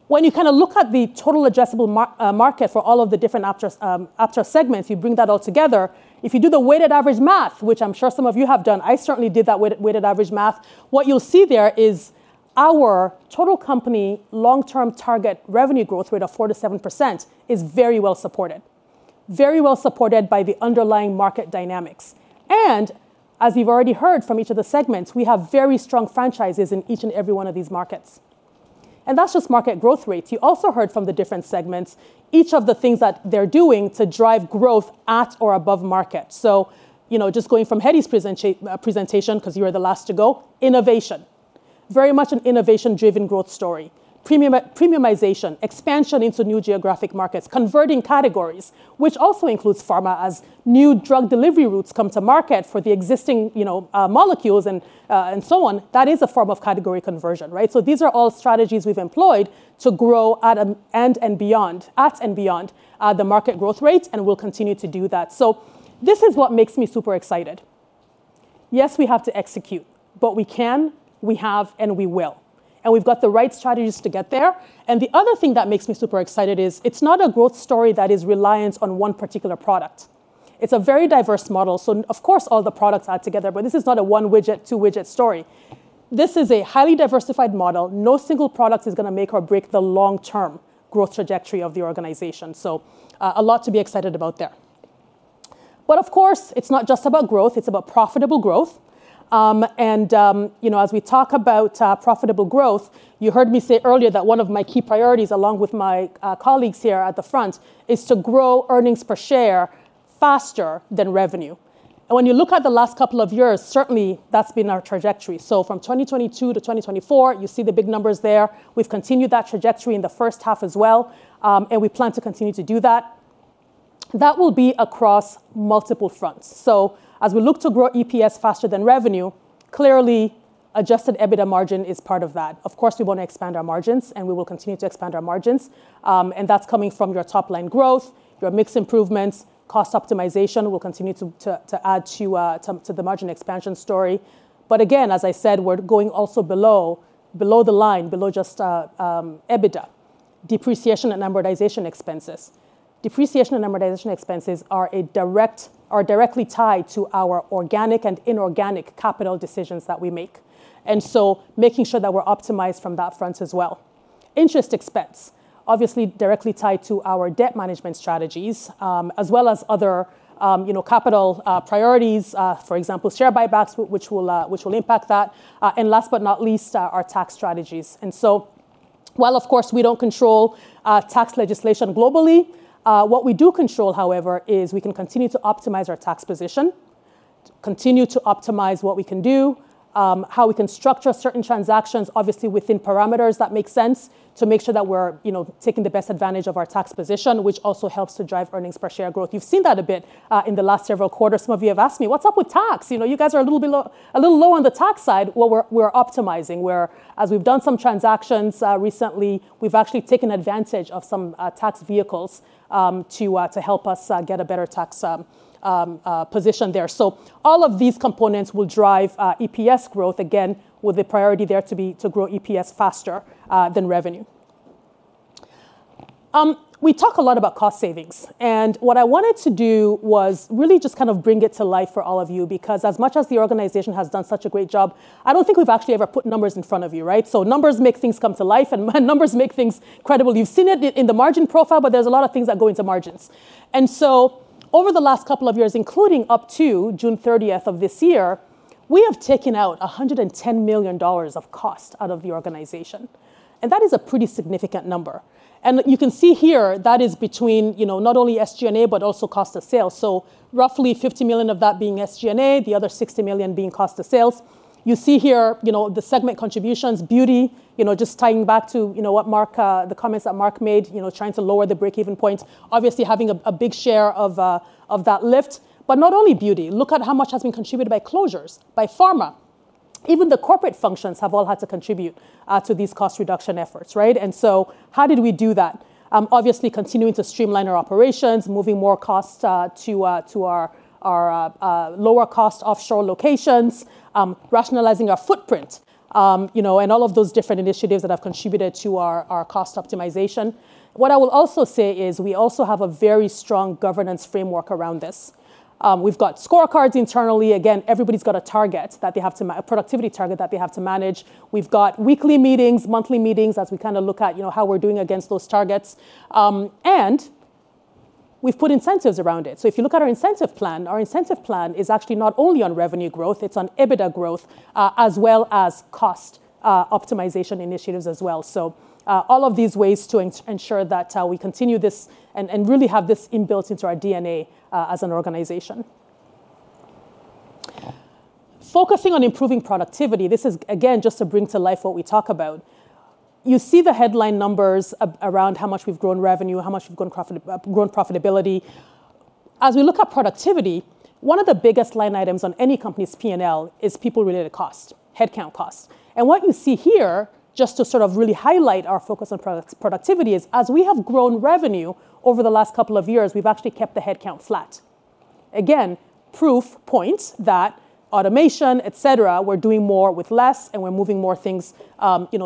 When you kind of look at the total addressable market for all of the different Aptar segments, you bring that all together. If you do the weighted average math, which I'm sure some of you have done, I certainly did that weighted average math. What you'll see there is our total company long-term target revenue growth rate of 4%-7% is very well supported, very well supported by the underlying market dynamics. As you've already heard from each of the segments, we have very strong franchises in each and every one of these markets. That's just market growth rates. You also heard from the different segments each of the things that they're doing to drive growth at or above market. Just going from Hedi's presentation, because you were the last to go, innovation, very much an innovation-driven growth story, premiumization, expansion into new geographic markets, converting categories, which also includes Pharma as new drug delivery routes come to market for the existing, you know, molecules and so on. That is a form of category conversion, right? These are all strategies we've employed to grow at and beyond, at and beyond the market growth rate. We'll continue to do that. This is what makes me super excited. Yes, we have to execute, but we can, we have, and we will. We've got the right strategies to get there. The other thing that makes me super excited is it's not a growth story that is reliant on one particular product. It's a very diverse model. Of course, all the products add together, but this is not a one-widget, two-widget story. This is a highly diversified model. No single product is going to make or break the long-term growth trajectory of the organization. There is a lot to be excited about there. Of course, it's not just about growth. It's about profitable growth. As we talk about profitable growth, you heard me say earlier that one of the key Priorities, along with my colleagues here at the front, are to grow earnings per share faster than revenue. When you look at the last couple of years, certainly that's been our trajectory. From 2022 to 2024, you see the big numbers there. We've continued that trajectory in the first half as well, and we plan to continue to do that. That will be across multiple fronts. As we look to grow EPS faster than revenue, clearly adjusted EBITDA margin is part of that. Of course, we want to expand our margins, and we will continue to expand our margins. That's coming from your top line growth, your mix improvements, and cost optimization will continue to add to the margin expansion story. Again, as I said, we're going also below the line, below just EBITDA. Depreciation and amortization expenses are directly tied to our organic and inorganic capital decisions that we make, so making sure that we're optimized from that front as well. Interest expense is obviously directly tied to our debt management strategies, as well as other capital priorities, for example, share buybacks, which will impact that. Last but not least, our tax strategies. While of course we don't control tax legislation globally, what we do control, however, is we can continue to optimize our tax position, continue to optimize what we can do, how we can structure certain transactions, obviously within parameters that make sense to make sure that we're taking the best advantage of our tax position, which also helps to drive earnings per share growth. You've seen that a bit in the last several quarters. Some of you have asked me, what's up with tax? You guys are a little low on the tax side while we're optimizing, where as we've done some transactions recently, we've actually taken advantage of some tax vehicles to help us get a better tax position there. All of these components will drive EPS growth, again, with the priority there to grow EPS faster than revenue. We talk a lot about cost savings. What I wanted to do was really just kind of bring it to life for all of you, because as much as the organization has done such a great job, I don't think we've actually ever put numbers in front of you, right? Numbers make things come to life, and numbers make things credible. You've seen it in the margin profile, but there's a lot of things that go into margins. Over the last couple of years, including up to June 30th of this year, we have taken out $110 million of cost out of the organization. That is a pretty significant number. You can see here that is between not only SG&A, but also cost of sales. Roughly $50 million of that being SG&A, the other $60 million being cost of sales. You see here the segment contributions, beauty, just tying back to what Marc, the comments that Marc made, trying to lower the break-even point, obviously having a big share of that lift. Not only beauty, look at how much has been contributed by closures, by Pharma. Even the corporate functions have all had to contribute to these cost reduction efforts, right? How did we do that? Obviously continuing to streamline our operations, moving more cost to our lower cost offshore locations, rationalizing our footprint, and all of those different initiatives that have contributed to our cost optimization. What I will also say is we also have a very strong governance framework around this. We've got scorecards internally. Again, everybody's got a target that they have to, a productivity target that they have to manage. We've got weekly meetings, monthly meetings, as we kind of look at how we're doing against those targets. We've put incentives around it. If you look at our incentive plan, our incentive plan is actually not only on revenue growth, it's on EBITDA growth, as well as cost optimization initiatives as well. All of these ways to ensure that we continue this and really have this inbuilt into our DNA as an organization. Focusing on improving productivity, this is again just to bring to life what we talk about. You see the headline numbers around how much we've grown revenue, how much we've grown profitability. As we look at productivity, one of the biggest line items on any company's P&L is people-related cost, headcount cost. What you see here, just to sort of really highlight our focus on productivity, is as we have grown revenue over the last couple of years, we've actually kept the headcount flat. Again, proof points that automation, et cetera, we're doing more with less, and we're moving more things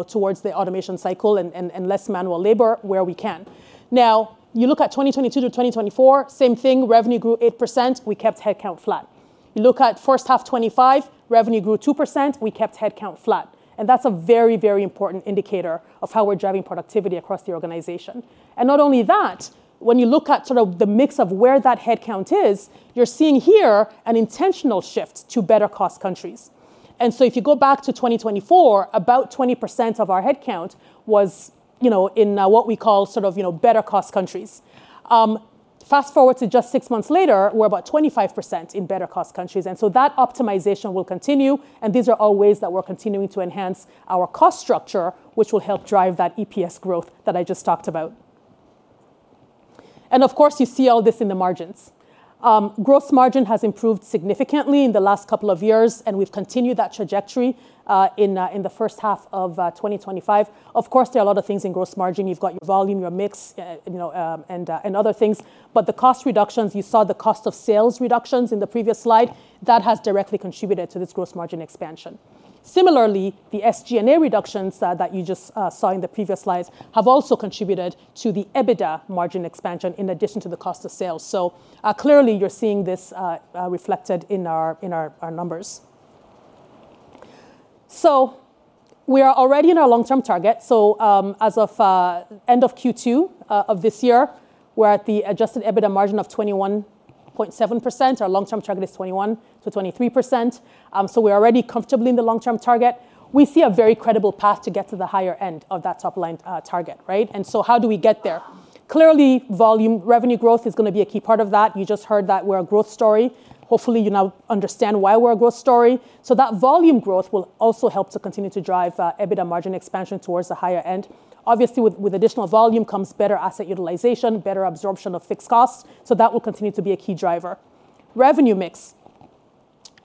towards the automation cycle and less manual labor where we can. Now, you look at 2022-2024, same thing, revenue grew 8%, we kept headcount flat. You look at first half 2025, revenue grew 2%, we kept headcount flat. That's a very, very important indicator of how we're driving productivity across the organization. Not only that, when you look at the mix of where that headcount is, you're seeing here an intentional shift to better cost countries. If you go back to 2024, about 20% of our headcount was in what we call better cost countries. Fast forward to just six months later, we're about 25% in better cost countries. That optimization will continue, and these are all ways that we're continuing to enhance our cost structure, which will help drive that EPS growth that I just talked about. You see all this in the margins. Gross margin has improved significantly in the last couple of years, and we've continued that trajectory in the first half of 2025. There are a lot of things in gross margin. You've got your volume, your mix, and other things. The cost reductions, you saw the cost of sales reductions in the previous slide, that has directly contributed to this gross margin expansion. Similarly, the SG&A reductions that you just saw in the previous slides have also contributed to the EBITDA margin expansion in addition to the cost of sales. Clearly, you're seeing this reflected in our numbers. We are already in our long-term target. As of end of Q2 of this year, we're at the adjusted EBITDA margin of 21.7%. Our long-term target is 21%-23%. We're already comfortably in the long-term target. We see a very credible path to get to the higher end of that top line target, right? How do we get there? Clearly, volume revenue growth is going to be a key part of that. You just heard that we're a growth story. Hopefully, you now understand why we're a growth story. That volume growth will also help to continue to drive EBITDA margin expansion towards the higher end. Obviously, with additional volume comes better asset utilization, better absorption of fixed costs. That will continue to be a key driver. Revenue mix,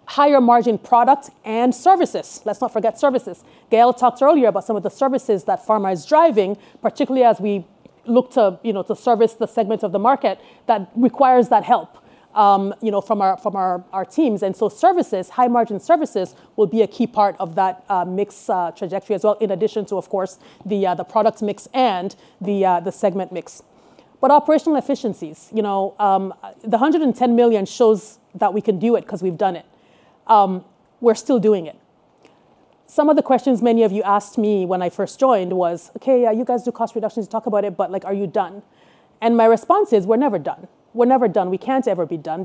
higher margin product and services. Let's not forget services. Gael talked earlier about some of the services that Pharma is driving, particularly as we look to service the segment of the market that requires that help from our teams. Services, high margin services will be a key part of that mix trajectory as well, in addition to the product mix and the segment mix. Operational efficiencies, you know, the $110 million shows that we can do it because we've done it. We're still doing it. Some of the questions many of you asked me when I first joined were, "OK, yeah, you guys do cost reductions. You talk about it, but are you done?" My response is, "We're never done. We're never done. We can't ever be done."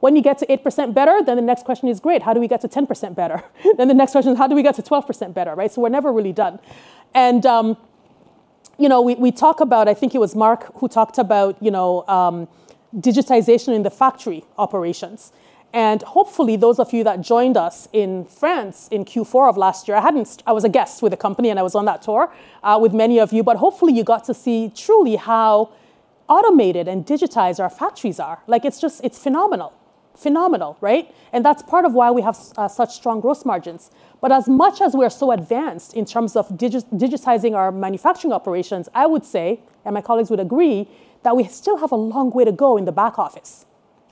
When you get to 8% better, then the next question is, "Great, how do we get to 10% better?" The next question is, "How do we get to 12% better?" We're never really done. We talk about, I think it was Marc who talked about digitization in the factory operations. Hopefully, those of you that joined us in France in Q4 of last year, I was a guest with a company, and I was on that tour with many of you. Hopefully, you got to see truly how automated and digitized our factories are. It's just, it's phenomenal. Phenomenal, right? That's part of why we have such strong gross margins. As much as we're so advanced in terms of digitizing our manufacturing operations, I would say, and my colleagues would agree, that we still have a long way to go in the back office.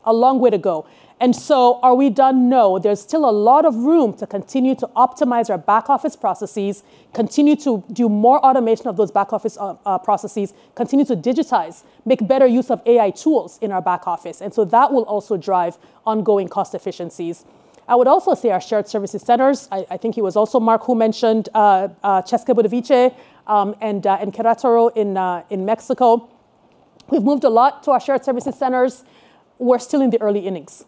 A long way to go. Are we done? No, there's still a lot of room to continue to optimize our back office processes, continue to do more automation of those back office processes, continue to digitize, make better use of AI tools in our back office. That will also drive ongoing cost efficiencies. I would also say our shared services centers, I think it was also Marc who mentioned Chesca Bordavice and Querétaro in Mexico, we've moved a lot to our shared services centers. We're still in the early innings.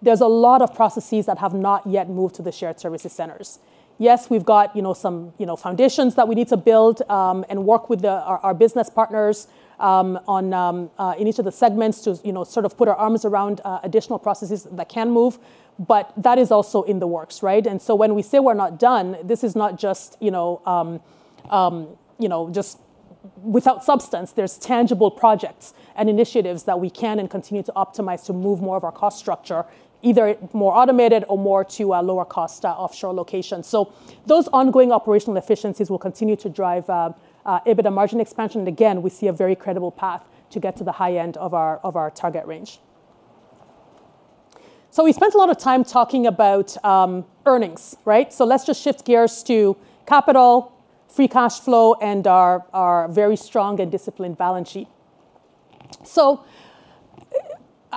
There's a lot of processes that have not yet moved to the shared services centers. Yes, we've got some foundations that we need to build and work with our business partners in each of the segments to sort of put our arms around additional processes that can move. That is also in the works, right? When we say we're not done, this is not just without substance. There are tangible projects and initiatives that we can and continue to optimize to move more of our cost structure, either more automated or more to lower cost offshore locations. Those ongoing operational efficiencies will continue to drive EBITDA margin expansion. Again, we see a very credible path to get to the high end of our target range. We spent a lot of time talking about earnings, right? Let's just shift gears to capital, free cash flow, and our very strong and disciplined balance sheet.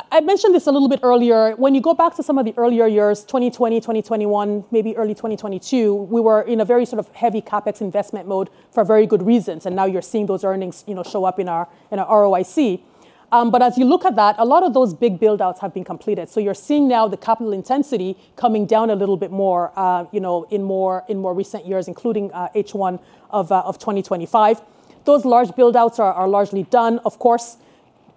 I mentioned this a little bit earlier. When you go back to some of the earlier years, 2020, 2021, maybe early 2022, we were in a very sort of heavy CapEx investment mode for very good reasons. Now you're seeing those earnings show up in our ROIC. As you look at that, a lot of those big build-outs have been completed. You're seeing now the capital intensity coming down a little bit more in more recent years, including H1 of 2025. Those large build-outs are largely done. Of course,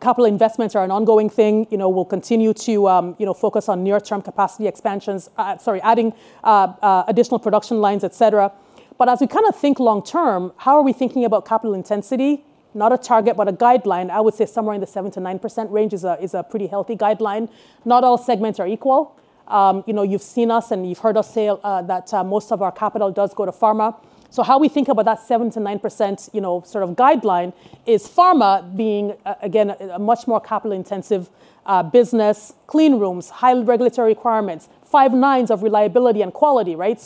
capital investments are an ongoing thing. We'll continue to focus on near-term capacity expansions, adding additional production lines, et cetera. As we kind of think long term, how are we thinking about capital intensity? Not a target, but a guideline. I would say somewhere in the 7%-9% range is a pretty healthy guideline. Not all segments are equal. You've seen us and you've heard us say that most of our capital does go to Pharma. How we think about that 7%-9% sort of guideline is Pharma being, again, a much more capital-intensive business, cleanrooms, high regulatory requirements, 5/9 of reliability and quality, right?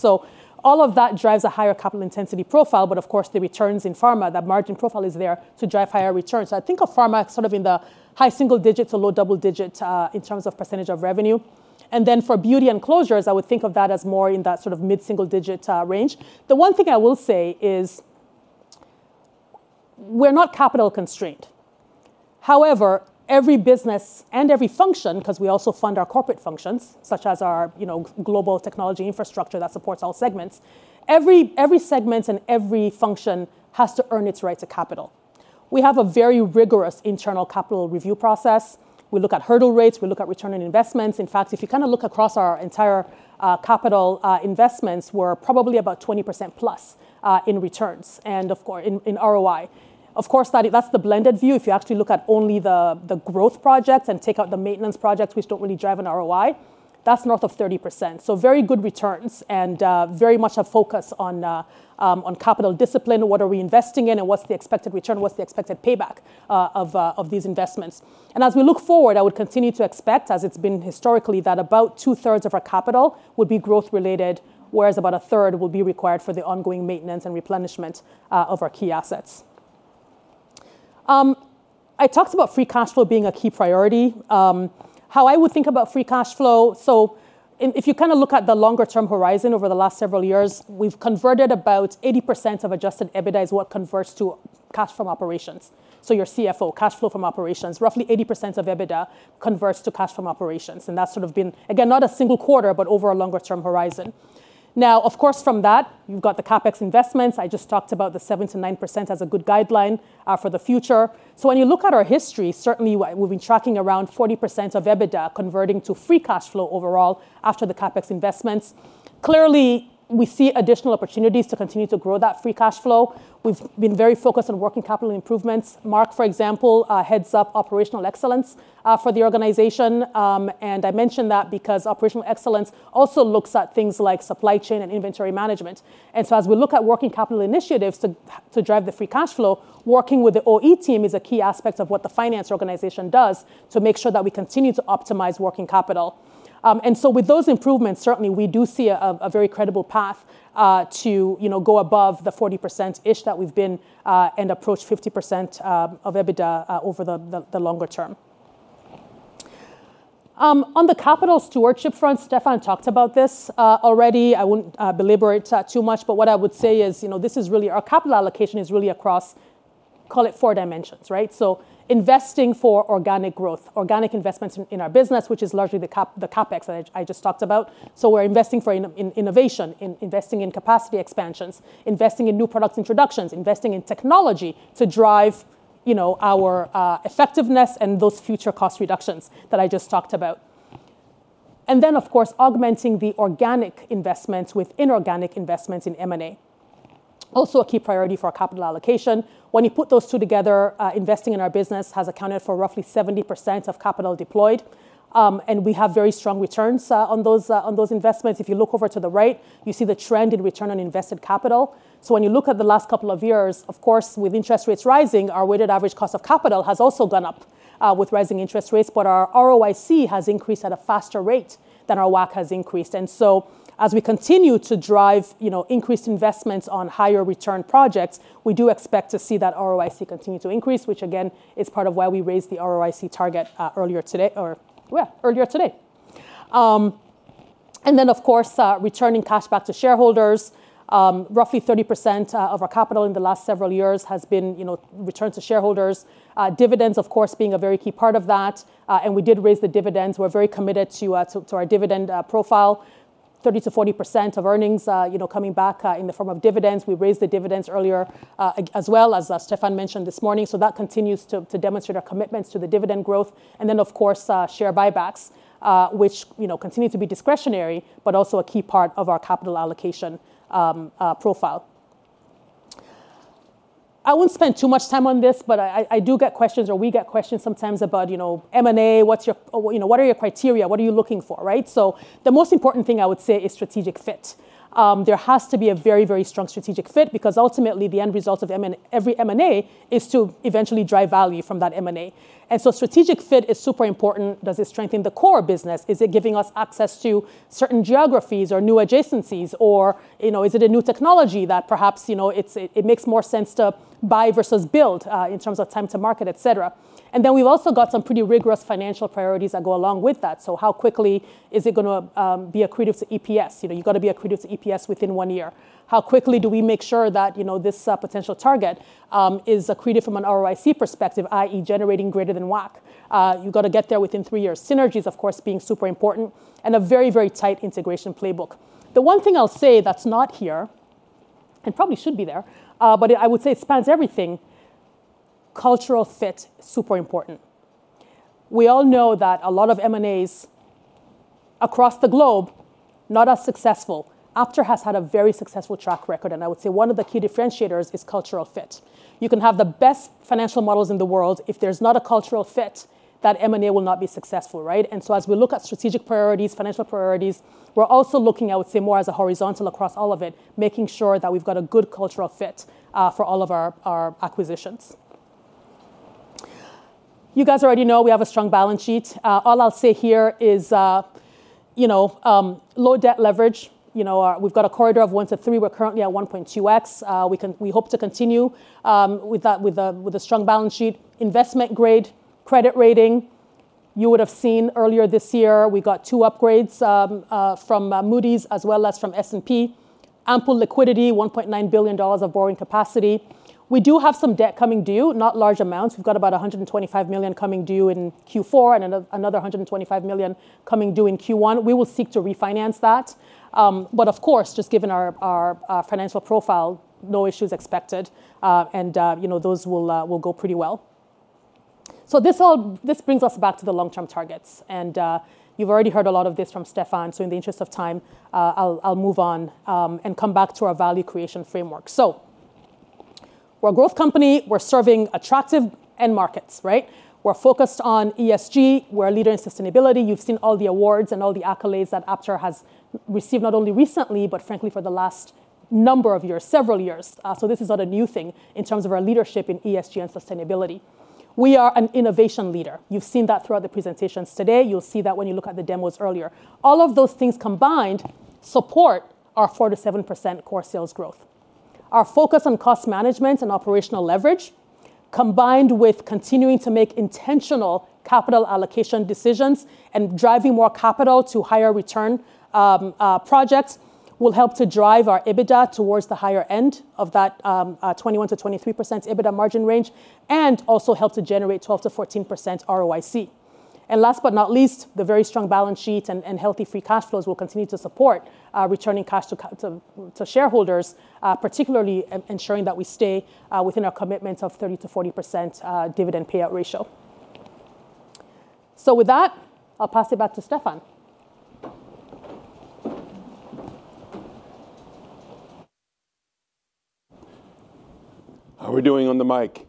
All of that drives a higher capital intensity profile. Of course, the returns in Pharma, that margin profile is there to drive higher returns. I think of Pharma sort of in the high single digit to low double digit in terms of percentage of revenue. For beauty and closures, I would think of that as more in that sort of mid single-digit range. The one thing I will say is we're not capital constrained. However, every business and every function, because we also fund our corporate functions, such as our global technology infrastructure that supports all segments, every segment and every function has to earn its right to capital. We have a very rigorous internal capital review process. We look at hurdle rates. We look at return on investments. In fact, if you kind of look across our entire capital investments, we're probably about 20%+ in returns and in ROI. Of course, that's the blended view. If you actually look at only the growth projects and take out the maintenance projects, which don't really drive an ROI, that's north of 30%. Very good returns and very much a focus on capital discipline. What are we investing in? What's the expected return? What's the expected payback of these investments? As we look forward, I would continue to expect, as it's been historically, that about 2/3 of our capital would be growth-related, whereas about a third will be required for the ongoing maintenance and replenishment of our key assets. I talked about free cash flow being a key priority. How I would think about free cash flow. If you kind of look at the longer-term horizon over the last several years, we've converted about 80% of adjusted EBITDA is what converts to cash from operations. Your CFO, cash flow from operations, roughly 80% of EBITDA converts to cash from operations. That's sort of been, again, not a single quarter, but over a longer-term horizon. Of course, from that, we've got the CapEx investments. I just talked about the 7%-9% as a good guideline for the future. When you look at our history, certainly we've been tracking around 40% of EBITDA converting to free cash flow overall after the CapEx investments. Clearly, we see additional opportunities to continue to grow that free cash flow. We've been very focused on working capital improvements. Marc, for example, heads up operational excellence for the organization. I mention that because operational excellence also looks at things like supply chain and inventory management. As we look at working capital initiatives to drive the free cash flow, working with the OE team is a key aspect of what the finance organization does to make sure that we continue to optimize working capital. With those improvements, certainly we do see a very credible path to go above the 40%-ish that we've been and approach 50% of EBITDA over the longer term. On the capital stewardship front, Stephan talked about this already. I won't belabor it too much. What I would say is this is really our capital allocation is really across, call it four dimensions, right? Investing for organic growth, organic investments in our business, which is largely the CapEx that I just talked about. We're investing for innovation, investing in capacity expansions, investing in new product introductions, investing in technology to drive our effectiveness and those future cost reductions that I just talked about. Then, of course, augmenting the organic investments with inorganic investments in M&A. Also a key priority for our capital allocation. When you put those two together, investing in our business has accounted for roughly 70% of capital deployed. We have very strong returns on those investments. If you look over to the right, you see the trend in return on invested capital. When you look at the last couple of years, of course, with interest rates rising, our weighted average cost of capital has also gone up with rising interest rates. Our ROIC has increased at a faster rate than our WACC has increased. As we continue to drive increased investments on higher return projects, we do expect to see that ROIC continue to increase, which again is part of why we raised the ROIC target earlier today. Of course, returning cash back to shareholders, roughly 30% of our capital in the last several years has been returned to shareholders. Dividends, of course, being a very key part of that. We did raise the dividends. We're very committed to our dividend profile, 30%-40% of earnings coming back in the form of dividends. We raised the dividends earlier, as well, as Stephan mentioned this morning. That continues to demonstrate our commitments to the dividend growth. Share buybacks, which continue to be discretionary, are also a key part of our capital allocation profile. I won't spend too much time on this, but I do get questions, or we get questions sometimes about M&A. What are your criteria? What are you looking for, right? The most important thing I would say is strategic fit. There has to be a very, very strong strategic fit, because ultimately the end result of every M&A is to eventually drive value from that M&A. Strategic fit is super important. Does it strengthen the core business? Is it giving us access to certain geographies or new adjacencies? Or is it a new technology that perhaps it makes more sense to buy versus build in terms of time to market, et cetera? We have also got some pretty rigorous financial priorities that go along with that. How quickly is it going to be accretive to EPS? You've got to be accretive to EPS within one year. How quickly do we make sure that this potential target is accretive from an ROIC perspective, i.e., generating greater than WACC? You've got to get there within three years. Synergies, of course, being super important. A very, very tight integration playbook. The one thing I'll say that's not here, and probably should be there, but I would say it spans everything, cultural fit, super important. We all know that a lot of M&As across the globe are not as successful. Aptar has had a very successful track record. I would say one of the key differentiators is cultural fit. You can have the best financial models in the world. If there's not a cultural fit, that M&A will not be successful, right? As we look at strategic priorities and financial priorities, we're also looking, I would say, more as a horizontal across all of it, making sure that we've got a good cultural fit for all of our acquisitions. You guys already know we have a strong balance sheet. All I'll say here is low debt leverage. We've got a corridor of 1:3. We're currently at 1.2x. We hope to continue with a strong balance sheet. Investment grade credit rating, you would have seen earlier this year, we got two upgrades from Moody's, as well as from S&P. Ample liquidity, $1.9 billion of borrowing capacity. We do have some debt coming due, not large amounts. We've got about $125 million coming due in Q4 and another $125 million coming due in Q1. We will seek to refinance that. Of course, just given our financial profile, no issues expected. Those will go pretty well. This brings us back to the long-term targets. You've already heard a lot of this from Stephan. In the interest of time, I'll move on and come back to our value creation framework. We're a growth company. We're serving attractive end markets, right? We're focused on ESG. We're a leader in sustainability. You've seen all the awards and all the accolades that Aptar has received, not only recently, but frankly, for the last number of years, several years. This is not a new thing in terms of our leadership in ESG and sustainability. We are an innovation leader. You've seen that throughout the presentations today. You'll see that when you look at the demos earlier. All of those things combined support our 4%-7% core sales growth. Our focus on cost management and operational leverage, combined with continuing to make intentional capital allocation decisions and driving more capital to higher return projects, will help to drive our EBITDA towards the higher end of that 21%-23% EBITDA margin range and also help to generate 12%-14% ROIC. Last but not least, the very strong balance sheet and healthy free cash flows will continue to support returning cash to shareholders, particularly ensuring that we stay within our commitment of 30%-40% dividend payout ratio. With that, I'll pass it back to Stephan. How are we doing on the mic?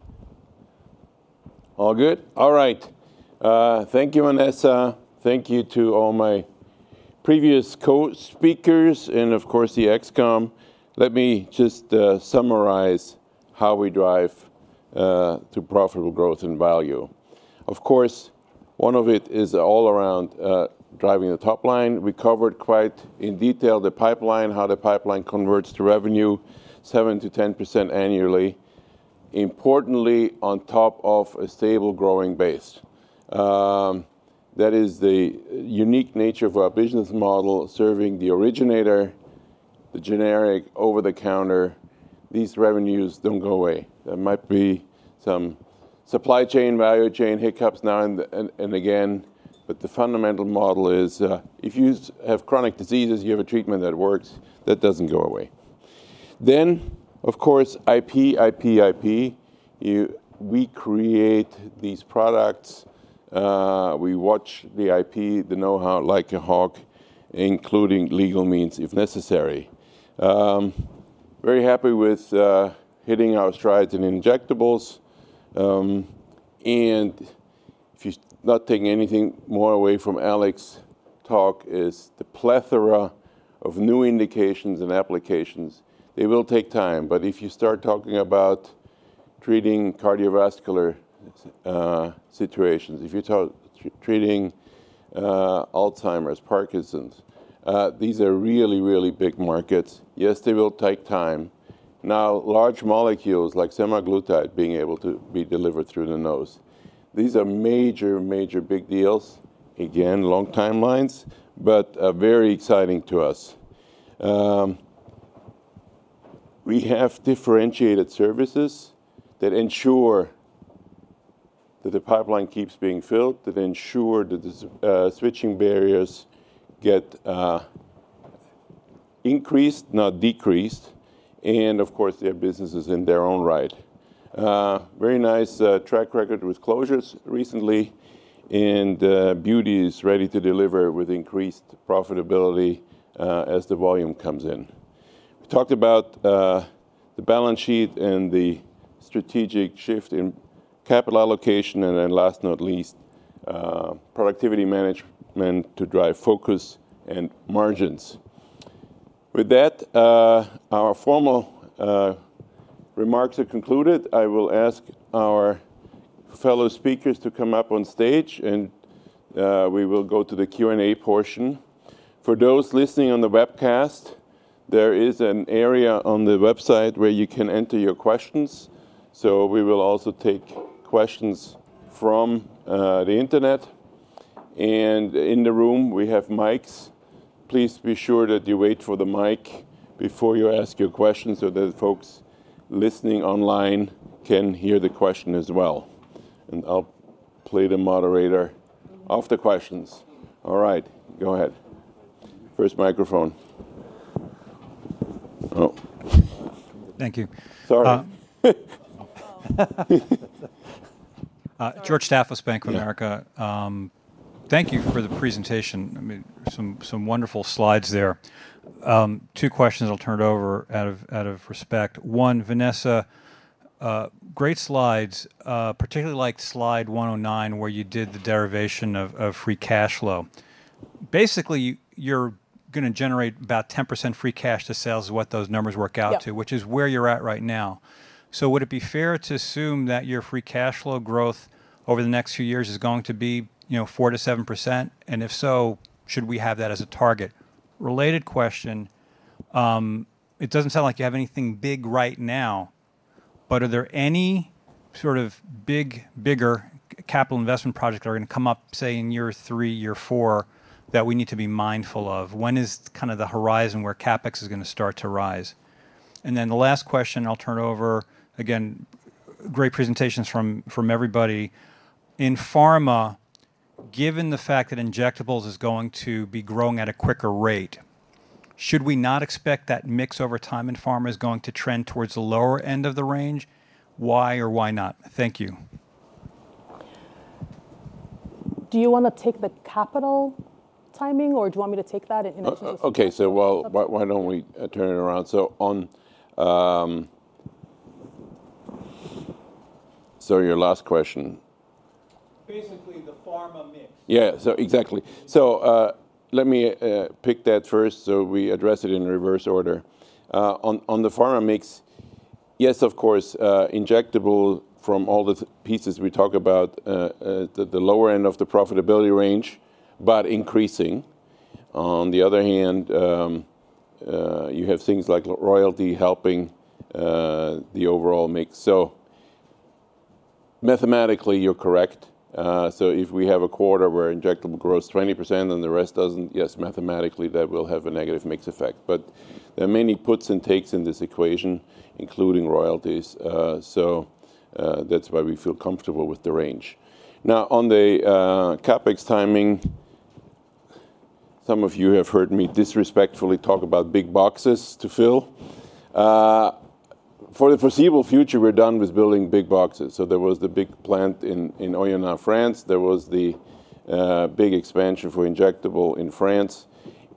All good? All right. Thank you, Vanessa. Thank you to all my previous co-speakers, and of course, the ExCom. Let me just summarize how we drive to profitable growth and value. Of course, one of it is all around driving the top line. We covered quite in detail the pipeline, how the pipeline converts to revenue, 7%-10% annually, importantly, on top of a stable growing base. That is the unique nature of our business model, serving the originator, the generic, over-the-counter. These revenues don't go away. There might be some supply chain, value chain hiccups now and again, but the fundamental model is if you have chronic diseases, you have a treatment that works. That doesn't go away. Then, of course, IP, IP, IP. We create these products. We watch the IP, the know-how, like a hawk, including legal means if necessary. Very happy with hitting our strides in injectables. If you're not taking anything more away from Alex's talk, it is the plethora of new indications and applications. They will take time. If you start talking about treating cardiovascular situations, if you're treating Alzheimer's, Parkinson's, these are really, really big markets. Yes, they will take time. Now, large molecules like semaglutide being able to be delivered through the nose, these are major, major big deals. Again, long timelines, but very exciting to us. We have differentiated services that ensure that the pipeline keeps being filled, that ensure that the switching barriers get increased, not decreased. They are businesses in their own right. Very nice track record with Closures recently, and Beauty is ready to deliver with increased profitability as the volume comes in. We talked about the balance sheet and the strategic shift in capital allocation. Last, not least, productivity management to drive focus and margins. With that, our formal remarks are concluded. I will ask our fellow speakers to come up on stage, and we will go to the Q&A portion. For those listening on the webcast, there is an area on the website where you can enter your questions. We will also take questions from the internet. In the room, we have mics. Please be sure that you wait for the mic before you ask your questions so that folks listening online can hear the question as well. I'll play the moderator of the questions. All right, go ahead. First microphone. Thank you. Sorry. George Staphos, Bank of America. Thank you for the presentation. I mean, some wonderful slides there. Two questions I'll turn over out of respect. One, Vanessa, great slides, particularly like slide 109, where you did the derivation of free cash flow. Basically, you're going to generate about 10% free cash to sales is what those numbers work out to, which is where you're at right now. Would it be fair to assume that your free cash flow growth over the next few years is going to be 4%-7%? If so, should we have that as a target? Related question, it doesn't sound like you have anything big right now. Are there any sort of bigger capital investment projects that are going to come up, say, in year three, year four, that we need to be mindful of? When is kind of the horizon where CapEx is going to start to rise? The last question, I'll turn over. Again, great presentations from everybody. In Pharma, given the fact that injectables are going to be growing at a quicker rate, should we not expect that mix over time in Pharma is going to trend towards the lower end of the range? Why or why not? Thank you. Do you want to take the capital timing, or do you want me to take that? OK, why don't we turn it around? On your last question. Basically, the Pharma mix. Yeah, exactly. Let me pick that first. We address it in reverse order. On the Pharma mix, yes, of course, injectable from all the pieces we talk about, the lower end of the profitability range, but increasing. On the other hand, you have things like royalty helping the overall mix. Mathematically, you're correct. If we have a quarter where injectable grows 20% and the rest doesn't, yes, mathematically, that will have a negative mix effect. There are many puts and takes in this equation, including royalties. That's why we feel comfortable with the range. Now, on the CapEx timing, some of you have heard me disrespectfully talk about big boxes to fill. For the foreseeable future, we're done with building big boxes. There was the big plant in Oyena, France. There was the big expansion for injectable in France.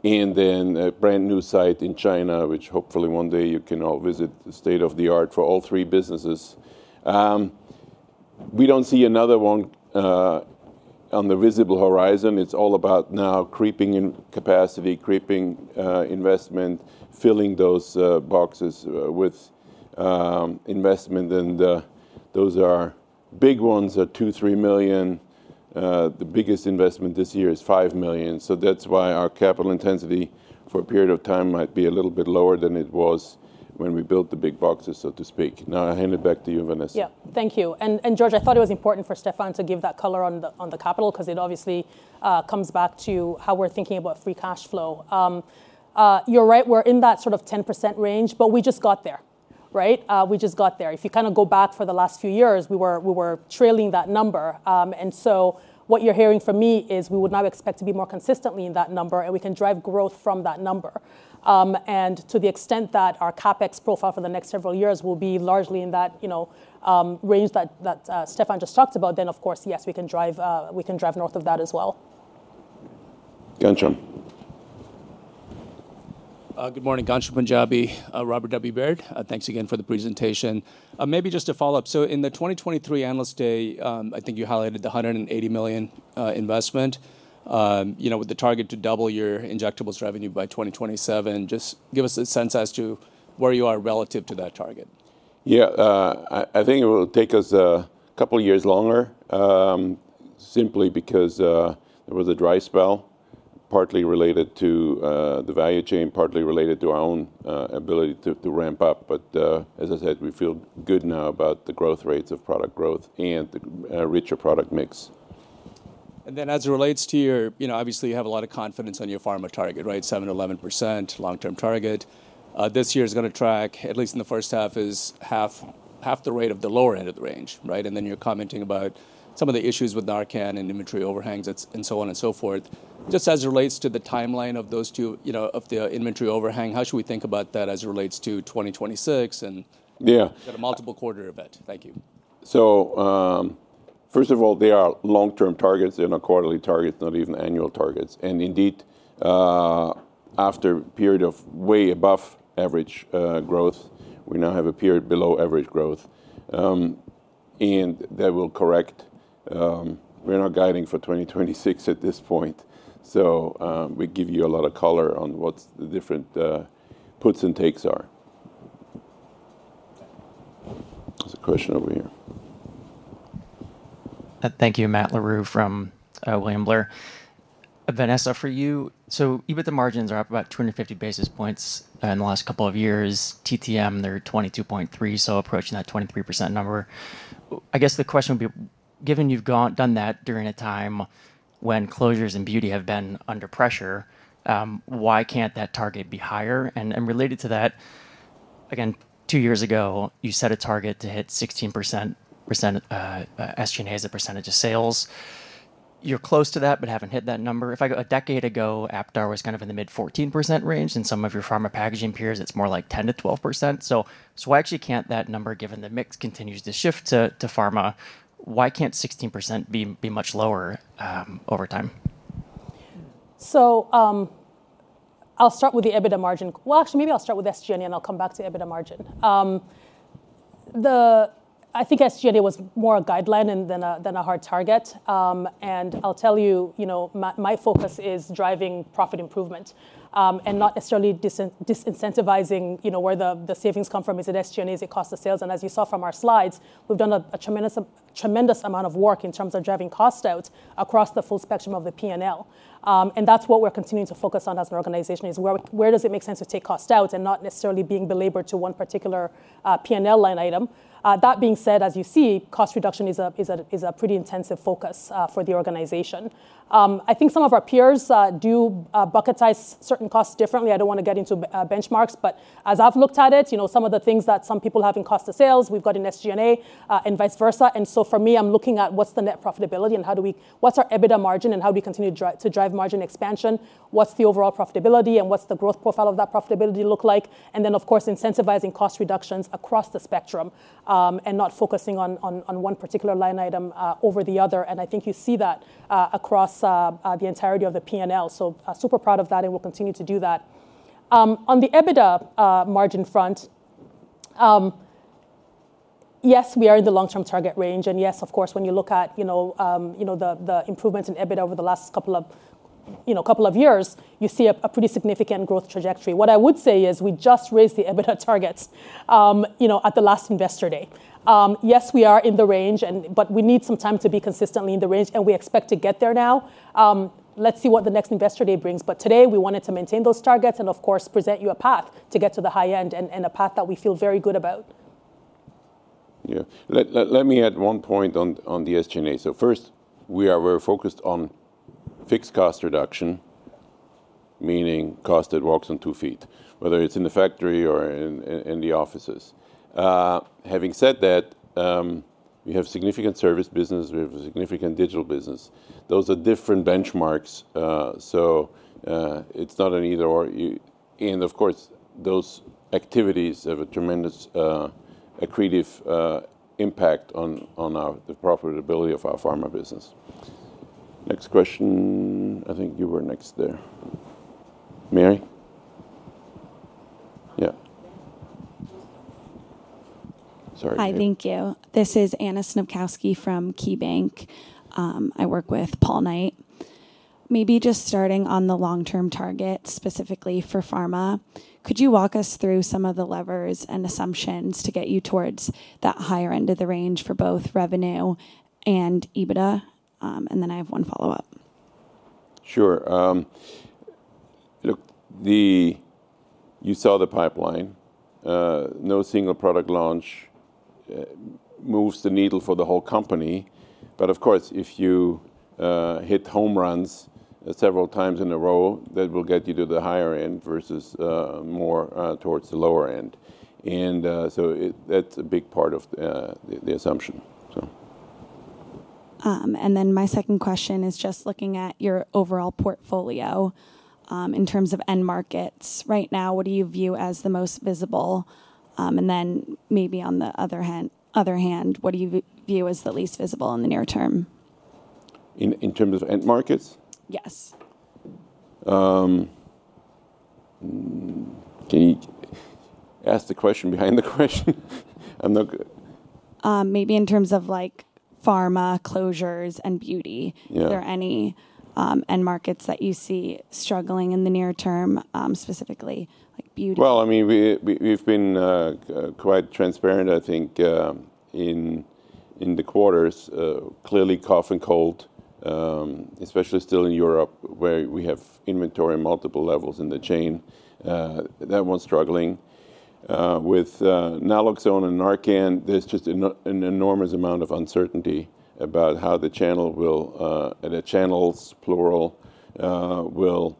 Then a brand new site in China, which hopefully one day you can all visit, the state of the art for all three businesses. We don't see another one on the visible horizon. It's all about now creeping in capacity, creeping investment, filling those boxes with investment. Those big ones are $2 million, $3 million. The biggest investment this year is $5 million. That's why our capital intensity for a period of time might be a little bit lower than it was when we built the big boxes, so to speak. Now, I'll hand it back to you, Vanessa. Yeah, thank you. George, I thought it was important for Stephan to give that color on the capital because it obviously comes back to how we're thinking about free cash flow. You're right. We're in that sort of 10% range, but we just got there, right? We just got there. If you kind of go back for the last few years, we were trailing that number. What you're hearing from me is we would now expect to be more consistently in that number, and we can drive growth from that number. To the extent that our CapEx profile for the next several years will be largely in that range that Stephan just talked about, of course, yes, we can drive north of that as well. Ghansham. Good morning. Ghansham Panjabi, Robert W. Baird. Thanks again for the presentation. Maybe just to follow up. In the 2023 analyst day, I think you highlighted the $180 million investment with the target to double your injectables revenue by 2027. Just give us a sense as to where you are relative to that target. Yeah, I think it will take us a couple of years longer, simply because there was a dry spell, partly related to the value chain, partly related to our own ability to ramp up. As I said, we feel good now about the growth rates of product growth and the richer product mix. As it relates to your, obviously, you have a lot of confidence on your Pharma target, right? 7%-11% long-term target. This year is going to track, at least in the first half, at half the rate of the lower end of the range, right? You're commenting about some of the issues with Narcan and inventory overhangs and so on and so forth. As it relates to the timeline of the inventory overhang, how should we think about that as it relates to 2026 and the multiple quarter event? Thank you. First of all, there are long-term targets and quarterly targets, not even annual targets. Indeed, after a period of way above average growth, we now have a period below average growth. That will correct. We're not guiding for 2026 at this point. We give you a lot of color on what the different puts and takes are. There's a question over here. Thank you, Matt DellaMaria from Wambler. Vanessa, for you, so EBITDA margins are up about 250 basis points in the last couple of years. TTM, they're 22.3%, so approaching that 23% number. I guess the question would be, given you've done that during a time when Closures and Beauty have been under pressure, why can't that target be higher? Related to that, again, two years ago, you set a target to hit 16% SG&A as a percentage of sales. You're close to that, but haven't hit that number. If I go a decade ago, Aptar was kind of in the mid 14% range. In some of your Pharma packaging peers, it's more like 10%-12%. Why actually can't that number, given the mix continues to shift to Pharma, why can't 16% be much lower over time? I'll start with the EBITDA margin. Actually, maybe I'll start with SG&A, and I'll come back to EBITDA margin. I think SG&A was more a guideline than a hard target. I'll tell you, my focus is driving profit improvement and not necessarily disincentivizing where the savings come from. Is it SG&A? Is it cost of sales? As you saw from our slides, we've done a tremendous amount of work in terms of driving cost out across the full spectrum of the P&L. That's what we're continuing to focus on as an organization, where does it make sense to take cost out and not necessarily being delivered to one particular P&L line item. That being said, as you see, cost reduction is a pretty intensive focus for the organization. I think some of our peers do bucketize certain costs differently. I don't want to get into benchmarks. As I've looked at it, some of the things that some people have in cost of sales, we've got in SG&A and vice versa. For me, I'm looking at what's the net profitability and what's our EBITDA margin and how do we continue to drive margin expansion? What's the overall profitability and what's the growth profile of that profitability look like? Of course, incentivizing cost reductions across the spectrum and not focusing on one particular line item over the other. I think you see that across the entirety of the P&L. I'm super proud of that, and we'll continue to do that. On the EBITDA margin front, yes, we are in the long-term target range. Yes, of course, when you look at the improvements in EBITDA over the last couple of years, you see a pretty significant growth trajectory. What I would say is we just raised the EBITDA targets at the last investor day. Yes, we are in the range, but we need some time to be consistently in the range, and we expect to get there now. Let's see what the next investor day brings. Today, we wanted to maintain those targets and, of course, present you a path to get to the high end and a path that we feel very good about. Let me add one point on the SG&A. First, we are very focused on fixed cost reduction, meaning cost that walks on two feet, whether it's in the factory or in the offices. Having said that, we have a significant service business. We have a significant digital business. Those are different benchmarks. It is not an either/or. Of course, those activities have a tremendous accretive impact on the profitability of our Pharma business. Next question. I think you were next there. Mary? Yeah. Hi, thank you. This is Anna Snopkowski from KeyBanc. I work with Paul Knight. Maybe just starting on the long-term targets, specifically for Pharma, could you walk us through some of the levers and assumptions to get you towards that higher end of the range for both revenue and EBITDA? I have one follow-up. Sure. Look, you saw the pipeline. No single product launch moves the needle for the whole company. Of course, if you hit home runs several times in a row, that will get you to the higher end versus more towards the lower end. That's a big part of the assumption. My second question is just looking at your overall portfolio in terms of end markets. Right now, what do you view as the most visible? On the other hand, what do you view as the least visible in the near term? In terms of end markets? Yes. Can you ask the question behind the question? Maybe in terms of Pharma, Closures, and Beauty, are there any end markets that you see struggling in the near term, specifically Beauty? I mean, we've been quite transparent, I think, in the quarters. Clearly, cough and cold, especially still in Europe, where we have inventory in multiple levels in the chain, that one's struggling. With naloxone and Narcan, there's just an enormous amount of uncertainty about how the channel will, and the channels, plural, will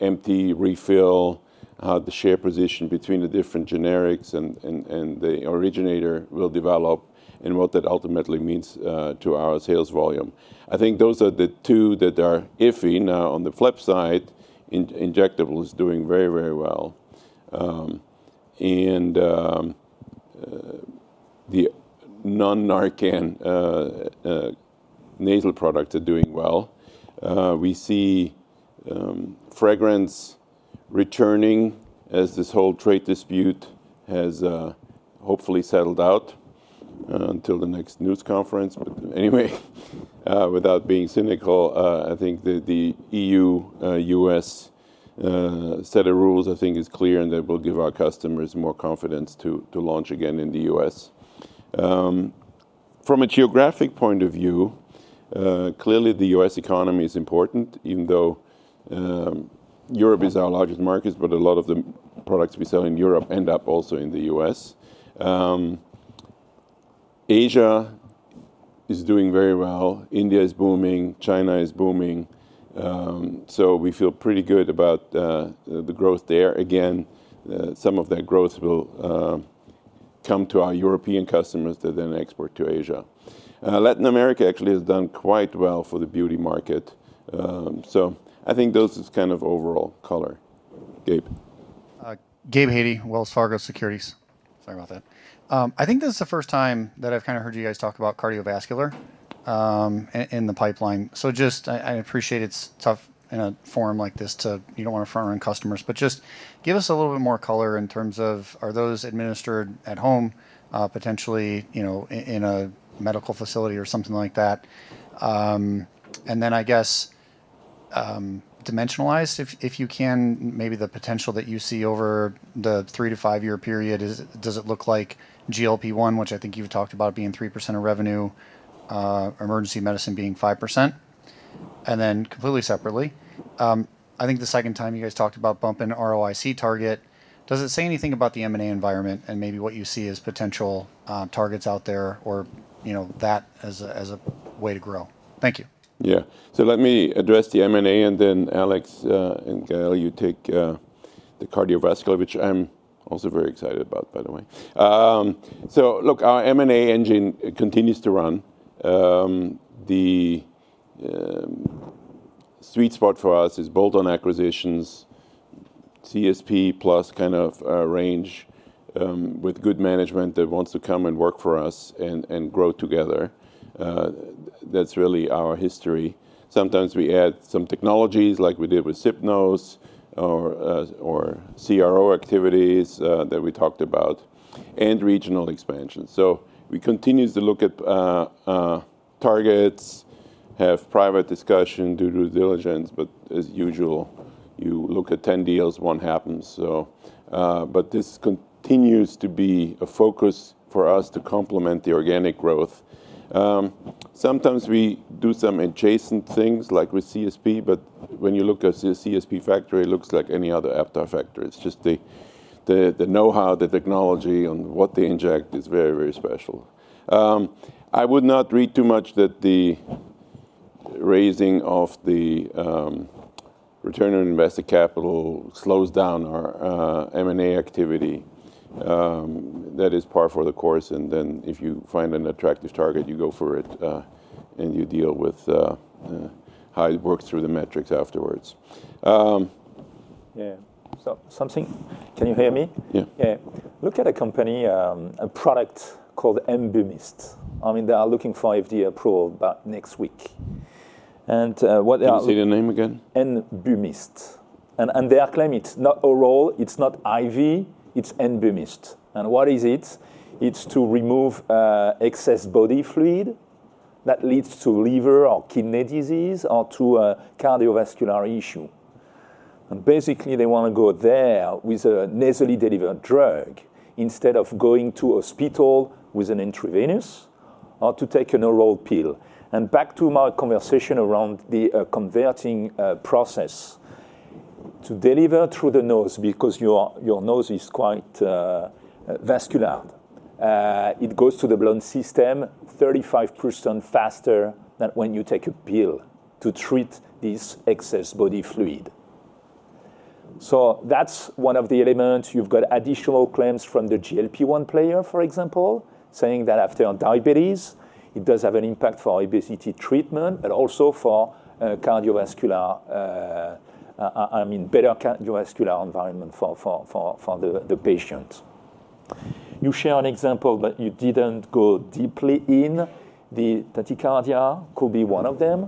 empty, refill, how the share position between the different generics and the originator will develop, and what that ultimately means to our sales volume. I think those are the two that are iffy. On the flip side, injectables are doing very, very well. The non-Narcan nasal products are doing well. We see fragrance returning as this whole trade dispute has hopefully settled out until the next news conference. Anyway, without being cynical, I think the EU-U.S. set of rules is clear, and that will give our customers more confidence to launch again in the U.S. From a geographic point of view, clearly, the U.S. economy is important, even though Europe is our largest market. A lot of the products we sell in Europe end up also in the U.S. Asia is doing very well. India is booming. China is booming. We feel pretty good about the growth there. Some of that growth will come to our European customers that then export to Asia. Latin America actually has done quite well for the beauty market. I think those are kind of overall color. Gabe? Sorry about that. I think this is the first time that I've kind of heard you guys talk about cardiovascular in the pipeline. I appreciate it's tough in a forum like this, you don't want to front-run customers. Just give us a little bit more color in terms of are those administered at home, potentially in a medical facility or something like that? I guess dimensionalized, if you can, maybe the potential that you see over the three to five-year period, does it look like GLP-1, which I think you've talked about being 3% of revenue, emergency medicine being 5%? Completely separately, I think the second time you guys talked about bumping ROIC target, does it say anything about the M&A environment and maybe what you see as potential targets out there or that as a way to grow? Thank you. Yeah, let me address the M&A, and then Alex and Gael, you take the cardiovascular, which I'm also very excited about, by the way. Our M&A engine continues to run. The sweet spot for us is bolt-on acquisitions, CSP plus kind of range with good management that wants to come and work for us and grow together. That's really our history. Sometimes we add some technologies, like we did with SipNose or CRO activities that we talked about, and regional expansion. We continue to look at targets, have private discussion, do due diligence. As usual, you look at 10 deals, one happens. This continues to be a focus for us to complement the organic growth. Sometimes we do some adjacent things, like with CSP. When you look at the CSP factory, it looks like any other Aptar factory. It's just the know-how, the technology on what they inject is very, very special. I would not read too much that the raising of the return on invested capital slows down our M&A activity. That is par for the course. If you find an attractive target, you go for it, and you deal with how it works through the metrics afterwards. Yeah, can you hear me? Yeah. Yeah, look at a company, a product called Enbumist. I mean, they are looking for FDA approval about next week. What else? Can you say the name again? Enbumist. They are claiming it's not oral. It's not IV. It's Enbumist. What is it? It's to remove excess body fluid that leads to liver or kidney disease or to a cardiovascular issue. Basically, they want to go there with a nasally delivered drug instead of going to a hospital with an intravenous or to take an oral pill. Back to my conversation around the converting process, to deliver through the nose because your nose is quite vascular. It goes through the blood system 35% faster than when you take a pill to treat this excess body fluid. That's one of the elements. You've got additional claims from the GLP-1 player, for example, saying that after diabetes, it does have an impact for obesity treatment, but also for cardiovascular, I mean, better cardiovascular environment for the patient. You share an example, but you didn't go deeply in. The tachycardia could be one of them.